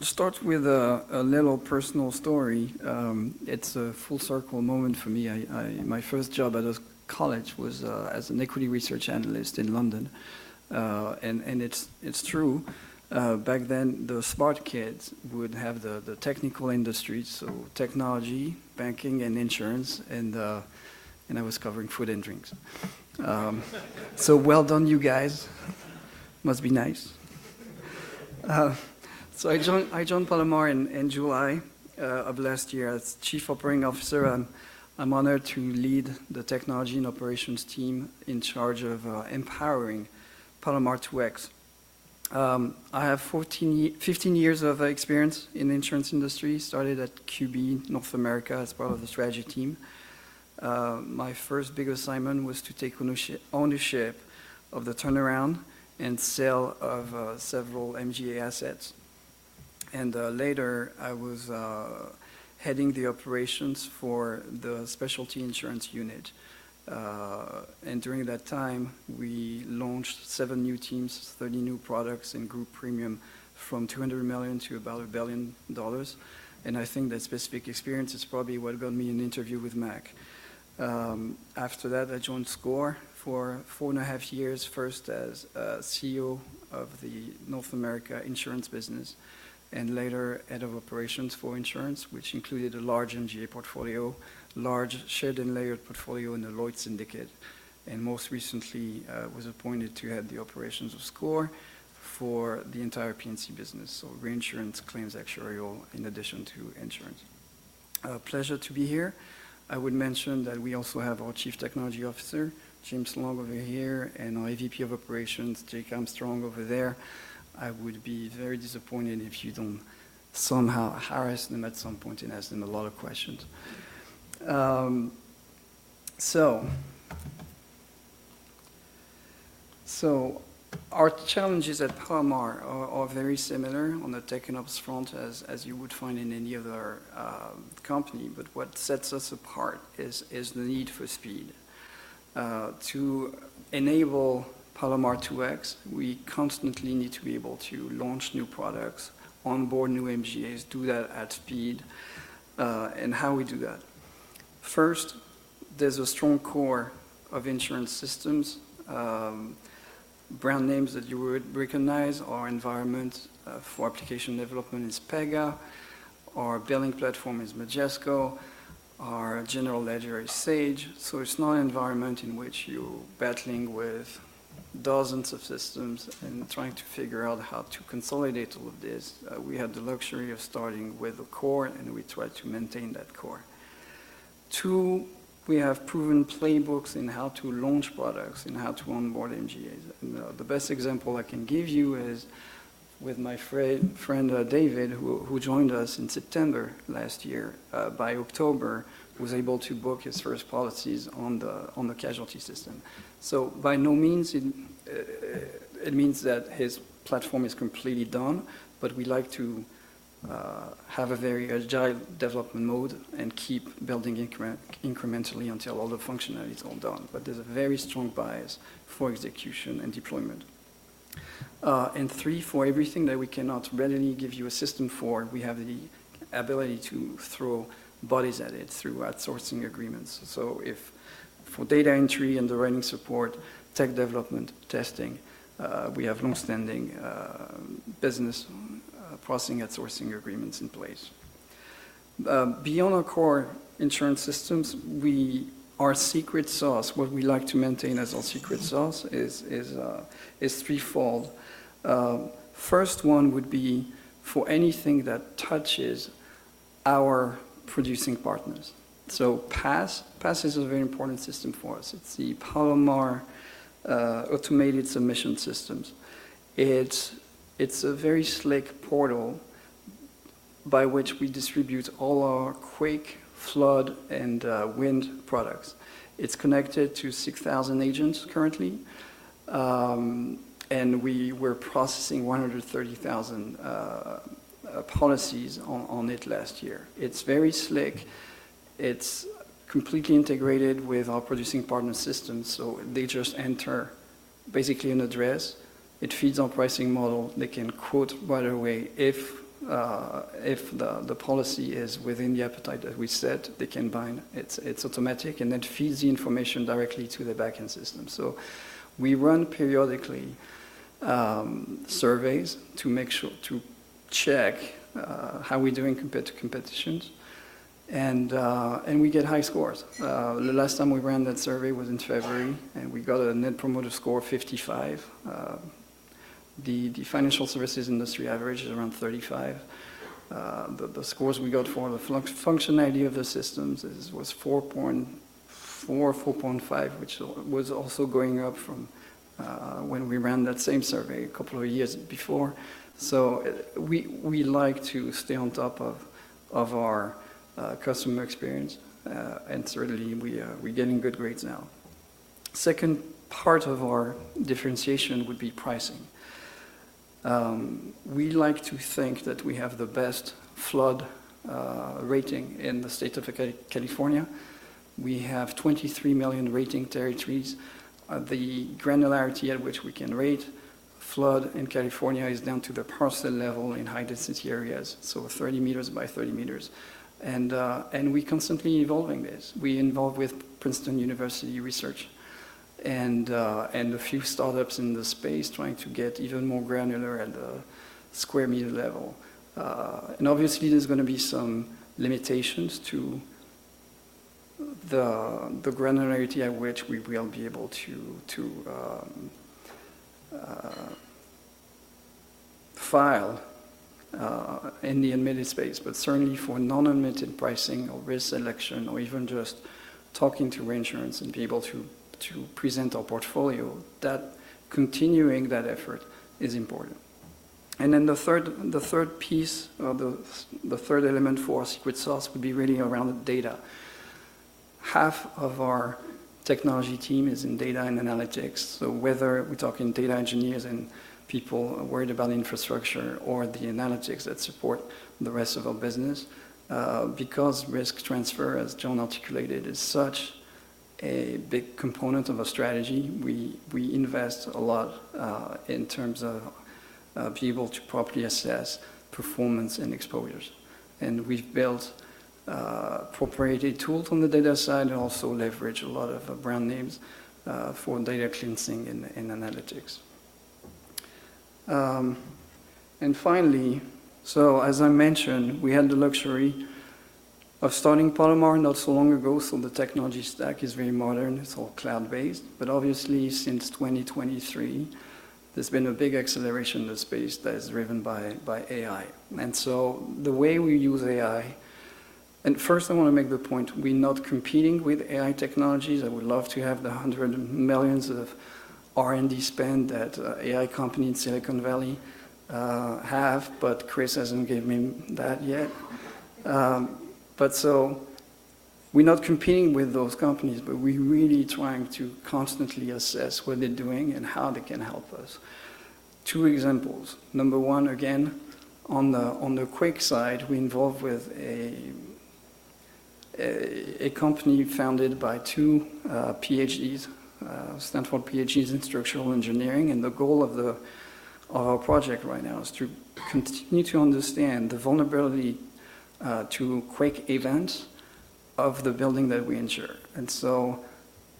start with a little personal story. It's a full-circle moment for me. My first job out of college was as an equity research analyst in London. It's true. Back then, the smart kids would have the technical industries, so technology, banking, and insurance. I was covering food and drinks. Well done, you guys. Must be nice. I joined Palomar in July of last year as Chief Operating Officer. I'm honored to lead the technology and operations team in charge of empowering Palomar 2X. I have 15 years of experience in the insurance industry. Started at QB North America as part of the strategy team. My first big assignment was to take ownership of the turnaround and sale of several MGA assets. Later, I was heading the operations for the specialty insurance unit. During that time, we launched seven new teams, 30 new products, and grew premium from $200 million to about $1 billion. I think that specific experience is probably what got me an interview with Mac. After that, I joined SCOR for four and a half years, first as CEO of the North America insurance business and later head of operations for insurance, which included a large MGA portfolio, large shared and layered portfolio in the Lloyds syndicate. Most recently, I was appointed to head the operations of SCOR for the entire P&C business, so reinsurance, claims, actuarial, in addition to insurance. Pleasure to be here. I would mention that we also have our Chief Technology Officer, James Long over here, and our AVP of operations, Jake Armstrong over there. I would be very disappointed if you don't somehow harass them at some point and ask them a lot of questions. Our challenges at Palomar are very similar on the tech and ops front as you would find in any other company. What sets us apart is the need for speed. To enable Palomar 2X, we constantly need to be able to launch new products, onboard new MGAs, do that at speed. How do we do that? First, there's a strong core of insurance systems. Brand names that you would recognize are Environment for Application Development is Pega. Our billing platform is Majesco. Our general ledger is Sage. It's not an environment in which you're battling with dozens of systems and trying to figure out how to consolidate all of this. We had the luxury of starting with a core, and we tried to maintain that core. Two, we have proven playbooks in how to launch products and how to onboard MGAs. The best example I can give you is with my friend David, who joined us in September last year. By October, he was able to book his first policies on the casualty system. By no means does it mean that his platform is completely done, but we like to have a very agile development mode and keep building incrementally until all the functionality is all done. There is a very strong bias for execution and deployment. Three, for everything that we cannot readily give you a system for, we have the ability to throw bodies at it through outsourcing agreements. For data entry and the writing support, tech development, testing, we have long-standing business processing outsourcing agreements in place. Beyond our core insurance systems, our secret sauce, what we like to maintain as our secret sauce is threefold. First one would be for anything that touches our producing partners. PASS is a very important system for us. It's the Palomar automated submission systems. It's a very slick portal by which we distribute all our quake, flood, and wind products. It's connected to 6,000 agents currently. We were processing 130,000 policies on it last year. It's very slick. It's completely integrated with our producing partner systems. They just enter basically an address. It feeds our pricing model. They can quote, by the way, if the policy is within the appetite that we set, they can bind. It's automatic, and it feeds the information directly to the backend system. We run periodically surveys to check how we're doing compared to competitions. We get high scores. The last time we ran that survey was in February, and we got a net promoter score of 55. The financial services industry average is around 35. The scores we got for the functionality of the systems was 4.4, 4.5, which was also going up from when we ran that same survey a couple of years before. We like to stay on top of our customer experience. Certainly, we're getting good grades now. Second part of our differentiation would be pricing. We like to think that we have the best flood rating in the state of California. We have 23 million rating territories. The granularity at which we can rate flood in California is down to the parcel level in high-density areas, so 30 meters by 30 meters. We're constantly evolving this. We're involved with Princeton University Research and a few startups in the space trying to get even more granular at the square meter level. Obviously, there's going to be some limitations to the granularity at which we will be able to file in the admitted space. Certainly, for non-admitted pricing or risk selection or even just talking to reinsurance and be able to present our portfolio, continuing that effort is important. The third piece, the third element for our secret sauce would be really around the data. Half of our technology team is in data and analytics. Whether we're talking data engineers and people worried about infrastructure or the analytics that support the rest of our business, because risk transfer, as Jon articulated, is such a big component of our strategy, we invest a lot in terms of being able to properly assess performance and exposures. We've built proprietary tools on the data side and also leveraged a lot of brand names for data cleansing and analytics. Finally, as I mentioned, we had the luxury of starting Palomar not so long ago. The technology stack is very modern. It's all cloud-based. Obviously, since 2023, there's been a big acceleration in the space that is driven by AI. The way we use AI, and first, I want to make the point, we're not competing with AI technologies. I would love to have the hundred millions of R&D spend that AI companies in Silicon Valley have, but Chris has not given me that yet. We are not competing with those companies, but we are really trying to constantly assess what they are doing and how they can help us. Two examples. Number one, again, on the quake side, we are involved with a company founded by two PhDs, Stanford PhDs in structural engineering. The goal of our project right now is to continue to understand the vulnerability to quake events of the building that we insure.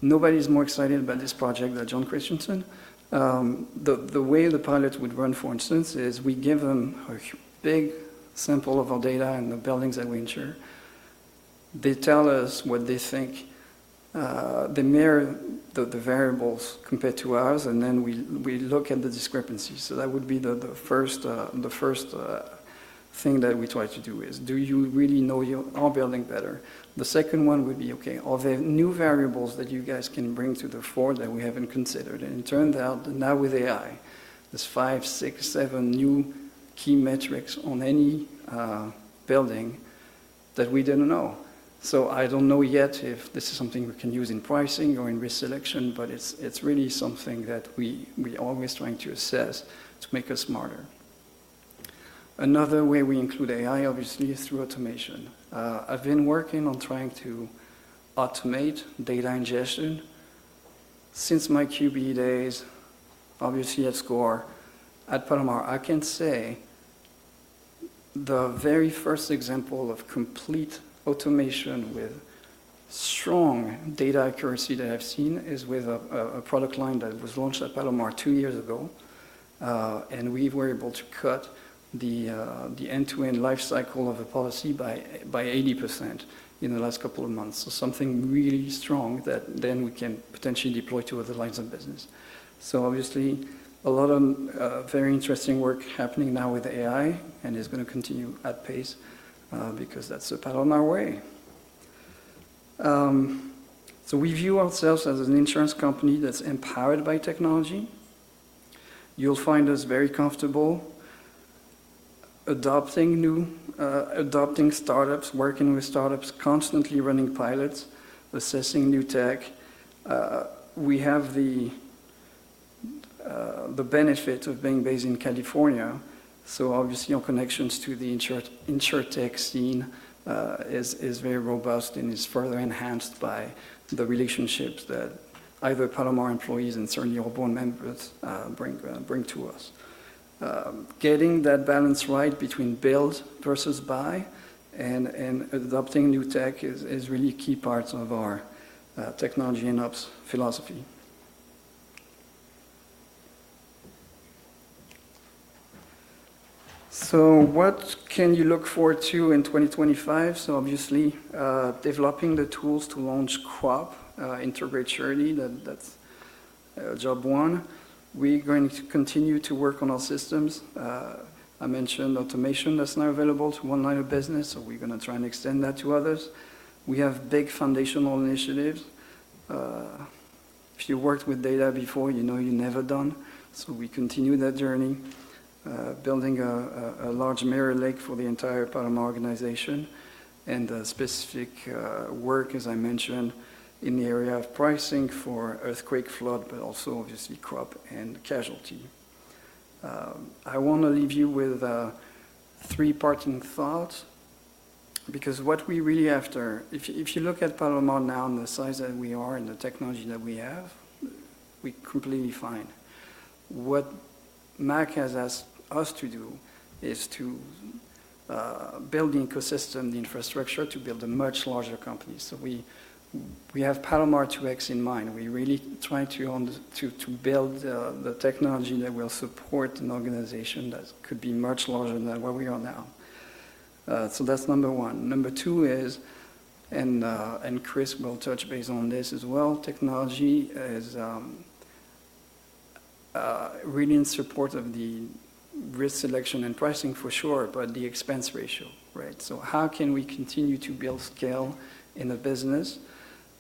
Nobody is more excited about this project than Jon Christianson. The way the pilot would run, for instance, is we give them a big sample of our data and the buildings that we insure. They tell us what they think, the variables compared to ours, and then we look at the discrepancies. That would be the first thing that we try to do is, do you really know your building better? The second one would be, okay, are there new variables that you guys can bring to the fore that we haven't considered? It turns out now with AI, there's five, six, seven new key metrics on any building that we didn't know. I don't know yet if this is something we can use in pricing or in risk selection, but it's really something that we're always trying to assess to make us smarter. Another way we include AI, obviously, is through automation. I've been working on trying to automate data ingestion. Since my QB days, obviously at SCOR, at Palomar, I can say the very first example of complete automation with strong data accuracy that I've seen is with a product line that was launched at Palomar two years ago. We were able to cut the end-to-end lifecycle of a policy by 80% in the last couple of months. Something really strong that then we can potentially deploy to other lines of business. Obviously, a lot of very interesting work happening now with AI, and it's going to continue at pace because that's the path on our way. We view ourselves as an insurance company that's empowered by technology. You'll find us very comfortable adopting new, adopting startups, working with startups, constantly running pilots, assessing new tech. We have the benefit of being based in California. Obviously, our connections to the insurtech scene are very robust and are further enhanced by the relationships that either Palomar employees and certainly our board members bring to us. Getting that balance right between build versus buy and adopting new tech is really key parts of our technology and ops philosophy. What can you look forward to in 2025? Obviously, developing the tools to launch QUAP integration journey, that's job one. We're going to continue to work on our systems. I mentioned automation that's now available to one line of business, so we're going to try and extend that to others. We have big foundational initiatives. If you've worked with data before, you know you're never done. We continue that journey, building a large mirror lake for the entire Palomar organization and specific work, as I mentioned, in the area of pricing for earthquake, flood, but also obviously QUAP and casualty. I want to leave you with three parting thoughts because what we really after, if you look at Palomar now and the size that we are and the technology that we have, we're completely fine. What Mac has asked us to do is to build the ecosystem, the infrastructure to build a much larger company. We have Palomar 2X in mind. We're really trying to build the technology that will support an organization that could be much larger than where we are now. That's number one. Number two is, and Chris will touch base on this as well, technology is really in support of the risk selection and pricing for sure, but the expense ratio, right? How can we continue to build scale in a business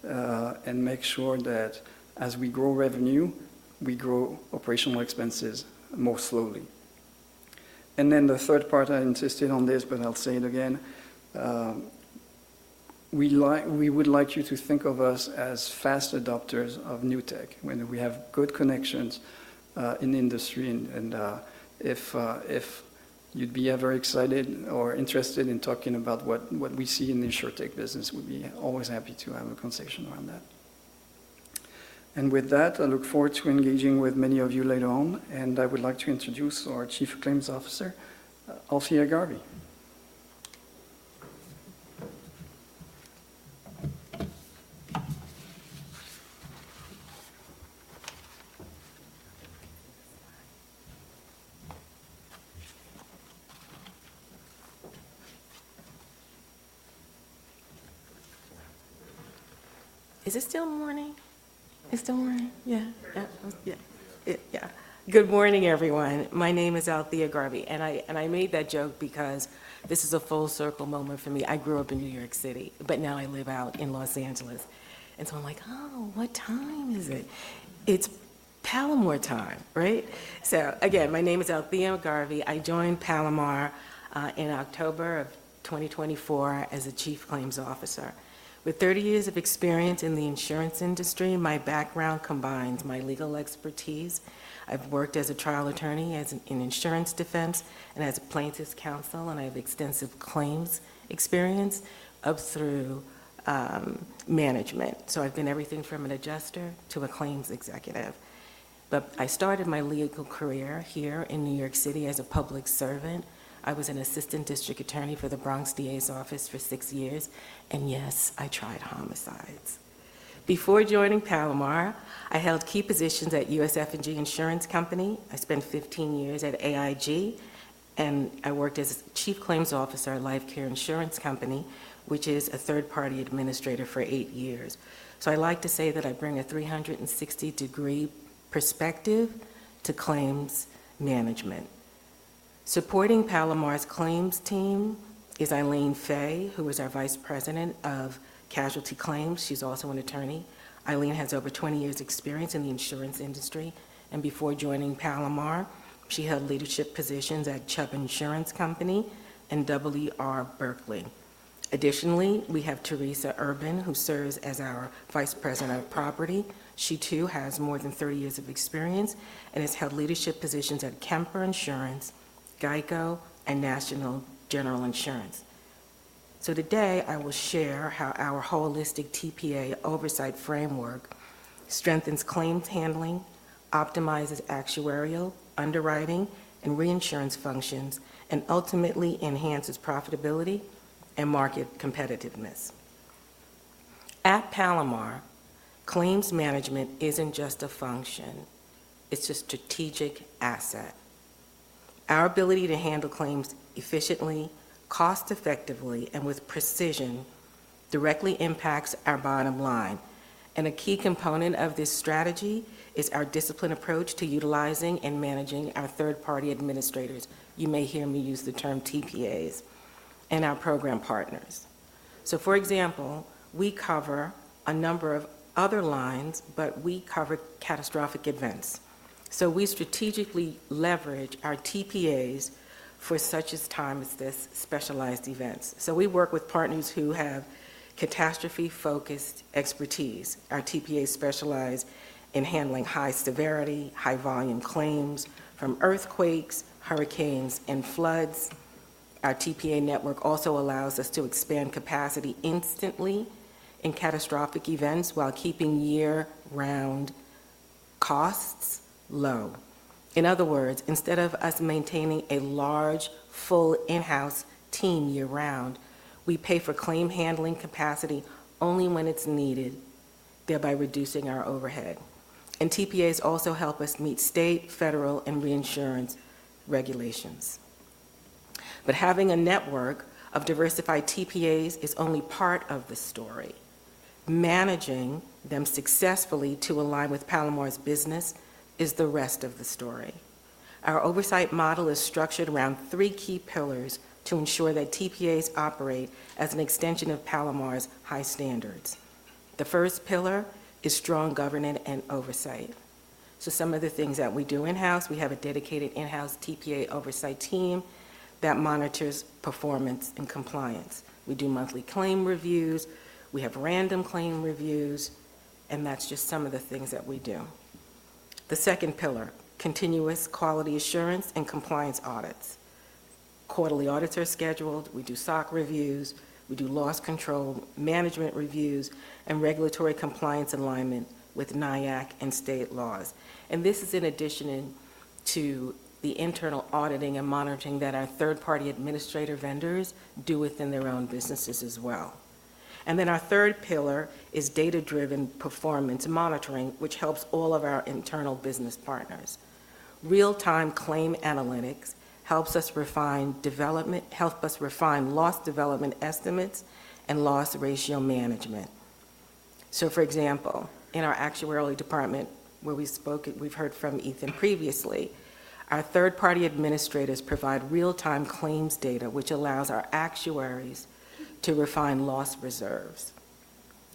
and make sure that as we grow revenue, we grow operational expenses more slowly? The third part, I insisted on this, but I'll say it again. We would like you to think of us as fast adopters of new tech. When we have good connections in industry, and if you'd be ever excited or interested in talking about what we see in the insurtech business, we'd be always happy to have a conversation around that. With that, I look forward to engaging with many of you later on. I would like to introduce our Chief Claims Officer, Althea Garvey. Is it still morning? It's still morning? Yeah. Yeah. Yeah. Good morning, everyone. My name is Althea Garvey. I made that joke because this is a full circle moment for me. I grew up in New York City, but now I live out in Los Angeles. I'm like, oh, what time is it? It's Palomar time, right? Again, my name is Althea Garvey. I joined Palomar in October of 2024 as Chief Claims Officer. With 30 years of experience in the insurance industry, my background combines my legal expertise. I've worked as a trial attorney, as in insurance defense, and as a plaintiff's counsel. I have extensive claims experience up through management. I've been everything from an adjuster to a claims executive. I started my legal career here in New York City as a public servant. I was an Assistant District Attorney for the Bronx DA's office for six years. Yes, I tried homicides. Before joining Palomar, I held key positions at US F&G Insurance Company. I spent 15 years at AIG, and I worked as a Chief Claims Officer at Lifecare Insurance Company, which is a third-party administrator, for eight years. I like to say that I bring a 360-degree perspective to claims management. Supporting Palomar's claims team is Eileen Fay, who is our Vice President of Casualty Claims. She's also an attorney. Eileen has over 20 years' experience in the insurance industry. Before joining Palomar, she held leadership positions at Chubb and W.R. Berkley. Additionally, we have Teresa Urban, who serves as our Vice President of Property. She too has more than 30 years of experience and has held leadership positions at Kemper, GEICO, and National General Insurance. Today, I will share how our holistic TPA oversight framework strengthens claims handling, optimizes actuarial underwriting and reinsurance functions, and ultimately enhances profitability and market competitiveness. At Palomar, claims management isn't just a function. It's a strategic asset. Our ability to handle claims efficiently, cost-effectively, and with precision directly impacts our bottom line. A key component of this strategy is our disciplined approach to utilizing and managing our third-party administrators. You may hear me use the term TPAs and our program partners. For example, we cover a number of other lines, but we cover catastrophic events. We strategically leverage our TPAs for such as time as this specialized events. We work with partners who have catastrophe-focused expertise. Our TPAs specialize in handling high severity, high-volume claims from earthquakes, hurricanes, and floods. Our TPA network also allows us to expand capacity instantly in catastrophic events while keeping year-round costs low. In other words, instead of us maintaining a large, full in-house team year-round, we pay for claim handling capacity only when it's needed, thereby reducing our overhead. TPAs also help us meet state, federal, and reinsurance regulations. Having a network of diversified TPAs is only part of the story. Managing them successfully to align with Palomar's business is the rest of the story. Our oversight model is structured around three key pillars to ensure that TPAs operate as an extension of Palomar's high standards. The first pillar is strong governance and oversight. Some of the things that we do in-house, we have a dedicated in-house TPA oversight team that monitors performance and compliance. We do monthly claim reviews. We have random claim reviews. That's just some of the things that we do. The second pillar, continuous quality assurance and compliance audits. Quarterly audits are scheduled. We do SOC reviews. We do loss control management reviews and regulatory compliance alignment with NIAC and state laws. This is in addition to the internal auditing and monitoring that our third-party administrator vendors do within their own businesses as well. Our third pillar is data-driven performance monitoring, which helps all of our internal business partners. Real-time claim analytics helps us refine loss development estimates and loss ratio management. For example, in our actuarial department, where we've heard from Ethan previously, our third-party administrators provide real-time claims data, which allows our actuaries to refine loss reserves.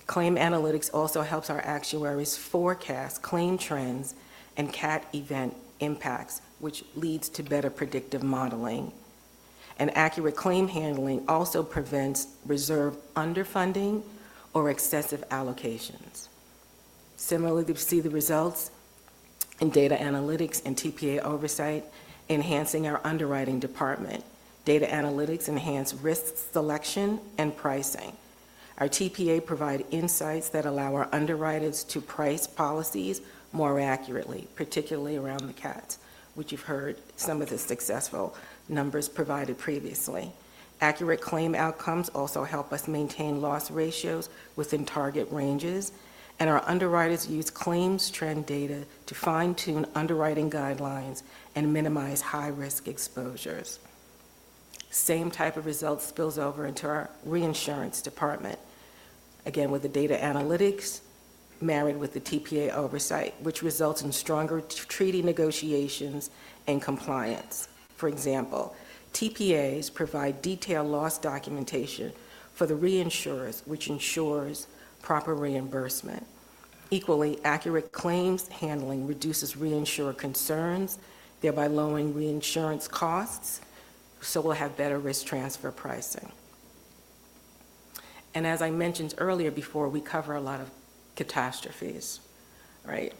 Claim analytics also helps our actuaries forecast claim trends and cat event impacts, which leads to better predictive modeling. Accurate claim handling also prevents reserve underfunding or excessive allocations. Similarly, we see the results in data analytics and TPA oversight enhancing our underwriting department. Data analytics enhance risk selection and pricing. Our TPA provide insights that allow our underwriters to price policies more accurately, particularly around the cats, which you've heard some of the successful numbers provided previously. Accurate claim outcomes also help us maintain loss ratios within target ranges. Our underwriters use claims trend data to fine-tune underwriting guidelines and minimize high-risk exposures. The same type of result spills over into our reinsurance department, again with the data analytics married with the TPA oversight, which results in stronger treaty negotiations and compliance. For example, TPAs provide detailed loss documentation for the reinsurers, which ensures proper reimbursement. Equally, accurate claims handling reduces reinsurer concerns, thereby lowering reinsurance costs. We will have better risk transfer pricing. As I mentioned earlier, before we cover a lot of catastrophes, right?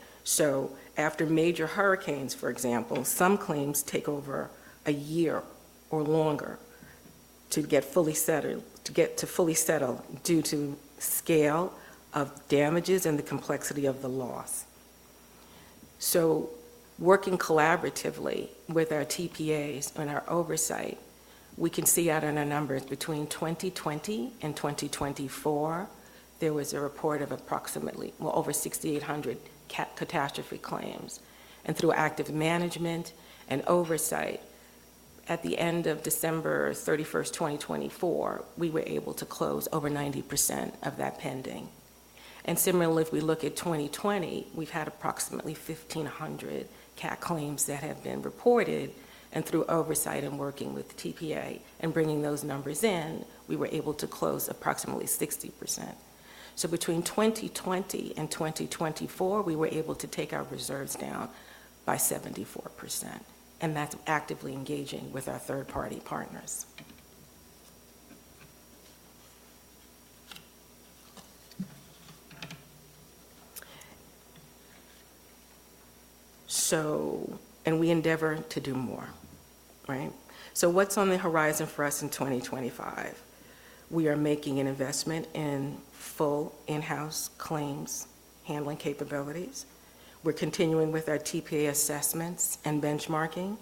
After major hurricanes, for example, some claims take over a year or longer to get fully settled due to the scale of damages and the complexity of the loss. Working collaboratively with our TPAs and our oversight, we can see out on our numbers between 2020 and 2024, there was a report of approximately, well, over 6,800 catastrophe claims. Through active management and oversight, at the end of December 31, 2024, we were able to close over 90% of that pending. Similarly, if we look at 2020, we've had approximately 1,500 cat claims that have been reported. Through oversight and working with TPA and bringing those numbers in, we were able to close approximately 60%. Between 2020 and 2024, we were able to take our reserves down by 74%. That is actively engaging with our third-party partners. We endeavor to do more, right? What is on the horizon for us in 2025? We are making an investment in full in-house claims handling capabilities. We are continuing with our TPA assessments and benchmarking.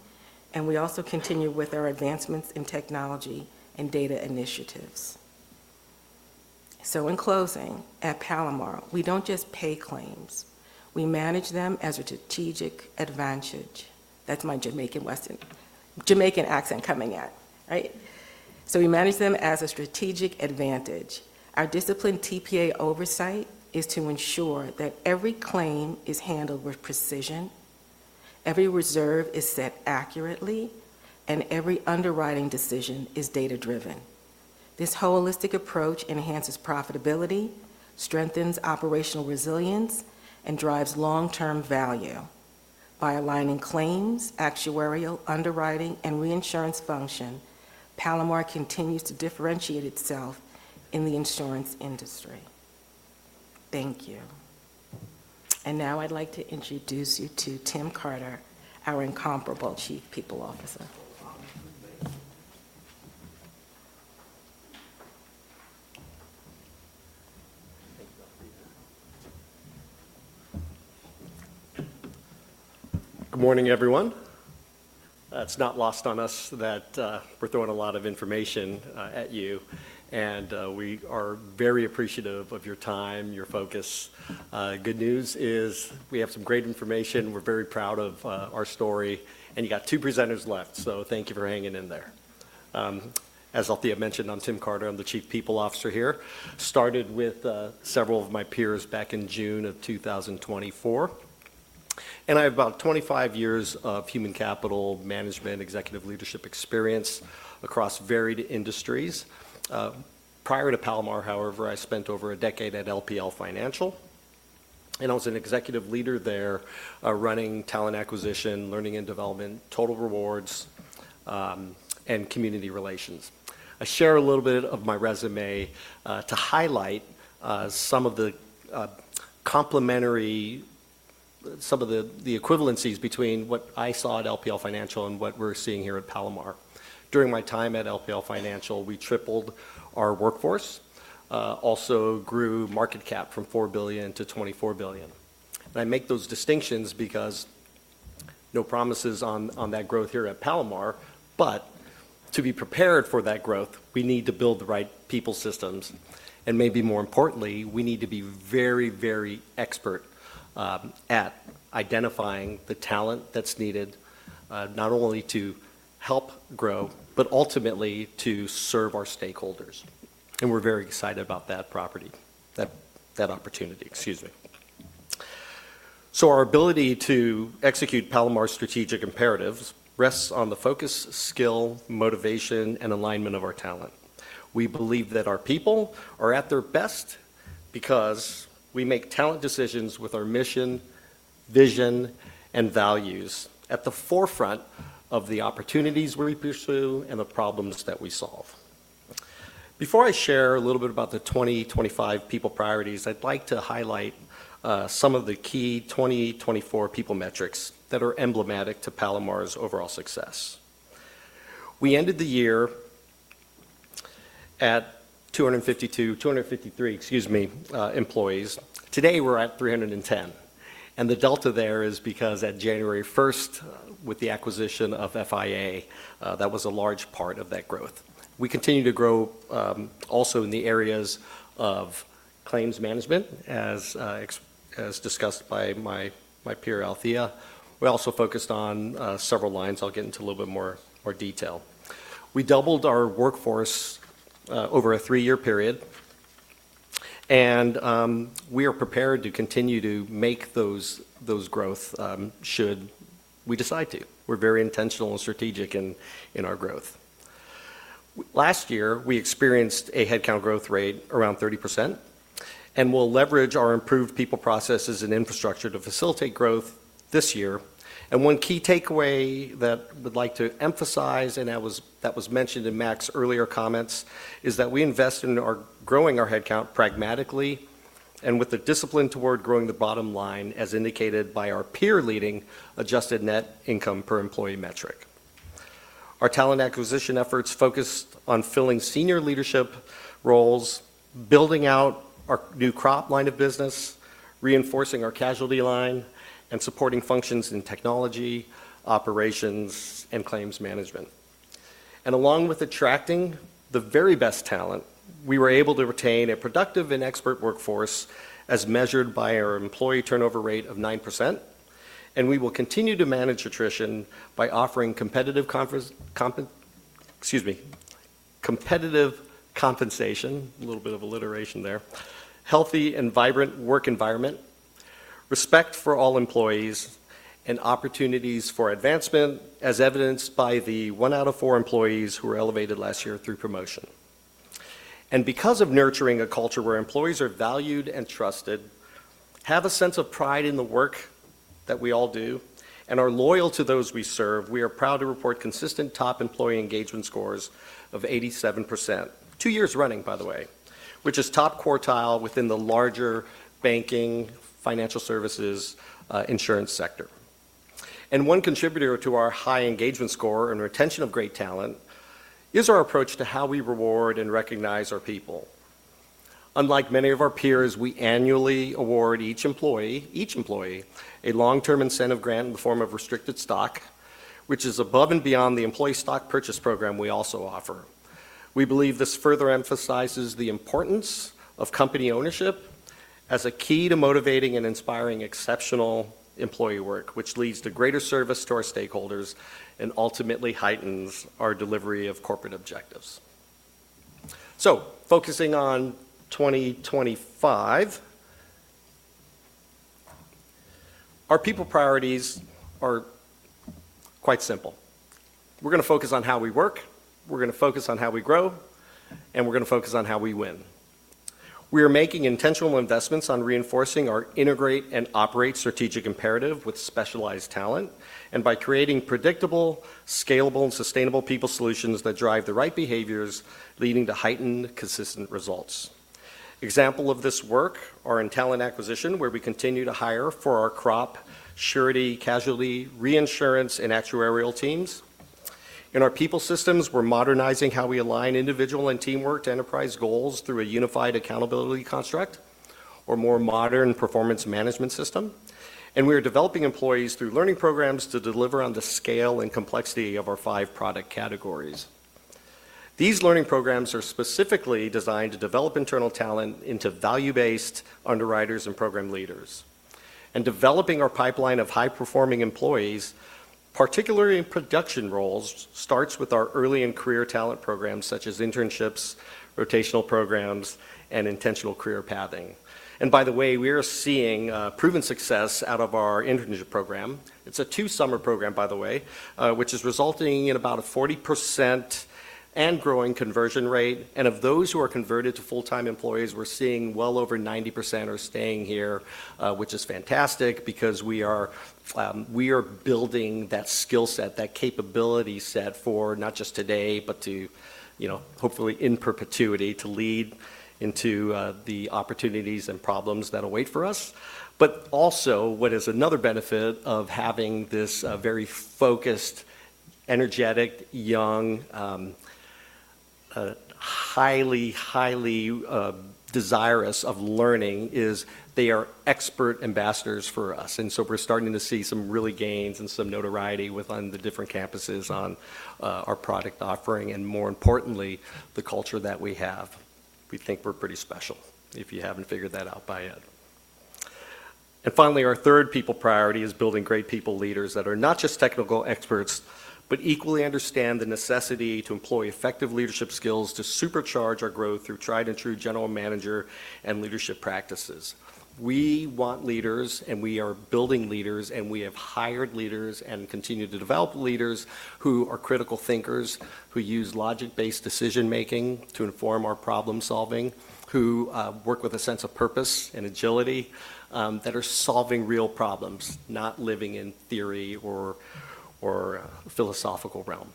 We also continue with our advancements in technology and data initiatives. In closing, at Palomar, we do not just pay claims. We manage them as a strategic advantage. That is my Jamaican accent coming out, right? We manage them as a strategic advantage. Our disciplined TPA oversight is to ensure that every claim is handled with precision, every reserve is set accurately, and every underwriting decision is data-driven. This holistic approach enhances profitability, strengthens operational resilience, and drives long-term value. By aligning claims, actuarial underwriting, and reinsurance function, Palomar continues to differentiate itself in the insurance industry. Thank you. I would like to introduce you to Tim Carter, our incomparable Chief People Officer. Good morning, everyone. It's not lost on us that we're throwing a lot of information at you. We are very appreciative of your time, your focus. Good news is we have some great information. We're very proud of our story. You got two presenters left. Thank you for hanging in there. As Althea mentioned, I'm Tim Carter. I'm the Chief People Officer here. Started with several of my peers back in June of 2024. I have about 25 years of human capital management, executive leadership experience across varied industries. Prior to Palomar, however, I spent over a decade at LPL Financial. I was an executive leader there running talent acquisition, learning and development, total rewards, and community relations. I share a little bit of my resume to highlight some of the complementary, some of the equivalencies between what I saw at LPL Financial and what we're seeing here at Palomar. During my time at LPL Financial, we tripled our workforce. Also grew market cap from $4 billion to $24 billion. I make those distinctions because no promises on that growth here at Palomar. To be prepared for that growth, we need to build the right people systems. Maybe more importantly, we need to be very, very expert at identifying the talent that's needed not only to help grow, but ultimately to serve our stakeholders. We're very excited about that property, that opportunity, excuse me. Our ability to execute Palomar's strategic imperatives rests on the focus, skill, motivation, and alignment of our talent. We believe that our people are at their best because we make talent decisions with our mission, vision, and values at the forefront of the opportunities we pursue and the problems that we solve. Before I share a little bit about the 2025 people priorities, I'd like to highlight some of the key 2024 people metrics that are emblematic to Palomar's overall success. We ended the year at 252, 253, excuse me, employees. Today, we're at 310. The delta there is because at January 1, with the acquisition of FIA, that was a large part of that growth. We continue to grow also in the areas of claims management, as discussed by my peer, Althea. We also focused on several lines. I'll get into a little bit more detail. We doubled our workforce over a three-year period. We are prepared to continue to make those growths should we decide to. We are very intentional and strategic in our growth. Last year, we experienced a headcount growth rate around 30%. We will leverage our improved people processes and infrastructure to facilitate growth this year. One key takeaway that we would like to emphasize, and that was mentioned in Mac's earlier comments, is that we invest in growing our headcount pragmatically and with a discipline toward growing the bottom line, as indicated by our peer-leading adjusted net income per employee metric. Our talent acquisition efforts focused on filling senior leadership roles, building out our new crop line of business, reinforcing our casualty line, and supporting functions in technology, operations, and claims management. Along with attracting the very best talent, we were able to retain a productive and expert workforce as measured by our employee turnover rate of 9%. We will continue to manage attrition by offering competitive compensation, a little bit of alliteration there, healthy and vibrant work environment, respect for all employees, and opportunities for advancement, as evidenced by the one out of four employees who were elevated last year through promotion. Because of nurturing a culture where employees are valued and trusted, have a sense of pride in the work that we all do, and are loyal to those we serve, we are proud to report consistent top employee engagement scores of 87%, two years running, by the way, which is top quartile within the larger banking, financial services, insurance sector. One contributor to our high engagement score and retention of great talent is our approach to how we reward and recognize our people. Unlike many of our peers, we annually award each employee a long-term incentive grant in the form of restricted stock, which is above and beyond the employee stock purchase program we also offer. We believe this further emphasizes the importance of company ownership as a key to motivating and inspiring exceptional employee work, which leads to greater service to our stakeholders and ultimately heightens our delivery of corporate objectives. Focusing on 2025, our people priorities are quite simple. We're going to focus on how we work. We're going to focus on how we grow. We're going to focus on how we win. We are making intentional investments on reinforcing our integrate and operate strategic imperative with specialized talent and by creating predictable, scalable, and sustainable people solutions that drive the right behaviors leading to heightened consistent results. Examples of this work are in talent acquisition, where we continue to hire for our crop, surety, casualty, reinsurance, and actuarial teams. In our people systems, we're modernizing how we align individual and teamwork to enterprise goals through a unified accountability construct or more modern performance management system. We are developing employees through learning programs to deliver on the scale and complexity of our five product categories. These learning programs are specifically designed to develop internal talent into value-based underwriters and program leaders. Developing our pipeline of high-performing employees, particularly in production roles, starts with our early and career talent programs such as internships, rotational programs, and intentional career pathing. By the way, we are seeing proven success out of our internship program. It's a two-summer program, by the way, which is resulting in about a 40% and growing conversion rate. Of those who are converted to full-time employees, we're seeing well over 90% are staying here, which is fantastic because we are building that skill set, that capability set for not just today, but to hopefully in perpetuity to lead into the opportunities and problems that await for us. Also, what is another benefit of having this very focused, energetic, young, highly, highly desirous of learning is they are expert ambassadors for us. We are starting to see some real gains and some notoriety within the different campuses on our product offering and, more importantly, the culture that we have. We think we're pretty special if you haven't figured that out by yet. Finally, our third people priority is building great people leaders that are not just technical experts, but equally understand the necessity to employ effective leadership skills to supercharge our growth through tried-and-true general manager and leadership practices. We want leaders, and we are building leaders, and we have hired leaders and continue to develop leaders who are critical thinkers, who use logic-based decision-making to inform our problem-solving, who work with a sense of purpose and agility that are solving real problems, not living in theory or philosophical realm.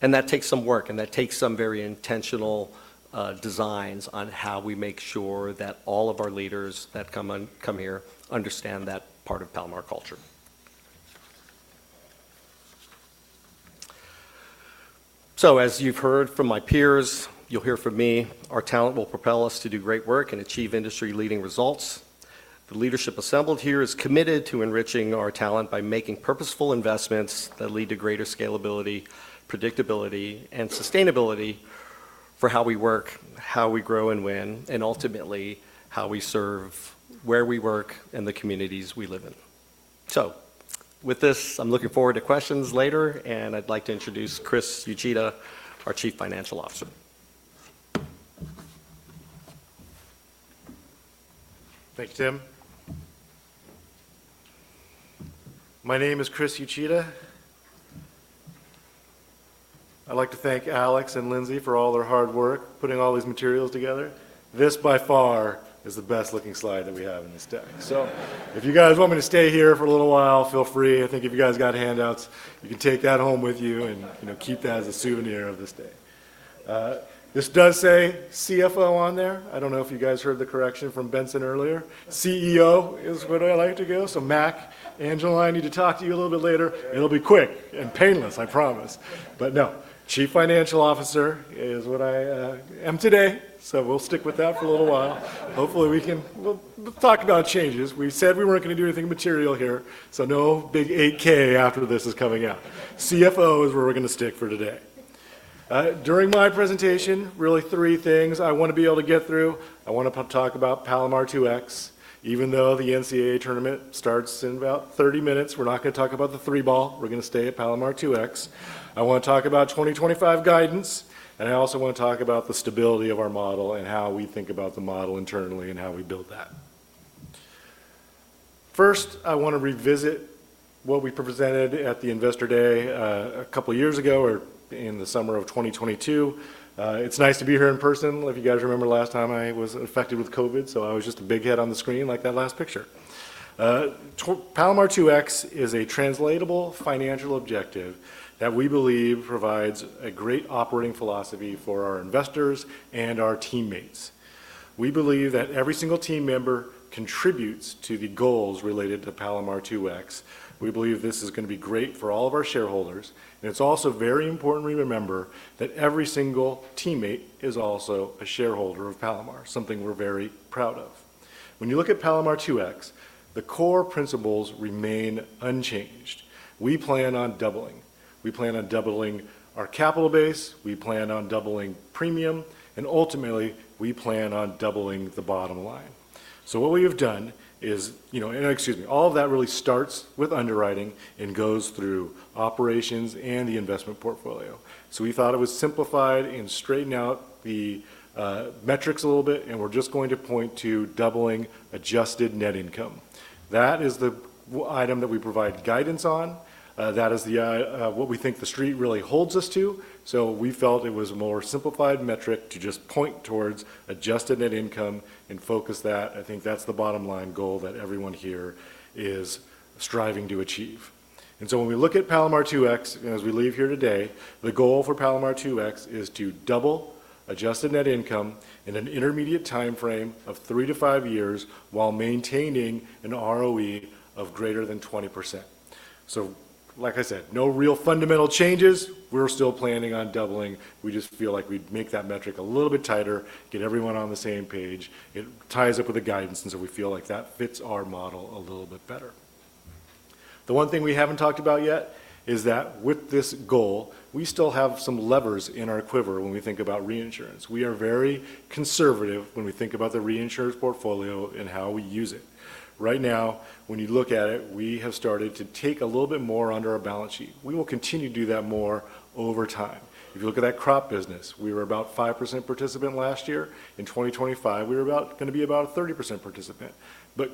That takes some work, and that takes some very intentional designs on how we make sure that all of our leaders that come here understand that part of Palomar culture. As you have heard from my peers, you will hear from me, our talent will propel us to do great work and achieve industry-leading results. The leadership assembled here is committed to enriching our talent by making purposeful investments that lead to greater scalability, predictability, and sustainability for how we work, how we grow and win, and ultimately how we serve where we work and the communities we live in. With this, I'm looking forward to questions later, and I'd like to introduce Chris Uchida, our Chief Financial Officer. Thanks, Tim. My name is Chris Uchida. I'd like to thank Alex and Lindsay for all their hard work putting all these materials together. This, by far, is the best-looking slide that we have in this deck. If you guys want me to stay here for a little while, feel free. I think if you guys got handouts, you can take that home with you and keep that as a souvenir of this day. This does say CFO on there. I don't know if you guys heard the correction from Benson earlier. CEO is what I like to go. Mac, Angela, I need to talk to you a little bit later. It'll be quick and painless, I promise. No, Chief Financial Officer is what I am today. We'll stick with that for a little while. Hopefully, we can talk about changes. We said we weren't going to do anything material here. So no big 8K after this is coming out. CFO is where we're going to stick for today. During my presentation, really three things I want to be able to get through. I want to talk about Palomar 2X. Even though the NCAA tournament starts in about 30 minutes, we're not going to talk about the three-ball. We're going to stay at Palomar 2X. I want to talk about 2025 guidance. I also want to talk about the stability of our model and how we think about the model internally and how we build that. First, I want to revisit what we presented at the Investor Day a couple of years ago or in the summer of 2022. It's nice to be here in person. If you guys remember last time, I was infected with COVID. I was just a big head on the screen like that last picture. Palomar 2X is a translatable financial objective that we believe provides a great operating philosophy for our investors and our teammates. We believe that every single team member contributes to the goals related to Palomar 2X. We believe this is going to be great for all of our shareholders. It is also very important we remember that every single teammate is also a shareholder of Palomar, something we're very proud of. When you look at Palomar 2X, the core principles remain unchanged. We plan on doubling. We plan on doubling our capital base. We plan on doubling premium. Ultimately, we plan on doubling the bottom line. What we have done is, excuse me, all of that really starts with underwriting and goes through operations and the investment portfolio. We thought it was simplified and straightened out the metrics a little bit. We're just going to point to doubling adjusted net income. That is the item that we provide guidance on. That is what we think the street really holds us to. We felt it was a more simplified metric to just point towards adjusted net income and focus that. I think that's the bottom-line goal that everyone here is striving to achieve. When we look at Palomar 2X, as we leave here today, the goal for Palomar 2X is to double adjusted net income in an intermediate timeframe of three to five years while maintaining an ROE of greater than 20%. Like I said, no real fundamental changes. We're still planning on doubling. We just feel like we'd make that metric a little bit tighter, get everyone on the same page. It ties up with the guidance. We feel like that fits our model a little bit better. The one thing we have not talked about yet is that with this goal, we still have some levers in our quiver when we think about reinsurance. We are very conservative when we think about the reinsurance portfolio and how we use it. Right now, when you look at it, we have started to take a little bit more under our balance sheet. We will continue to do that more over time. If you look at that crop business, we were about 5% participant last year. In 2025, we were going to be about a 30% participant.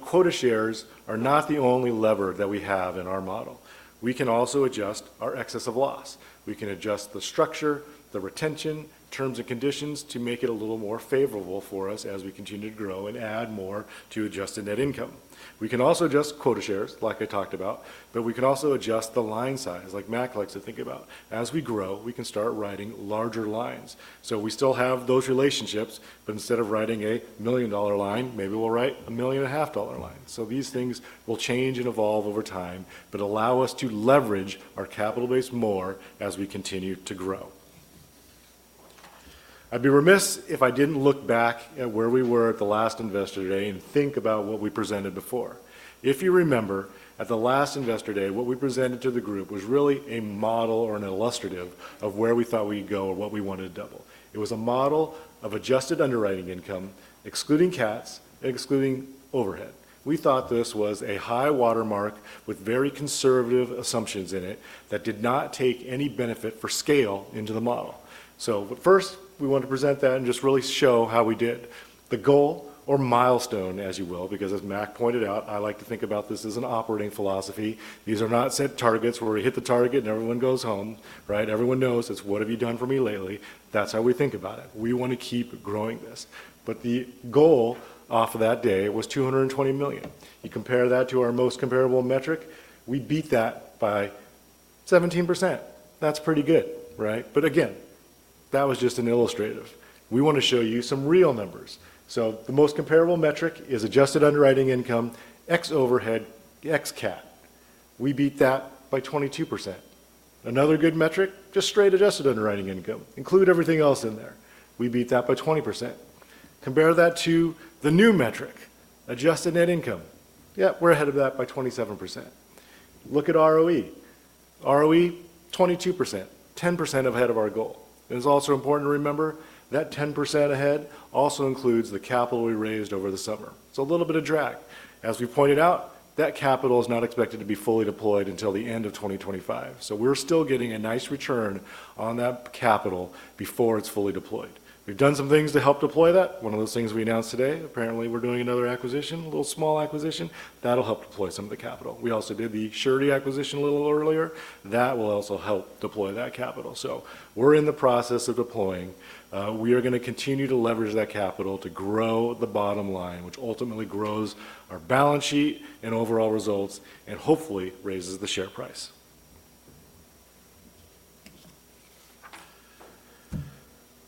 Quota shares are not the only lever that we have in our model. We can also adjust our excessive loss. We can adjust the structure, the retention, terms, and conditions to make it a little more favorable for us as we continue to grow and add more to adjusted net income. We can also adjust quota shares, like I talked about. We can also adjust the line size, like Mac likes to think about. As we grow, we can start writing larger lines. We still have those relationships, but instead of writing a $1 million line, maybe we'll write a $1.5 million line. These things will change and evolve over time, but allow us to leverage our capital base more as we continue to grow. I'd be remiss if I didn't look back at where we were at the last investor day and think about what we presented before. If you remember, at the last investor day, what we presented to the group was really a model or an illustrative of where we thought we'd go or what we wanted to double. It was a model of adjusted underwriting income, excluding CATS, excluding overhead. We thought this was a high watermark with very conservative assumptions in it that did not take any benefit for scale into the model. First, we want to present that and just really show how we did. The goal or milestone, as you will, because as Mac pointed out, I like to think about this as an operating philosophy. These are not set targets where we hit the target and everyone goes home, right? Everyone knows it's what have you done for me lately. That's how we think about it. We want to keep growing this. The goal off of that day was $220 million. You compare that to our most comparable metric, we beat that by 17%. That's pretty good, right? That was just an illustrative. We want to show you some real numbers. The most comparable metric is adjusted underwriting income, X overhead, X CAT. We beat that by 22%. Another good metric, just straight adjusted underwriting income. Include everything else in there. We beat that by 20%. Compare that to the new metric, adjusted net income. Yep, we're ahead of that by 27%. Look at ROE. ROE, 22%, 10% ahead of our goal. It is also important to remember that 10% ahead also includes the capital we raised over the summer. It's a little bit of drag. As we pointed out, that capital is not expected to be fully deployed until the end of 2025. We're still getting a nice return on that capital before it's fully deployed. We've done some things to help deploy that. One of those things we announced today, apparently we're doing another acquisition, a little small acquisition. That'll help deploy some of the capital. We also did the surety acquisition a little earlier. That will also help deploy that capital. We're in the process of deploying. We are going to continue to leverage that capital to grow the bottom line, which ultimately grows our balance sheet and overall results and hopefully raises the share price.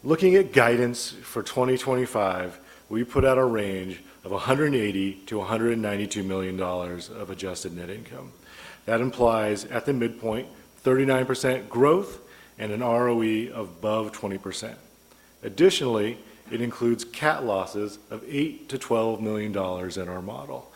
Looking at guidance for 2025, we put out a range of $180-$192 million of adjusted net income. That implies at the midpoint, 39% growth and an ROE above 20%. Additionally, it includes CAT losses of $8-$12 million in our model.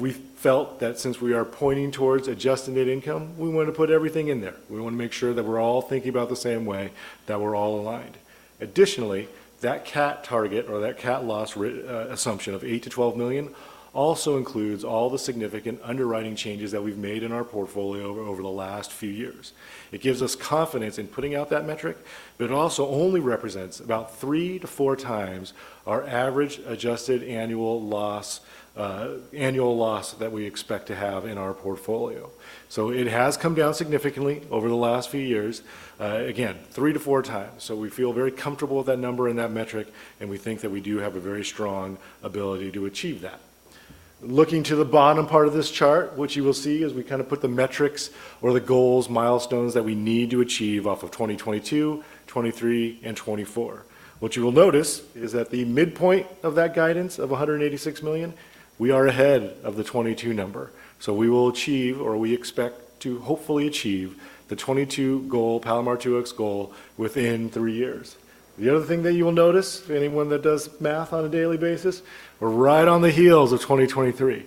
We felt that since we are pointing towards adjusted net income, we want to put everything in there. We want to make sure that we're all thinking about the same way, that we're all aligned. Additionally, that CAT target or that CAT loss assumption of $8-$12 million also includes all the significant underwriting changes that we've made in our portfolio over the last few years. It gives us confidence in putting out that metric, but it also only represents about three to four times our average adjusted annual loss that we expect to have in our portfolio. It has come down significantly over the last few years. Again, three to four times. We feel very comfortable with that number and that metric, and we think that we do have a very strong ability to achieve that. Looking to the bottom part of this chart, what you will see is we kind of put the metrics or the goals, milestones that we need to achieve off of 2022, 2023, and 2024. What you will notice is that the midpoint of that guidance of $186 million, we are ahead of the 2022 number. So we will achieve, or we expect to hopefully achieve, the 2022 goal, Palomar 2X goal within three years. The other thing that you will notice, anyone that does math on a daily basis, we're right on the heels of 2023.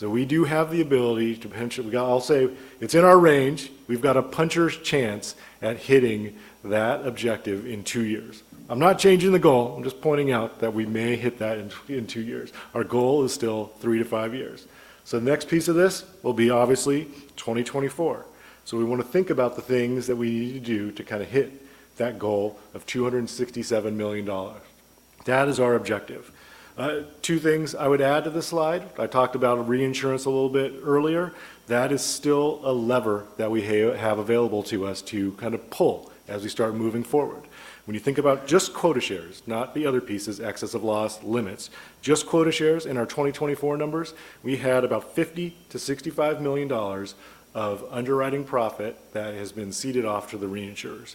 We do have the ability to punch it. I'll say it's in our range. We've got a puncher's chance at hitting that objective in two years. I'm not changing the goal. I'm just pointing out that we may hit that in two years. Our goal is still three to five years. The next piece of this will be obviously 2024. We want to think about the things that we need to do to kind of hit that goal of $267 million. That is our objective. Two things I would add to the slide. I talked about reinsurance a little bit earlier. That is still a lever that we have available to us to kind of pull as we start moving forward. When you think about just quota shares, not the other pieces, excessive loss limits, just quota shares in our 2024 numbers, we had about $50-$65 million of underwriting profit that has been ceded off to the reinsurers.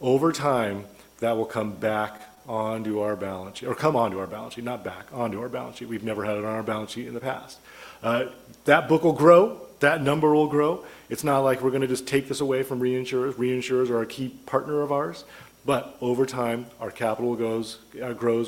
Over time, that will come back onto our balance sheet, or come onto our balance sheet, not back onto our balance sheet. We've never had it on our balance sheet in the past. That book will grow. That number will grow. It's not like we're going to just take this away from reinsurers. Reinsurers are a key partner of ours. Over time, our capital grows.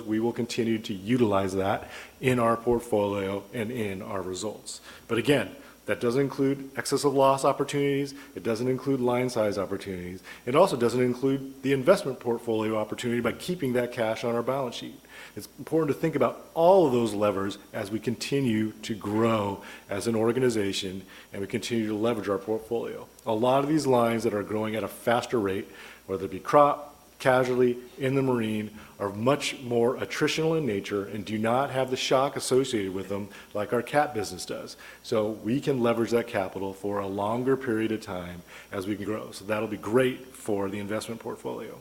We will continue to utilize that in our portfolio and in our results. Again, that doesn't include excessive loss opportunities. It doesn't include line size opportunities. It also doesn't include the investment portfolio opportunity by keeping that cash on our balance sheet. It's important to think about all of those levers as we continue to grow as an organization and we continue to leverage our portfolio. A lot of these lines that are growing at a faster rate, whether it be crop, casualty, inland marine, are much more attritional in nature and do not have the shock associated with them like our CAT business does. We can leverage that capital for a longer period of time as we can grow. That'll be great for the investment portfolio.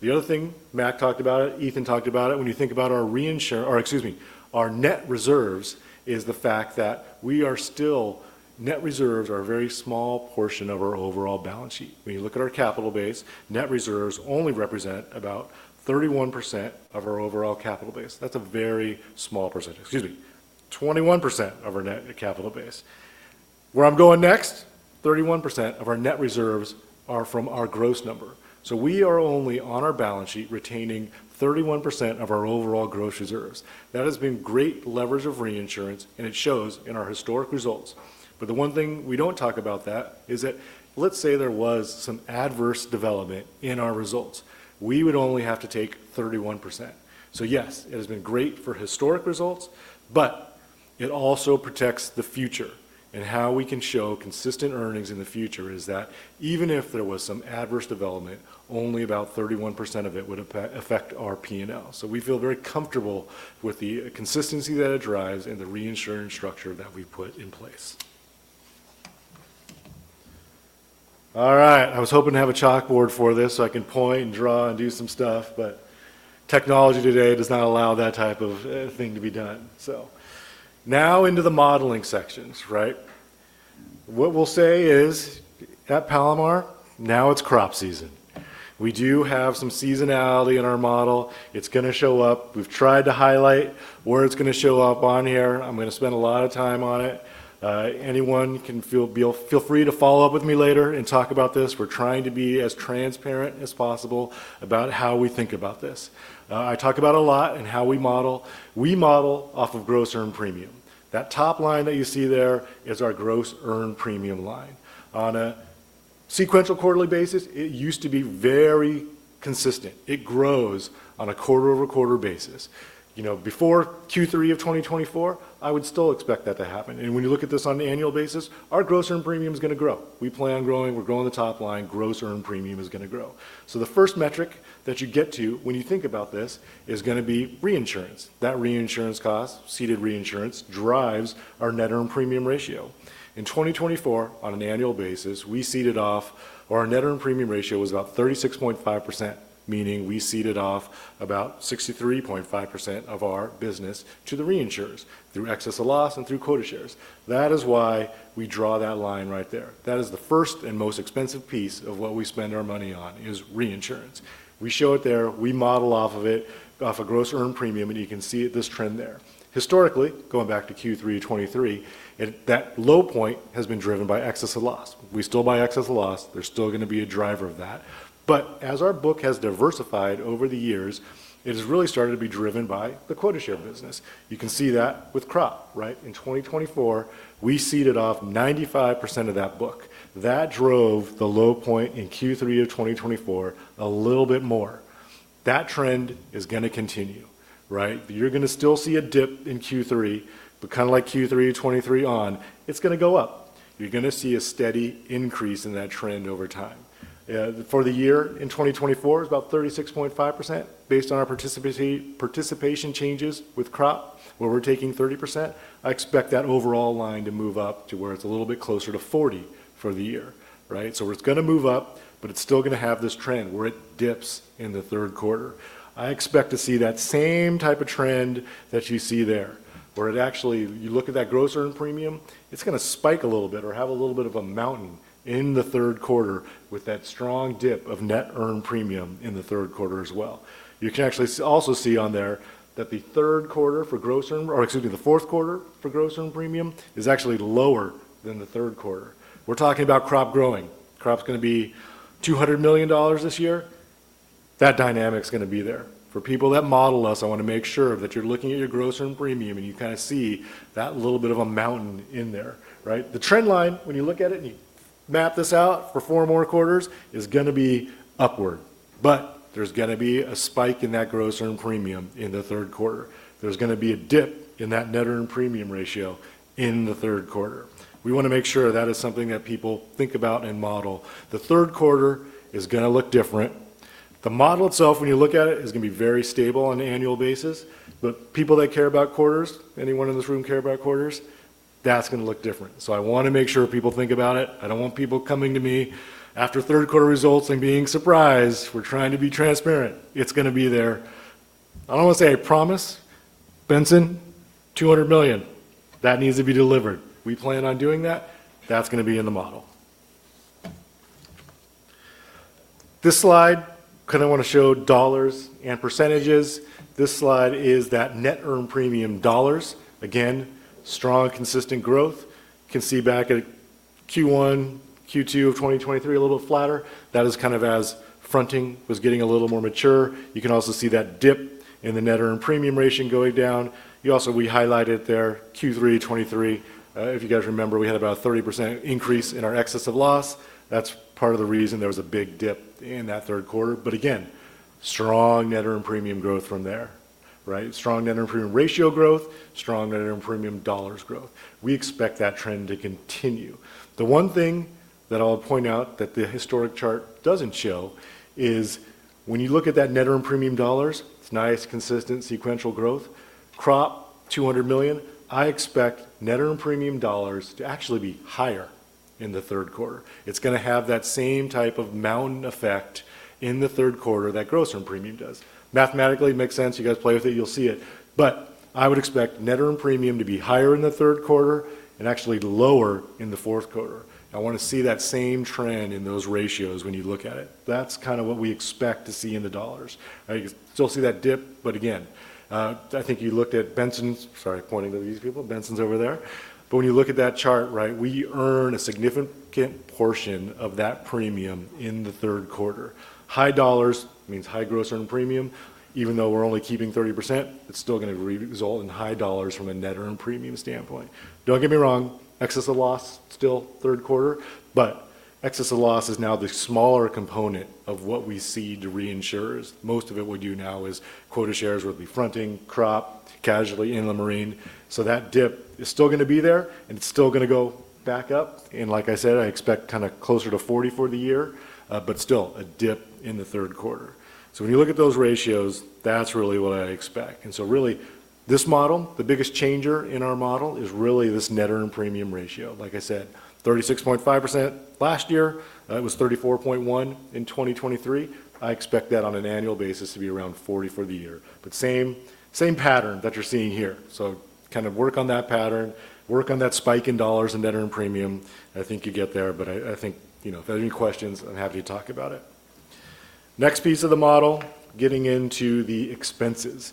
The other thing Mac talked about it, Ethan talked about it. When you think about our reinsurance, or excuse me, our net reserves, is the fact that we are still net reserves are a very small portion of our overall balance sheet. When you look at our capital base, net reserves only represent about 31% of our overall capital base. That's a very small percentage. Excuse me. 21% of our net capital base. Where I'm going next, 31% of our net reserves are from our gross number. We are only on our balance sheet retaining 31% of our overall gross reserves. That has been great leverage of reinsurance, and it shows in our historic results. The one thing we do not talk about is that let's say there was some adverse development in our results. We would only have to take 31%. Yes, it has been great for historic results, but it also protects the future. How we can show consistent earnings in the future is that even if there was some adverse development, only about 31% of it would affect our P&L. We feel very comfortable with the consistency that it drives and the reinsurance structure that we have put in place. I was hoping to have a chalkboard for this so I can point and draw and do some stuff, but technology today does not allow that type of thing to be done. Now into the modeling sections, right? What we will say is at Palomar, now it is crop season. We do have some seasonality in our model. It's going to show up. We've tried to highlight where it's going to show up on here. I'm going to spend a lot of time on it. Anyone can feel free to follow up with me later and talk about this. We're trying to be as transparent as possible about how we think about this. I talk about it a lot and how we model. We model off of gross earned premium. That top line that you see there is our gross earned premium line. On a sequential quarterly basis, it used to be very consistent. It grows on a quarter-over-quarter basis. Before Q3 of 2024, I would still expect that to happen. When you look at this on an annual basis, our gross earned premium is going to grow. We plan on growing. We're growing the top line. Gross earned premium is going to grow. The first metric that you get to when you think about this is going to be reinsurance. That reinsurance cost, ceded reinsurance, drives our net earned premium ratio. In 2024, on an annual basis, we ceded off, or our net earned premium ratio was about 36.5%, meaning we ceded off about 63.5% of our business to the reinsurers through excessive loss and through quota shares. That is why we draw that line right there. That is the first and most expensive piece of what we spend our money on is reinsurance. We show it there. We model off of it, off a gross earned premium, and you can see this trend there. Historically, going back to Q3 of 2023, that low point has been driven by excessive loss. We still buy excessive loss. There's still going to be a driver of that. As our book has diversified over the years, it has really started to be driven by the quota share business. You can see that with crop, right? In 2024, we ceded off 95% of that book. That drove the low point in Q3 of 2024 a little bit more. That trend is going to continue, right? You're going to still see a dip in Q3, but kind of like Q3 of 2023 on, it's going to go up. You're going to see a steady increase in that trend over time. For the year in 2024, it's about 36.5% based on our participation changes with crop, where we're taking 30%. I expect that overall line to move up to where it's a little bit closer to 40% for the year, right? It's going to move up, but it's still going to have this trend where it dips in the third quarter. I expect to see that same type of trend that you see there, where it actually, you look at that gross earned premium, it's going to spike a little bit or have a little bit of a mountain in the third quarter with that strong dip of net earned premium in the third quarter as well. You can actually also see on there that the third quarter for gross earned, or excuse me, the fourth quarter for gross earned premium is actually lower than the third quarter. We're talking about crop growing. Crop's going to be $200 million this year. That dynamic's going to be there. For people that model us, I want to make sure that you're looking at your gross earned premium and you kind of see that little bit of a mountain in there, right? The trend line, when you look at it and you map this out for four more quarters, is going to be upward. There is going to be a spike in that gross earned premium in the third quarter. There is going to be a dip in that net earned premium ratio in the third quarter. We want to make sure that is something that people think about and model. The third quarter is going to look different. The model itself, when you look at it, is going to be very stable on an annual basis. People that care about quarters, anyone in this room care about quarters, that is going to look different. I want to make sure people think about it. I do not want people coming to me after third quarter results and being surprised. We are trying to be transparent. It is going to be there. I do not want to say I promise, Benson, $200 million. That needs to be delivered. We plan on doing that. That is going to be in the model. This slide kind of wants to show dollars and percentages. This slide is that net earned premium dollars. Again, strong, consistent growth. You can see back at Q1, Q2 of 2023, a little bit flatter. That is kind of as fronting was getting a little more mature. You can also see that dip in the net earned premium ratio going down. You also, we highlighted there Q3, 2023. If you guys remember, we had about a 30% increase in our excessive loss. That's part of the reason there was a big dip in that third quarter. Again, strong net earned premium growth from there, right? Strong net earned premium ratio growth, strong net earned premium dollars growth. We expect that trend to continue. The one thing that I'll point out that the historic chart doesn't show is when you look at that net earned premium dollars, it's nice, consistent, sequential growth. Crop, $200 million. I expect net earned premium dollars to actually be higher in the third quarter. It's going to have that same type of mountain effect in the third quarter that gross earned premium does. Mathematically, it makes sense. You guys play with it, you'll see it. I would expect net earned premium to be higher in the third quarter and actually lower in the fourth quarter. I want to see that same trend in those ratios when you look at it. That's kind of what we expect to see in the dollars. You still see that dip, but again, I think you looked at Benson's, sorry, pointing to these people, Benson's over there. When you look at that chart, right, we earn a significant portion of that premium in the third quarter. High dollars means high gross earned premium. Even though we're only keeping 30%, it's still going to result in high dollars from a net earned premium standpoint. Don't get me wrong, excessive loss still third quarter, but excessive loss is now the smaller component of what we see to reinsurers. Most of it we do now is quota shares with the fronting, crop, casualty and the marine. That dip is still going to be there, and it's still going to go back up. Like I said, I expect kind of closer to 40% for the year, but still a dip in the third quarter. When you look at those ratios, that's really what I expect. Really, this model, the biggest changer in our model is really this net earned premium ratio. Like I said, 36.5% last year. It was 34.1% in 2023. I expect that on an annual basis to be around 40% for the year. Same pattern that you're seeing here. Kind of work on that pattern, work on that spike in dollars and net earned premium. I think you get there, but I think if there's any questions, I'm happy to talk about it. Next piece of the model, getting into the expenses.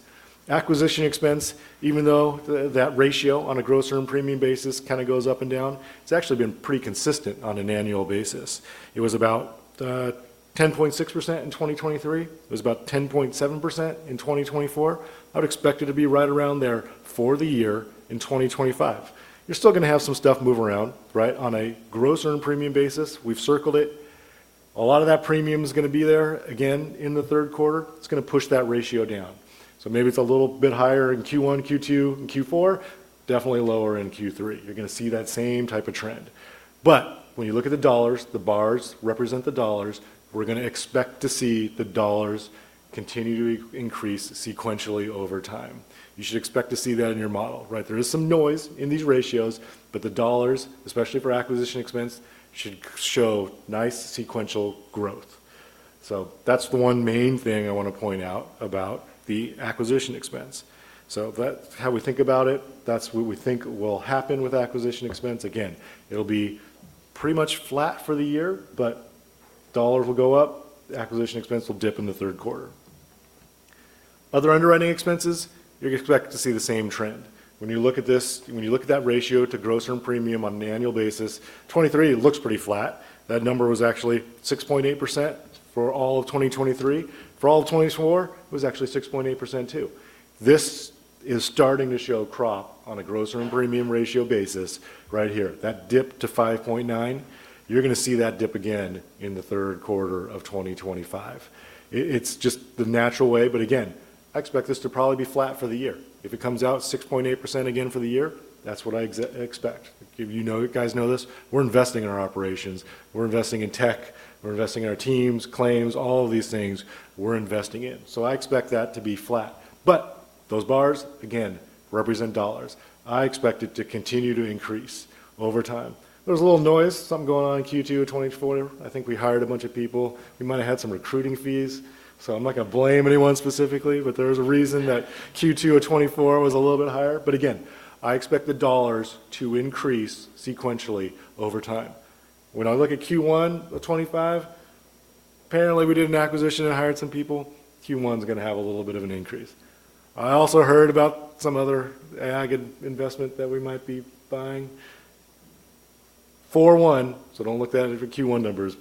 Acquisition expense, even though that ratio on a gross earned premium basis kind of goes up and down, it's actually been pretty consistent on an annual basis. It was about 10.6% in 2023. It was about 10.7% in 2024. I would expect it to be right around there for the year in 2025. You're still going to have some stuff move around, right, on a gross earned premium basis. We've circled it. A lot of that premium is going to be there again in the third quarter. It's going to push that ratio down. Maybe it's a little bit higher in Q1, Q2, and Q4. Definitely lower in Q3. You're going to see that same type of trend. When you look at the dollars, the bars represent the dollars. We're going to expect to see the dollars continue to increase sequentially over time. You should expect to see that in your model, right? There is some noise in these ratios, but the dollars, especially for acquisition expense, should show nice sequential growth. That is the one main thing I want to point out about the acquisition expense. That is how we think about it. That is what we think will happen with acquisition expense. Again, it will be pretty much flat for the year, but dollars will go up. Acquisition expense will dip in the third quarter. Other underwriting expenses, you are expecting to see the same trend. When you look at this, when you look at that ratio to gross earned premium on an annual basis, 2023, it looks pretty flat. That number was actually 6.8% for all of 2023. For all of 2024, it was actually 6.8% too. This is starting to show crop on a gross earned premium ratio basis right here. That dip to 5.9, you're going to see that dip again in the third quarter of 2025. It's just the natural way. I expect this to probably be flat for the year. If it comes out 6.8% again for the year, that's what I expect. You guys know this. We're investing in our operations. We're investing in tech. We're investing in our teams, claims, all of these things. We're investing in. I expect that to be flat. Those bars, again, represent dollars. I expect it to continue to increase over time. There's a little noise, something going on in Q2 of 2024. I think we hired a bunch of people. We might have had some recruiting fees. I'm not going to blame anyone specifically, but there is a reason that Q2 of 2024 was a little bit higher. Again, I expect the dollars to increase sequentially over time. When I look at Q1 of 2025, apparently we did an acquisition and hired some people. Q1 is going to have a little bit of an increase. I also heard about some other AI investment that we might be buying. Forty-one, so do not look at it for Q1 numbers,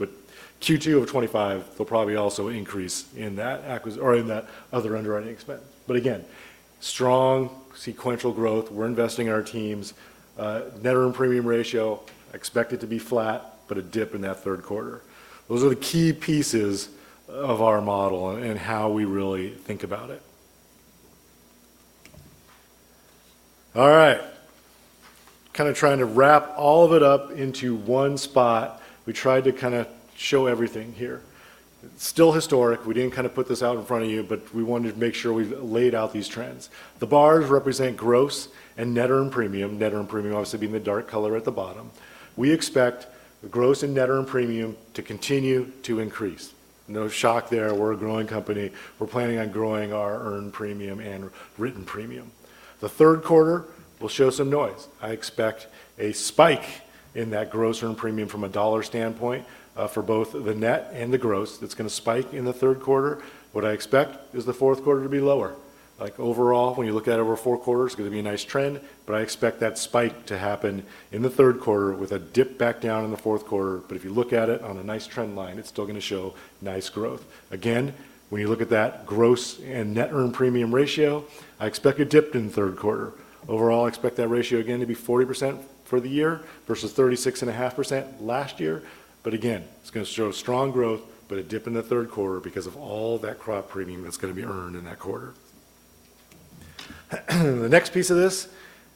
but Q2 of 2025, they will probably also increase in that or in that other underwriting expense. Again, strong sequential growth. We are investing in our teams. Net earned premium ratio expected to be flat, but a dip in that third quarter. Those are the key pieces of our model and how we really think about it. All right. Kind of trying to wrap all of it up into one spot. We tried to kind of show everything here. Still historic. We did not kind of put this out in front of you, but we wanted to make sure we laid out these trends. The bars represent gross and net earned premium. Net earned premium obviously being the dark color at the bottom. We expect the gross and net earned premium to continue to increase. No shock there. We are a growing company. We are planning on growing our earned premium and written premium. The third quarter will show some noise. I expect a spike in that gross earned premium from a dollar standpoint for both the net and the gross. It is going to spike in the third quarter. What I expect is the fourth quarter to be lower. Like overall, when you look at it over four quarters, it's going to be a nice trend, but I expect that spike to happen in the third quarter with a dip back down in the fourth quarter. If you look at it on a nice trend line, it's still going to show nice growth. Again, when you look at that gross and net earned premium ratio, I expect a dip in the third quarter. Overall, I expect that ratio again to be 40% for the year versus 36.5% last year. Again, it's going to show strong growth, but a dip in the third quarter because of all that crop premium that's going to be earned in that quarter. The next piece of this,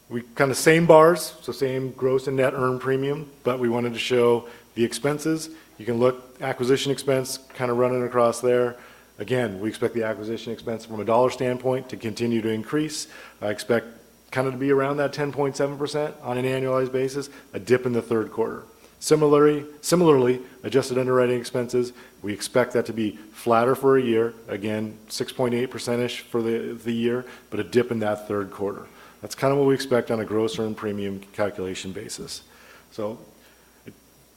we kind of same bars, so same gross and net earned premium, but we wanted to show the expenses. You can look at acquisition expense kind of running across there. Again, we expect the acquisition expense from a dollar standpoint to continue to increase. I expect kind of to be around that 10.7% on an annualized basis, a dip in the third quarter. Similarly, adjusted underwriting expenses, we expect that to be flatter for a year. Again, 6.8%-ish for the year, but a dip in that third quarter. That is kind of what we expect on a gross earned premium calculation basis.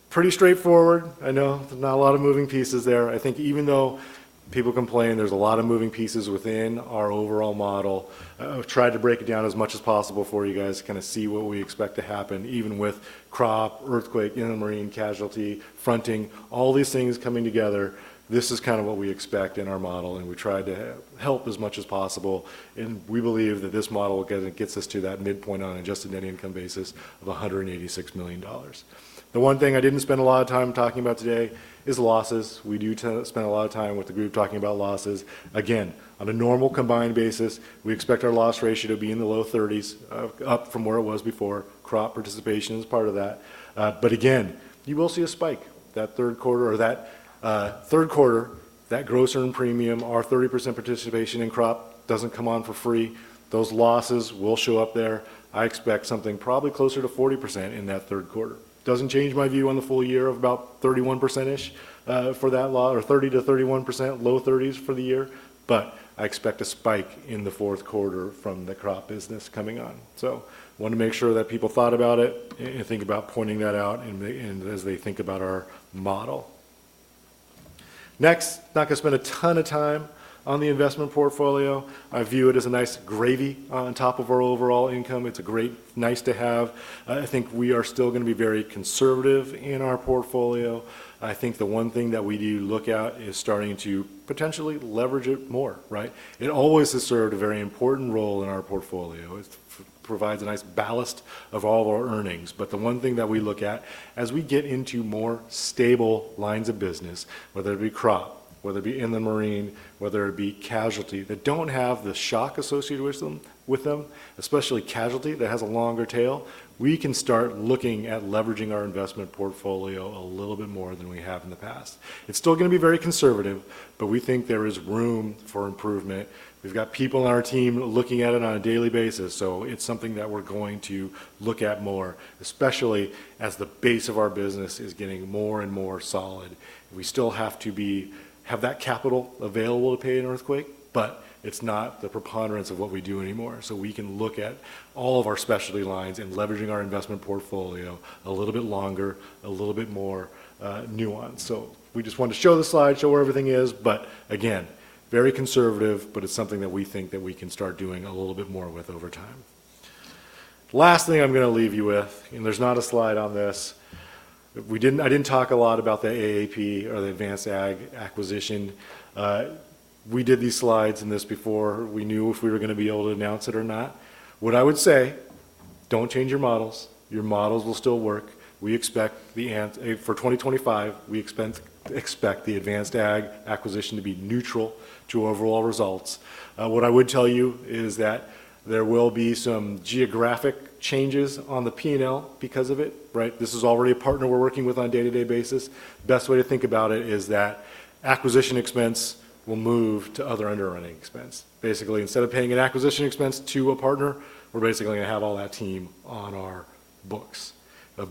Pretty straightforward. I know there is not a lot of moving pieces there. I think even though people complain, there is a lot of moving pieces within our overall model. I have tried to break it down as much as possible for you guys to kind of see what we expect to happen even with crop, earthquake, inland marine, casualty, fronting, all these things coming together. This is kind of what we expect in our model, and we tried to help as much as possible. We believe that this model gets us to that midpoint on an adjusted net income basis of $186 million. The one thing I did not spend a lot of time talking about today is losses. We do spend a lot of time with the group talking about losses. Again, on a normal combined basis, we expect our loss ratio to be in the low 30%, up from where it was before. Crop participation is part of that. Again, you will see a spike that third quarter or that third quarter, that gross earned premium, our 30% participation in crop does not come on for free. Those losses will show up there. I expect something probably closer to 40% in that third quarter. Doesn't change my view on the full year of about 31%-ish for that loss or 30-31%, low 30s for the year. I expect a spike in the fourth quarter from the crop business coming on. I want to make sure that people thought about it and think about pointing that out as they think about our model. Next, not going to spend a ton of time on the investment portfolio. I view it as a nice gravy on top of our overall income. It's a great, nice to have. I think we are still going to be very conservative in our portfolio. I think the one thing that we do look at is starting to potentially leverage it more, right? It always has served a very important role in our portfolio. It provides a nice ballast of all of our earnings. The one thing that we look at as we get into more stable lines of business, whether it be crop, whether it be in the marine, whether it be casualty that do not have the shock associated with them, especially casualty that has a longer tail, we can start looking at leveraging our investment portfolio a little bit more than we have in the past. It is still going to be very conservative, but we think there is room for improvement. We have people on our team looking at it on a daily basis. It is something that we are going to look at more, especially as the base of our business is getting more and more solid. We still have to have that capital available to pay an earthquake, but it is not the preponderance of what we do anymore. We can look at all of our specialty lines and leveraging our investment portfolio a little bit longer, a little bit more nuanced. We just want to show the slide, show where everything is, but again, very conservative, but it's something that we think that we can start doing a little bit more with over time. Last thing I'm going to leave you with, and there's not a slide on this. I didn't talk a lot about the AAP or the Advanced Ag acquisition. We did these slides and this before. We knew if we were going to be able to announce it or not. What I would say, don't change your models. Your models will still work. We expect for 2025, we expect the Advanced Ag acquisition to be neutral to overall results. What I would tell you is that there will be some geographic changes on the P&L because of it, right? This is already a partner we're working with on a day-to-day basis. Best way to think about it is that acquisition expense will move to other underwriting expense. Basically, instead of paying an acquisition expense to a partner, we're basically going to have all that team on our books.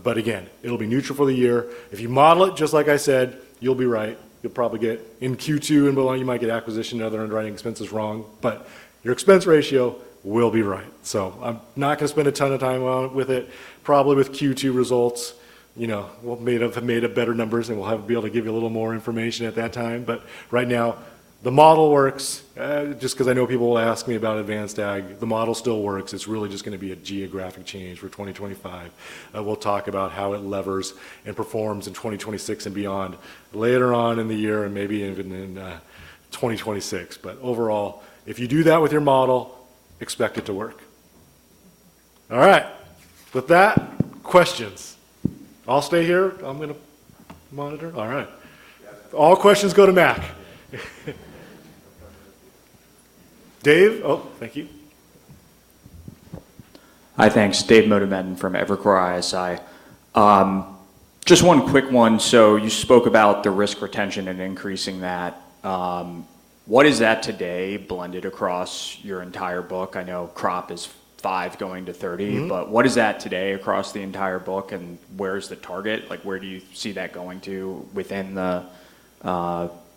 Again, it'll be neutral for the year. If you model it just like I said, you'll be right. You'll probably get in Q2 and you might get acquisition and other underwriting expenses wrong, but your expense ratio will be right. I'm not going to spend a ton of time with it. Probably with Q2 results, we'll have made better numbers and we'll be able to give you a little more information at that time. But right now, the model works just because I know people will ask me about Advanced Ag. The model still works. It's really just going to be a geographic change for 2025. We'll talk about how it levers and performs in 2026 and beyond later on in the year and maybe even in 2026. Overall, if you do that with your model, expect it to work. All right. With that, questions. I'll stay here. I'm going to monitor. All right. All questions go to Mac. Dave? Oh, thank you. Hi, thanks. Dave Motemaden from Evercore ISI. Just one quick one. You spoke about the risk retention and increasing that. What is that today blended across your entire book? I know crop is 5 going to 30, but what is that today across the entire book and where is the target? Where do you see that going to within the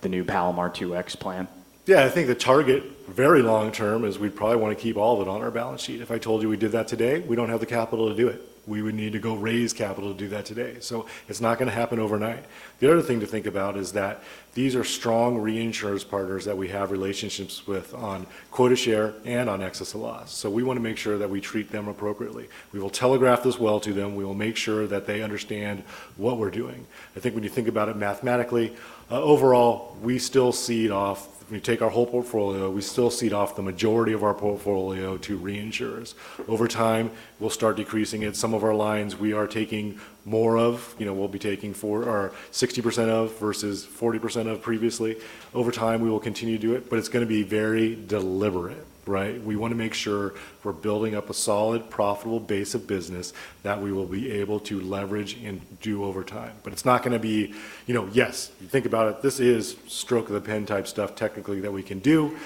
new Palomar 2X plan? Yeah, I think the target very long term is we probably want to keep all of it on our balance sheet. If I told you we did that today, we don't have the capital to do it. We would need to go raise capital to do that today. It is not going to happen overnight. The other thing to think about is that these are strong reinsurance partners that we have relationships with on quota share and on excess of loss. We want to make sure that we treat them appropriately. We will telegraph this well to them. We will make sure that they understand what we are doing. I think when you think about it mathematically, overall, we still seed off. When you take our whole portfolio, we still cede off the majority of our portfolio to reinsurers. Over time, we'll start decreasing it. Some of our lines we are taking more of, we'll be taking 60% of versus 40% of previously. Over time, we will continue to do it, but it's going to be very deliberate, right? We want to make sure we're building up a solid, profitable base of business that we will be able to leverage and do over time. It's not going to be, yes, you think about it, this is stroke of the pen type stuff technically that we can do,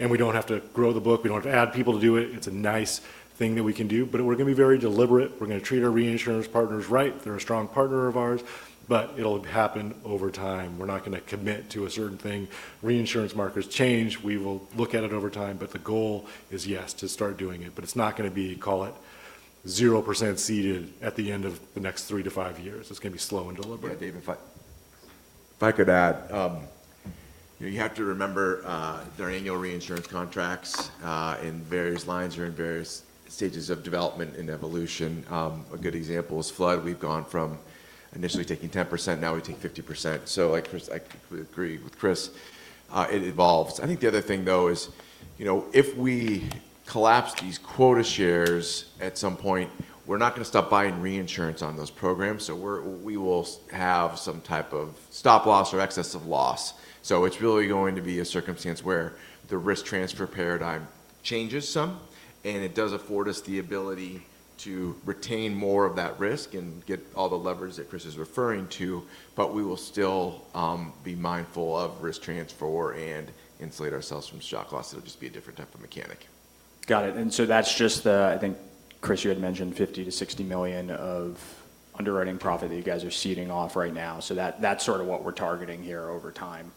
and we don't have to grow the book. We don't have to add people to do it. It's a nice thing that we can do, but we're going to be very deliberate. We're going to treat our reinsurance partners right. They're a strong partner of ours, but it'll happen over time. We're not going to commit to a certain thing. Reinsurance markets change. We will look at it over time, but the goal is yes, to start doing it. It's not going to be, call it, 0% seeded at the end of the next three to five years. It's going to be slow and deliberate. Yeah, Dave, if I could add, you have to remember there are annual reinsurance contracts in various lines or in various stages of development and evolution. A good example is flood. We've gone from initially taking 10%, now we take 50%. I agree with Chris. It evolves. I think the other thing, though, is if we collapse these quota shares at some point, we're not going to stop buying reinsurance on those programs. We will have some type of stop loss or excess of loss. It is really going to be a circumstance where the risk transfer paradigm changes some, and it does afford us the ability to retain more of that risk and get all the levers that Chris is referring to, but we will still be mindful of risk transfer and insulate ourselves from shock loss. It will just be a different type of mechanic. Got it. That is just the, I think, Chris, you had mentioned $50 million-$60 million of underwriting profit that you guys are ceding off right now. That is sort of what we are targeting here over time.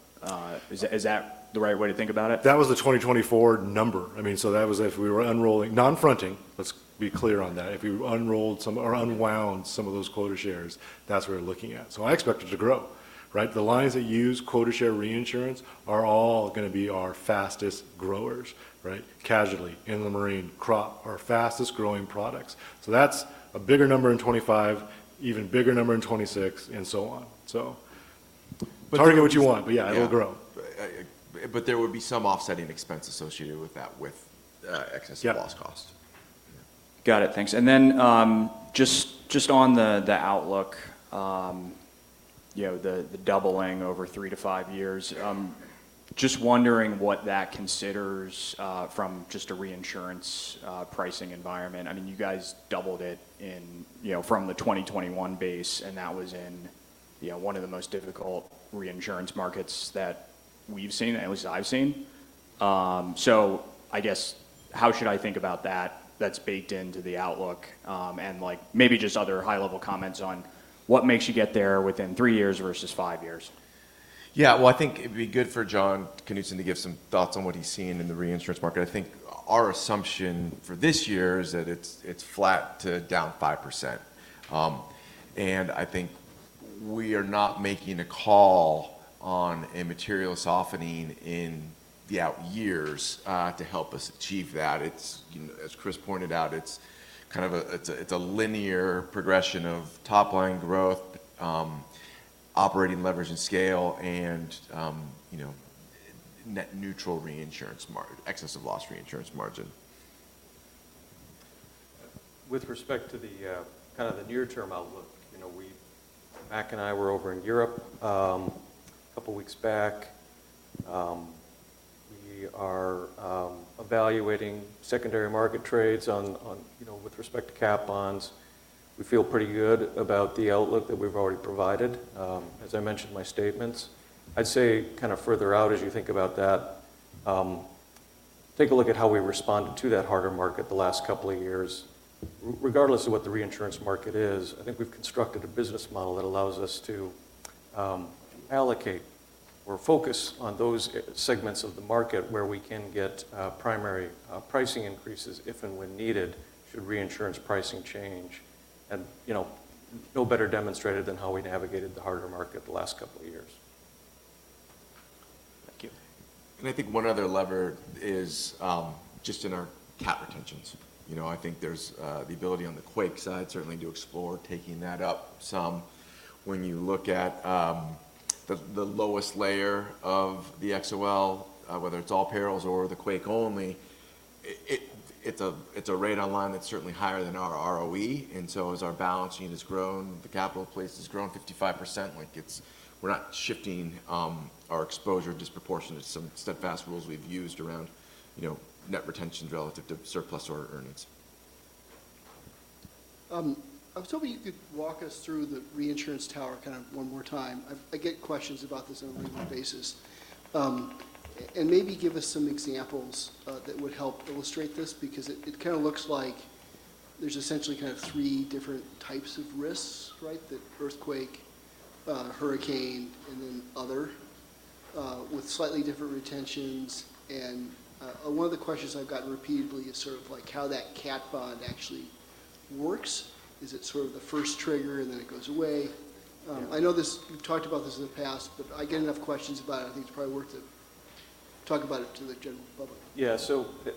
Is that the right way to think about it? That was the 2024 number. I mean, that was if we were unrolling, non-fronting, let us be clear on that. If we unrolled or unwound some of those quota shares, that's what we're looking at. I expect it to grow, right? The lines that use quota share reinsurance are all going to be our fastest growers, right? Casualty, inland marine, crop, our fastest growing products. That's a bigger number in 2025, even bigger number in 2026, and so on. Target what you want, but yeah, it'll grow. There would be some offsetting expense associated with that with excessive loss cost. Got it. Thanks. Just on the outlook, the doubling over three to five years, just wondering what that considers from just a reinsurance pricing environment. I mean, you guys doubled it from the 2021 base, and that was in one of the most difficult reinsurance markets that we've seen, at least I've seen. I guess, how should I think about that that's baked into the outlook and maybe just other high-level comments on what makes you get there within three years versus five years? Yeah, I think it'd be good for Jon Knutzen to give some thoughts on what he's seen in the reinsurance market. I think our assumption for this year is that it's flat to down 5%. I think we are not making a call on a material softening in the out years to help us achieve that. As Chris pointed out, it's kind of a linear progression of top-line growth, operating leverage and scale, and net neutral reinsurance, excessive loss reinsurance margin. With respect to kind of the near-term outlook, Mac and I were over in Europe a couple of weeks back. We are evaluating secondary market trades with respect to cat bonds. We feel pretty good about the outlook that we've already provided, as I mentioned in my statements. I'd say kind of further out, as you think about that, take a look at how we responded to that harder market the last couple of years. Regardless of what the reinsurance market is, I think we've constructed a business model that allows us to allocate or focus on those segments of the market where we can get primary pricing increases if and when needed should reinsurance pricing change. No better demonstrated than how we navigated the harder market the last couple of years. Thank you. I think one other lever is just in our cap retentions. I think there's the ability on the quake side certainly to explore taking that up some. When you look at the lowest layer of the XOL, whether it's all payrolls or the quake only, it's a rate on line that's certainly higher than our ROE. As our balance sheet has grown, the capital place has grown 55%. We're not shifting our exposure disproportionate to some steadfast rules we've used around net retention relative to surplus or earnings. I was hoping you could walk us through the reinsurance tower kind of one more time. I get questions about this on a regular basis. Maybe give us some examples that would help illustrate this because it kind of looks like there's essentially kind of three different types of risks, right? That earthquake, hurricane, and then other with slightly different retentions. One of the questions I've gotten repeatedly is sort of like how that cap bond actually works. Is it sort of the first trigger and then it goes away? I know we've talked about this in the past, but I get enough questions about it. I think it's probably worth it to talk about it to the general public. Yeah.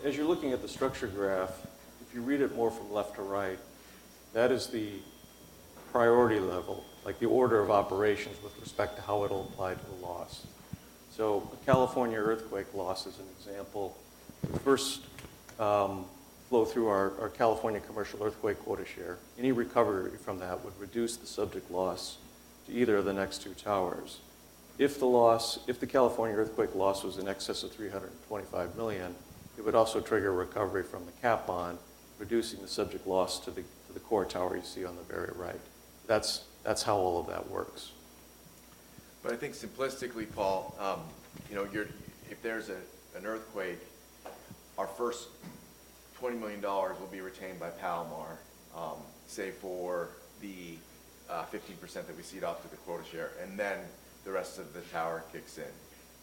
As you're looking at the structure graph, if you read it more from left to right, that is the priority level, like the order of operations with respect to how it'll apply to the loss. A California earthquake loss is an example. First, flow through our California commercial earthquake quota share. Any recovery from that would reduce the subject loss to either of the next two towers. If the California earthquake loss was in excess of $325 million, it would also trigger recovery from the cat bond, reducing the subject loss to the core tower you see on the very right. That's how all of that works. I think simplistically, Paul, if there's an earthquake, our first $20 million will be retained by Palomar, say, for the 15% that we cede off to the quota share, and then the rest of the tower kicks in.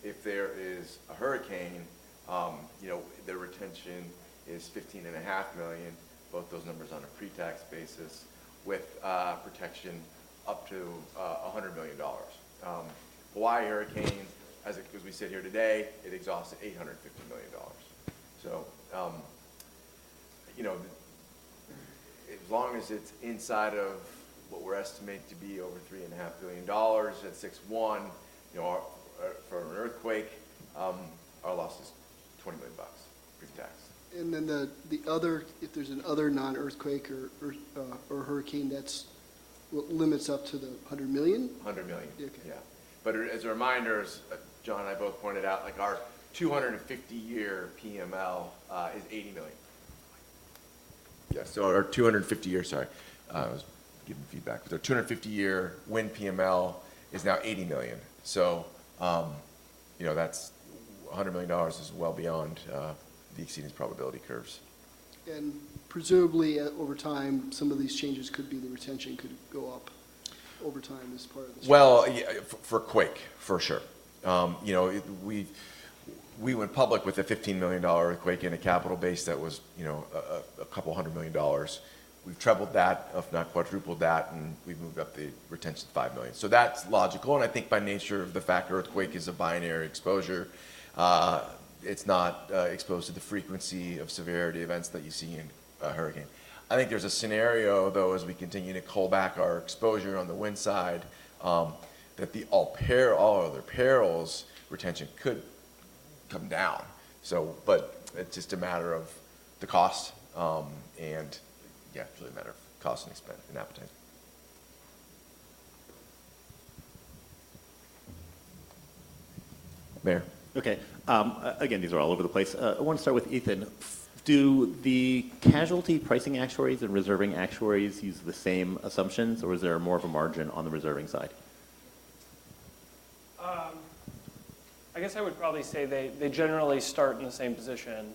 If there is a hurricane, the retention is $15.5 million, both those numbers on a pre-tax basis, with protection up to $100 million. Hawaii hurricane, as we sit here today, it exhausted $850 million. As long as it's inside of what we're estimating to be over $3.5 billion at 6.1 for an earthquake, our loss is $20 million pre-tax. If there's another non-earthquake or hurricane that limits up to the $100 million? $100 million. Yeah. As a reminder, Jon and I both pointed out, our 250-year PML is $80 million. Yeah. Our 250-year, sorry, I was giving feedback. Our 250-year wind PML is now $80 million. That's $100 million is well beyond the exceedance probability curves. Presumably, over time, some of these changes could be the retention could go up over time as part of this. For quake, for sure. We went public with a $15 million earthquake in a capital base that was a couple hundred million dollars. We've trebled that, if not quadrupled that, and we've moved up the retention to $5 million. That's logical. I think by nature of the fact earthquake is a binary exposure, it's not exposed to the frequency of severity events that you see in a hurricane. I think there's a scenario, though, as we continue to pull back our exposure on the wind side, that the all-other perils retention could come down. It's just a matter of the cost and, yeah, it's really a matter of cost and expense and appetite. Okay. Again, these are all over the place. I want to start with Ethan. Do the casualty pricing actuaries and reserving actuaries use the same assumptions, or is there more of a margin on the reserving side? I guess I would probably say they generally start in the same position.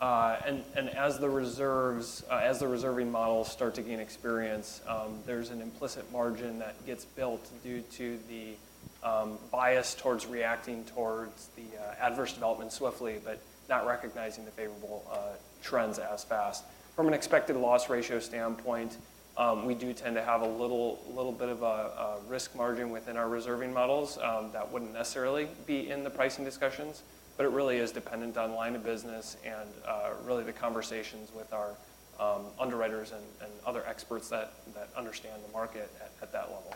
As the reserving models start to gain experience, there's an implicit margin that gets built due to the bias towards reacting towards the adverse development swiftly, but not recognizing the favorable trends as fast. From an expected loss ratio standpoint, we do tend to have a little bit of a risk margin within our reserving models. That would not necessarily be in the pricing discussions, but it really is dependent on line of business and really the conversations with our underwriters and other experts that understand the market at that level.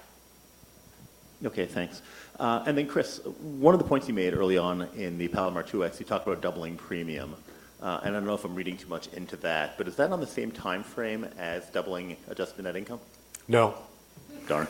Okay. Thanks. Then, Chris, one of the points you made early on in the Palomar 2X, you talked about doubling premium. I do not know if I am reading too much into that, but is that on the same timeframe as doubling adjusted net income? No. Darn.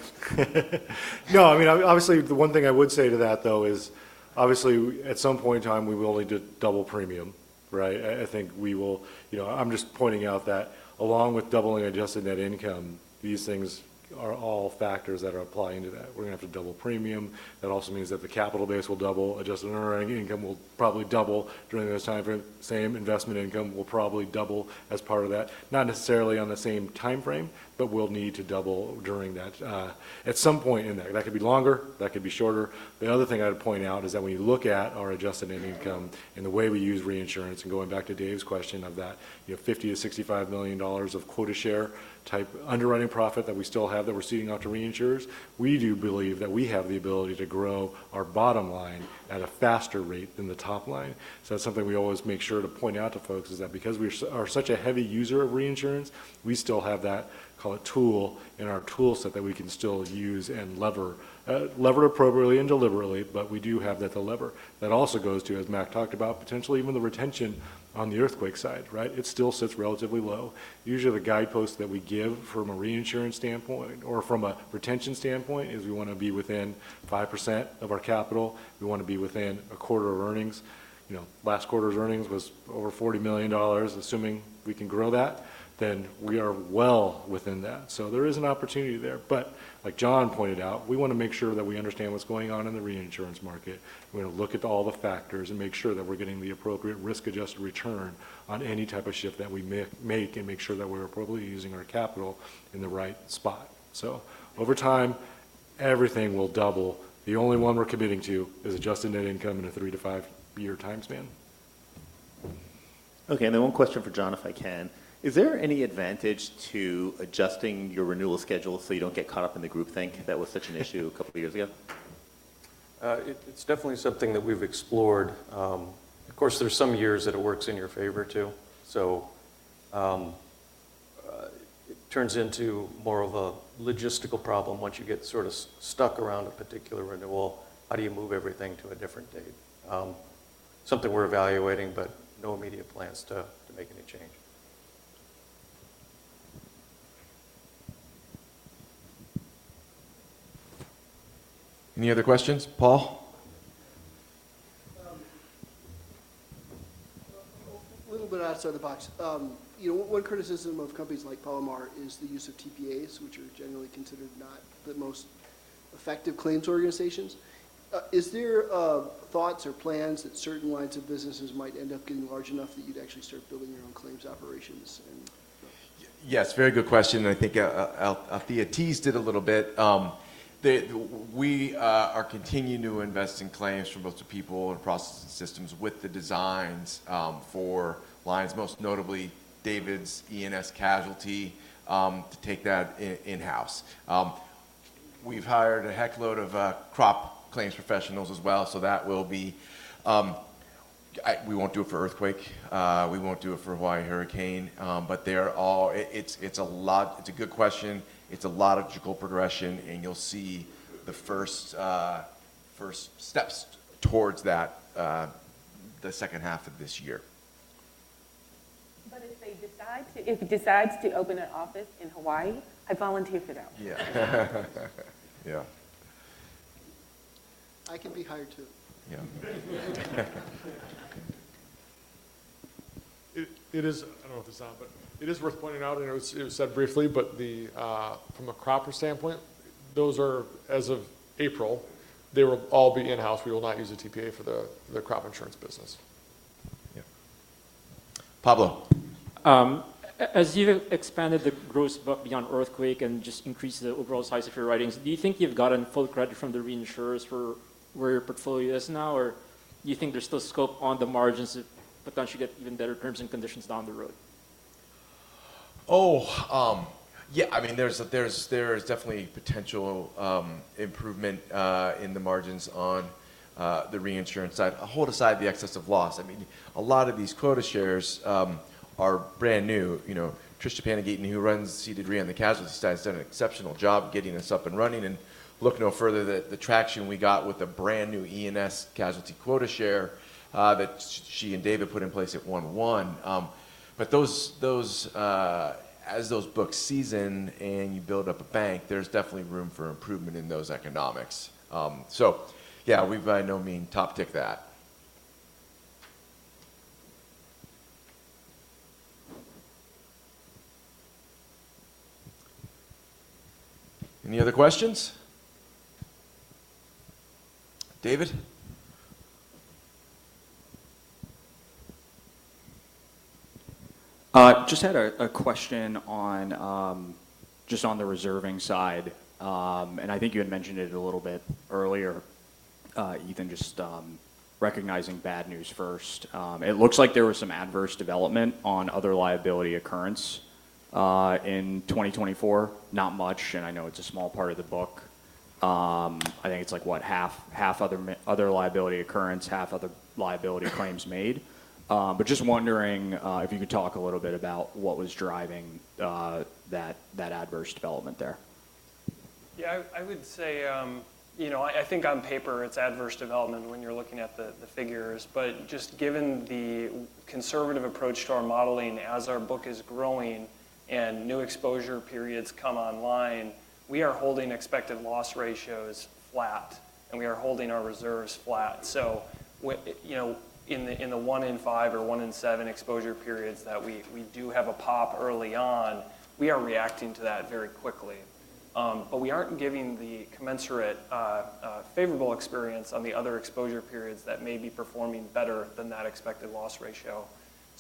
No. I mean, obviously, the one thing I would say to that, though, is obviously, at some point in time, we will need to double premium, right? I think we will. I am just pointing out that along with doubling adjusted net income, these things are all factors that are applying to that. We are going to have to double premium. That also means that the capital base will double. Adjusted net income will probably double during those timeframes. Same investment income will probably double as part of that. Not necessarily on the same timeframe, but will need to double during that at some point in there. That could be longer. That could be shorter. The other thing I'd point out is that when you look at our adjusted net income and the way we use reinsurance and going back to Dave's question of that $50-$65 million of quota share type underwriting profit that we still have that we're seeding off to reinsurers, we do believe that we have the ability to grow our bottom line at a faster rate than the top line. That's something we always make sure to point out to folks is that because we are such a heavy user of reinsurance, we still have that, call it tool, in our toolset that we can still use and lever appropriately and deliberately, but we do have that to lever. That also goes to, as Mac talked about, potentially even the retention on the earthquake side, right? It still sits relatively low. Usually, the guidepost that we give from a reinsurance standpoint or from a retention standpoint is we want to be within 5% of our capital. We want to be within a quarter of earnings. Last quarter's earnings was over $40 million, assuming we can grow that, then we are well within that. There is an opportunity there. Like Jon pointed out, we want to make sure that we understand what's going on in the reinsurance market. We're going to look at all the factors and make sure that we're getting the appropriate risk-adjusted return on any type of shift that we make and make sure that we're appropriately using our capital in the right spot. Over time, everything will double. The only one we're committing to is adjusted net income in a three to five-year timespan. Okay. One question for Jon, if I can. Is there any advantage to adjusting your renewal schedule so you don't get caught up in the groupthink that was such an issue a couple of years ago? It's definitely something that we've explored. Of course, there are some years that it works in your favor too. It turns into more of a logistical problem once you get sort of stuck around a particular renewal. How do you move everything to a different date? Something we're evaluating, but no immediate plans to make any change. Any other questions? Paul? A little bit outside the box. One criticism of companies like Palomar is the use of TPAs, which are generally considered not the most effective claims organizations. Is there thoughts or plans that certain lines of businesses might end up getting large enough that you'd actually start building your own claims operations? Yes. Very good question. I think Althea teased it a little bit. We are continuing to invest in claims from both the people and processing systems with the designs for lines, most notably David's E&S Casualty, to take that in-house. We've hired a heckload of crop claims professionals as well, so that will be we won't do it for earthquake. We won't do it for Hawaii hurricane. It's a good question. It's a lot of giggle progression, and you'll see the first steps towards that the second half of this year. If it decides to open an office in Hawaii, I volunteer for that one. Yeah. Yeah. I can be hired too. Yeah. I don't know if it's on, but it is worth pointing out, and it was said briefly, but from a cropper standpoint, those are, as of April, they will all be in-house. We will not use a TPA for the crop insurance business. Yeah. Pablo. As you've expanded the growth beyond earthquake and just increased the overall size of your writings, do you think you've gotten full credit from the reinsurers for where your portfolio is now, or do you think there's still scope on the margins to potentially get even better terms and conditions down the road? Oh, yeah. I mean, there's definitely potential improvement in the margins on the reinsurance side, hold aside the excessive loss. I mean, a lot of these quota shares are brand new. Trisha Panegaton, who runs Seeded Re on the casualty side, has done an exceptional job getting us up and running. Look no further, the traction we got with a brand new E&S Casualty quota share that she and David put in place at 11. As those books season and you build up a bank, there's definitely room for improvement in those economics. Yeah, we've by no means top ticked that. Any other questions? David? Just had a question just on the reserving side. I think you had mentioned it a little bit earlier, Ethan, just recognizing bad news first. It looks like there was some adverse development on other liability occurrence in 2024. Not much, and I know it's a small part of the book. I think it's like, what, half other liability occurrence, half other liability claims made. Just wondering if you could talk a little bit about what was driving that adverse development there. Yeah. I would say I think on paper, it's adverse development when you're looking at the figures. Just given the conservative approach to our modeling as our book is growing and new exposure periods come online, we are holding expected loss ratios flat, and we are holding our reserves flat. In the one in five or one in seven exposure periods that we do have a pop early on, we are reacting to that very quickly. We aren't giving the commensurate favorable experience on the other exposure periods that may be performing better than that expected loss ratio.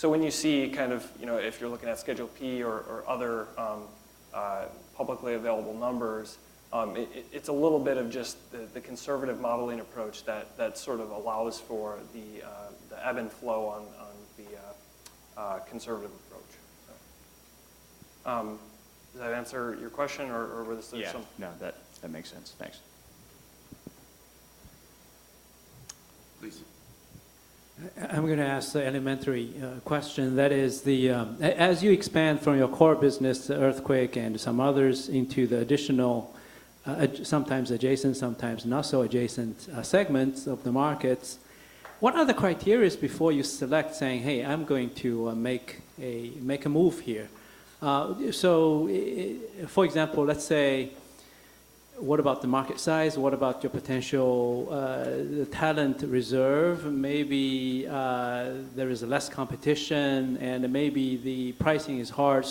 When you see kind of if you're looking at Schedule P or other publicly available numbers, it's a little bit of just the conservative modeling approach that sort of allows for the ebb and flow on the conservative approach. Does that answer your question, or was there some? Yeah. No, that makes sense. Thanks. Please. I'm going to ask the elementary question. That is, as you expand from your core business, the earthquake and some others, into the additional, sometimes adjacent, sometimes not so adjacent segments of the markets, what are the criteria before you select, saying, "Hey, I'm going to make a move here"? For example, let's say, what about the market size? What about your potential talent reserve? Maybe there is less competition, and maybe the pricing is hard.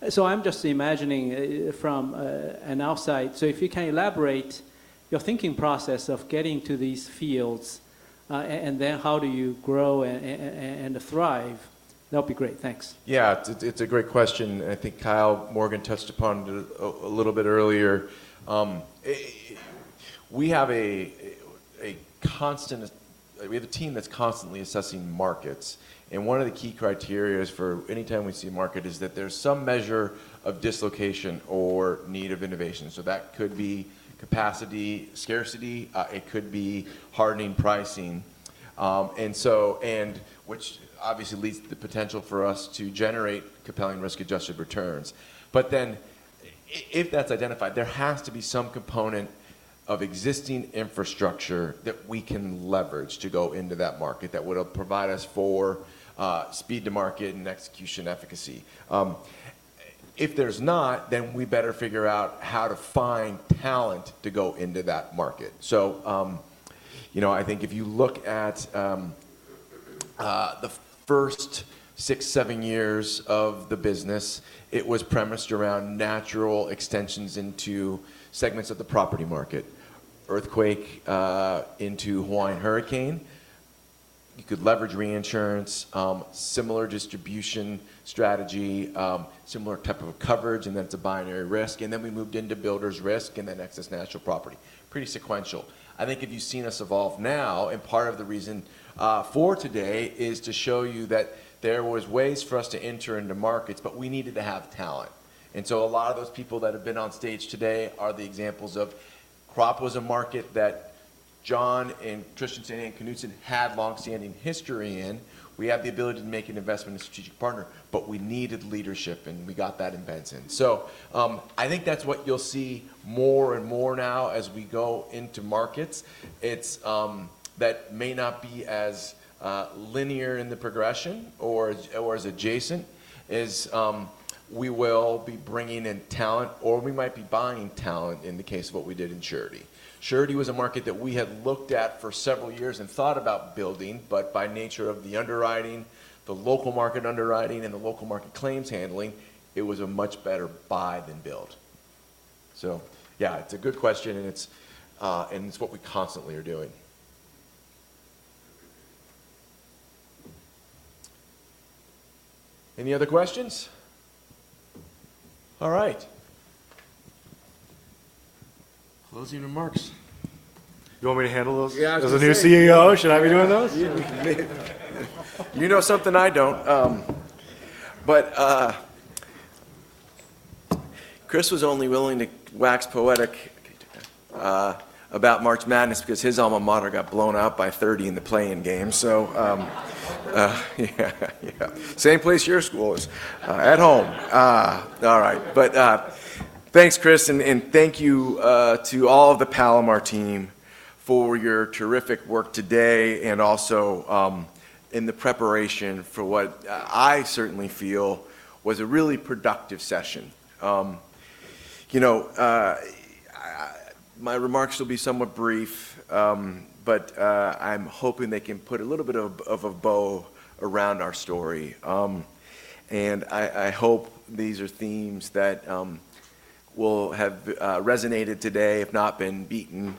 I'm just imagining from an outside. If you can elaborate your thinking process of getting to these fields, and then how do you grow and thrive, that would be great. Thanks. Yeah. It's a great question. I think Kyle Morgan touched upon it a little bit earlier. We have a team that's constantly assessing markets. One of the key criteria for anytime we see a market is that there's some measure of dislocation or need of innovation. That could be capacity scarcity. It could be hardening pricing, which obviously leads to the potential for us to generate compelling risk-adjusted returns. If that's identified, there has to be some component of existing infrastructure that we can leverage to go into that market that would provide us for speed to market and execution efficacy. If there's not, then we better figure out how to find talent to go into that market. I think if you look at the first six, seven years of the business, it was premised around natural extensions into segments of the property market, earthquake into Hawaii hurricane. You could leverage reinsurance, similar distribution strategy, similar type of coverage, and then it's a binary risk. We moved into builders' risk and then excess natural property. Pretty sequential. I think if you've seen us evolve now, part of the reason for today is to show you that there were ways for us to enter into markets, but we needed to have talent. A lot of those people that have been on stage today are the examples of crop was a market that Jon Christianson and Knutzen had long-standing history in. We have the ability to make an investment in a strategic partner, but we needed leadership, and we got that in Benson. I think that's what you'll see more and more now as we go into markets. It may not be as linear in the progression or as adjacent as we will be bringing in talent, or we might be buying talent in the case of what we did in Surety. Surety was a market that we had looked at for several years and thought about building, but by nature of the underwriting, the local market underwriting, and the local market claims handling, it was a much better buy than build. Yeah, it's a good question, and it's what we constantly are doing. Any other questions? All right. Closing remarks. You want me to handle those? Yeah. As a new CEO, should I be doing those? You know something I do not. Chris was only willing to wax poetic about Mark's madness because his alma mater got blown out by 30 in the play-in game. Yeah, yeah. Same place your school is. At home. All right. Thanks, Chris, and thank you to all of the Palomar team for your terrific work today and also in the preparation for what I certainly feel was a really productive session. My remarks will be somewhat brief, but I am hoping they can put a little bit of a bow around our story. I hope these are themes that will have resonated today, if not been beaten,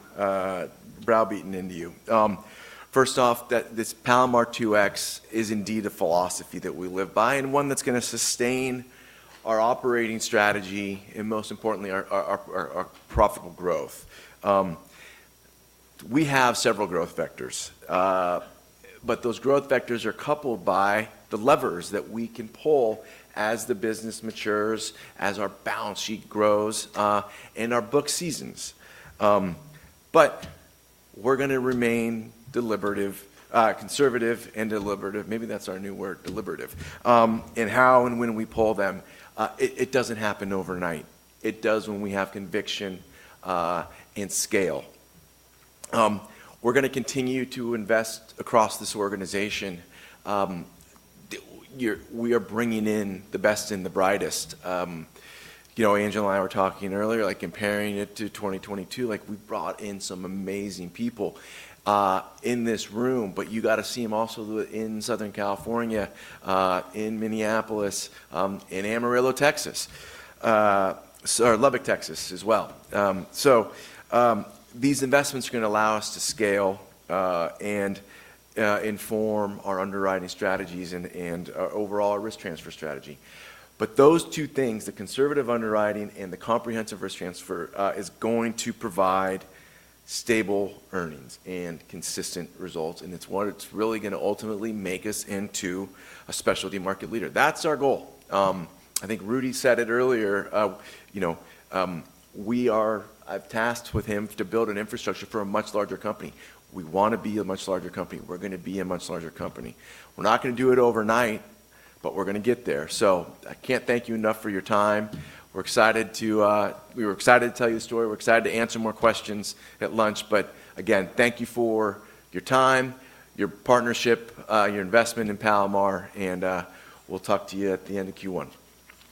browbeaten into you. First off, that this Palomar 2X is indeed a philosophy that we live by and one that is going to sustain our operating strategy and, most importantly, our profitable growth. We have several growth vectors, but those growth vectors are coupled by the levers that we can pull as the business matures, as our balance sheet grows, and our book seasons. We are going to remain conservative and deliberative. Maybe that is our new word, deliberative. How and when we pull them, it does not happen overnight. It does when we have conviction and scale. We are going to continue to invest across this organization. We are bringing in the best and the brightest. Angela and I were talking earlier, comparing it to 2022. We brought in some amazing people in this room, but you got to see them also in Southern California, in Minneapolis, in Amarillo, Texas, or Lubbock, Texas as well. These investments are going to allow us to scale and inform our underwriting strategies and overall risk transfer strategy. Those two things, the conservative underwriting and the comprehensive risk transfer, are going to provide stable earnings and consistent results. It is what is really going to ultimately make us into a specialty market leader. That is our goal. I think Rudy said it earlier. I have tasked him to build an infrastructure for a much larger company. We want to be a much larger company. We are going to be a much larger company. We are not going to do it overnight, but we are going to get there. I cannot thank you enough for your time. We are excited to tell you the story. We are excited to answer more questions at lunch. Again, thank you for your time, your partnership, your investment in Palomar, and we will talk to you at the end of Q1.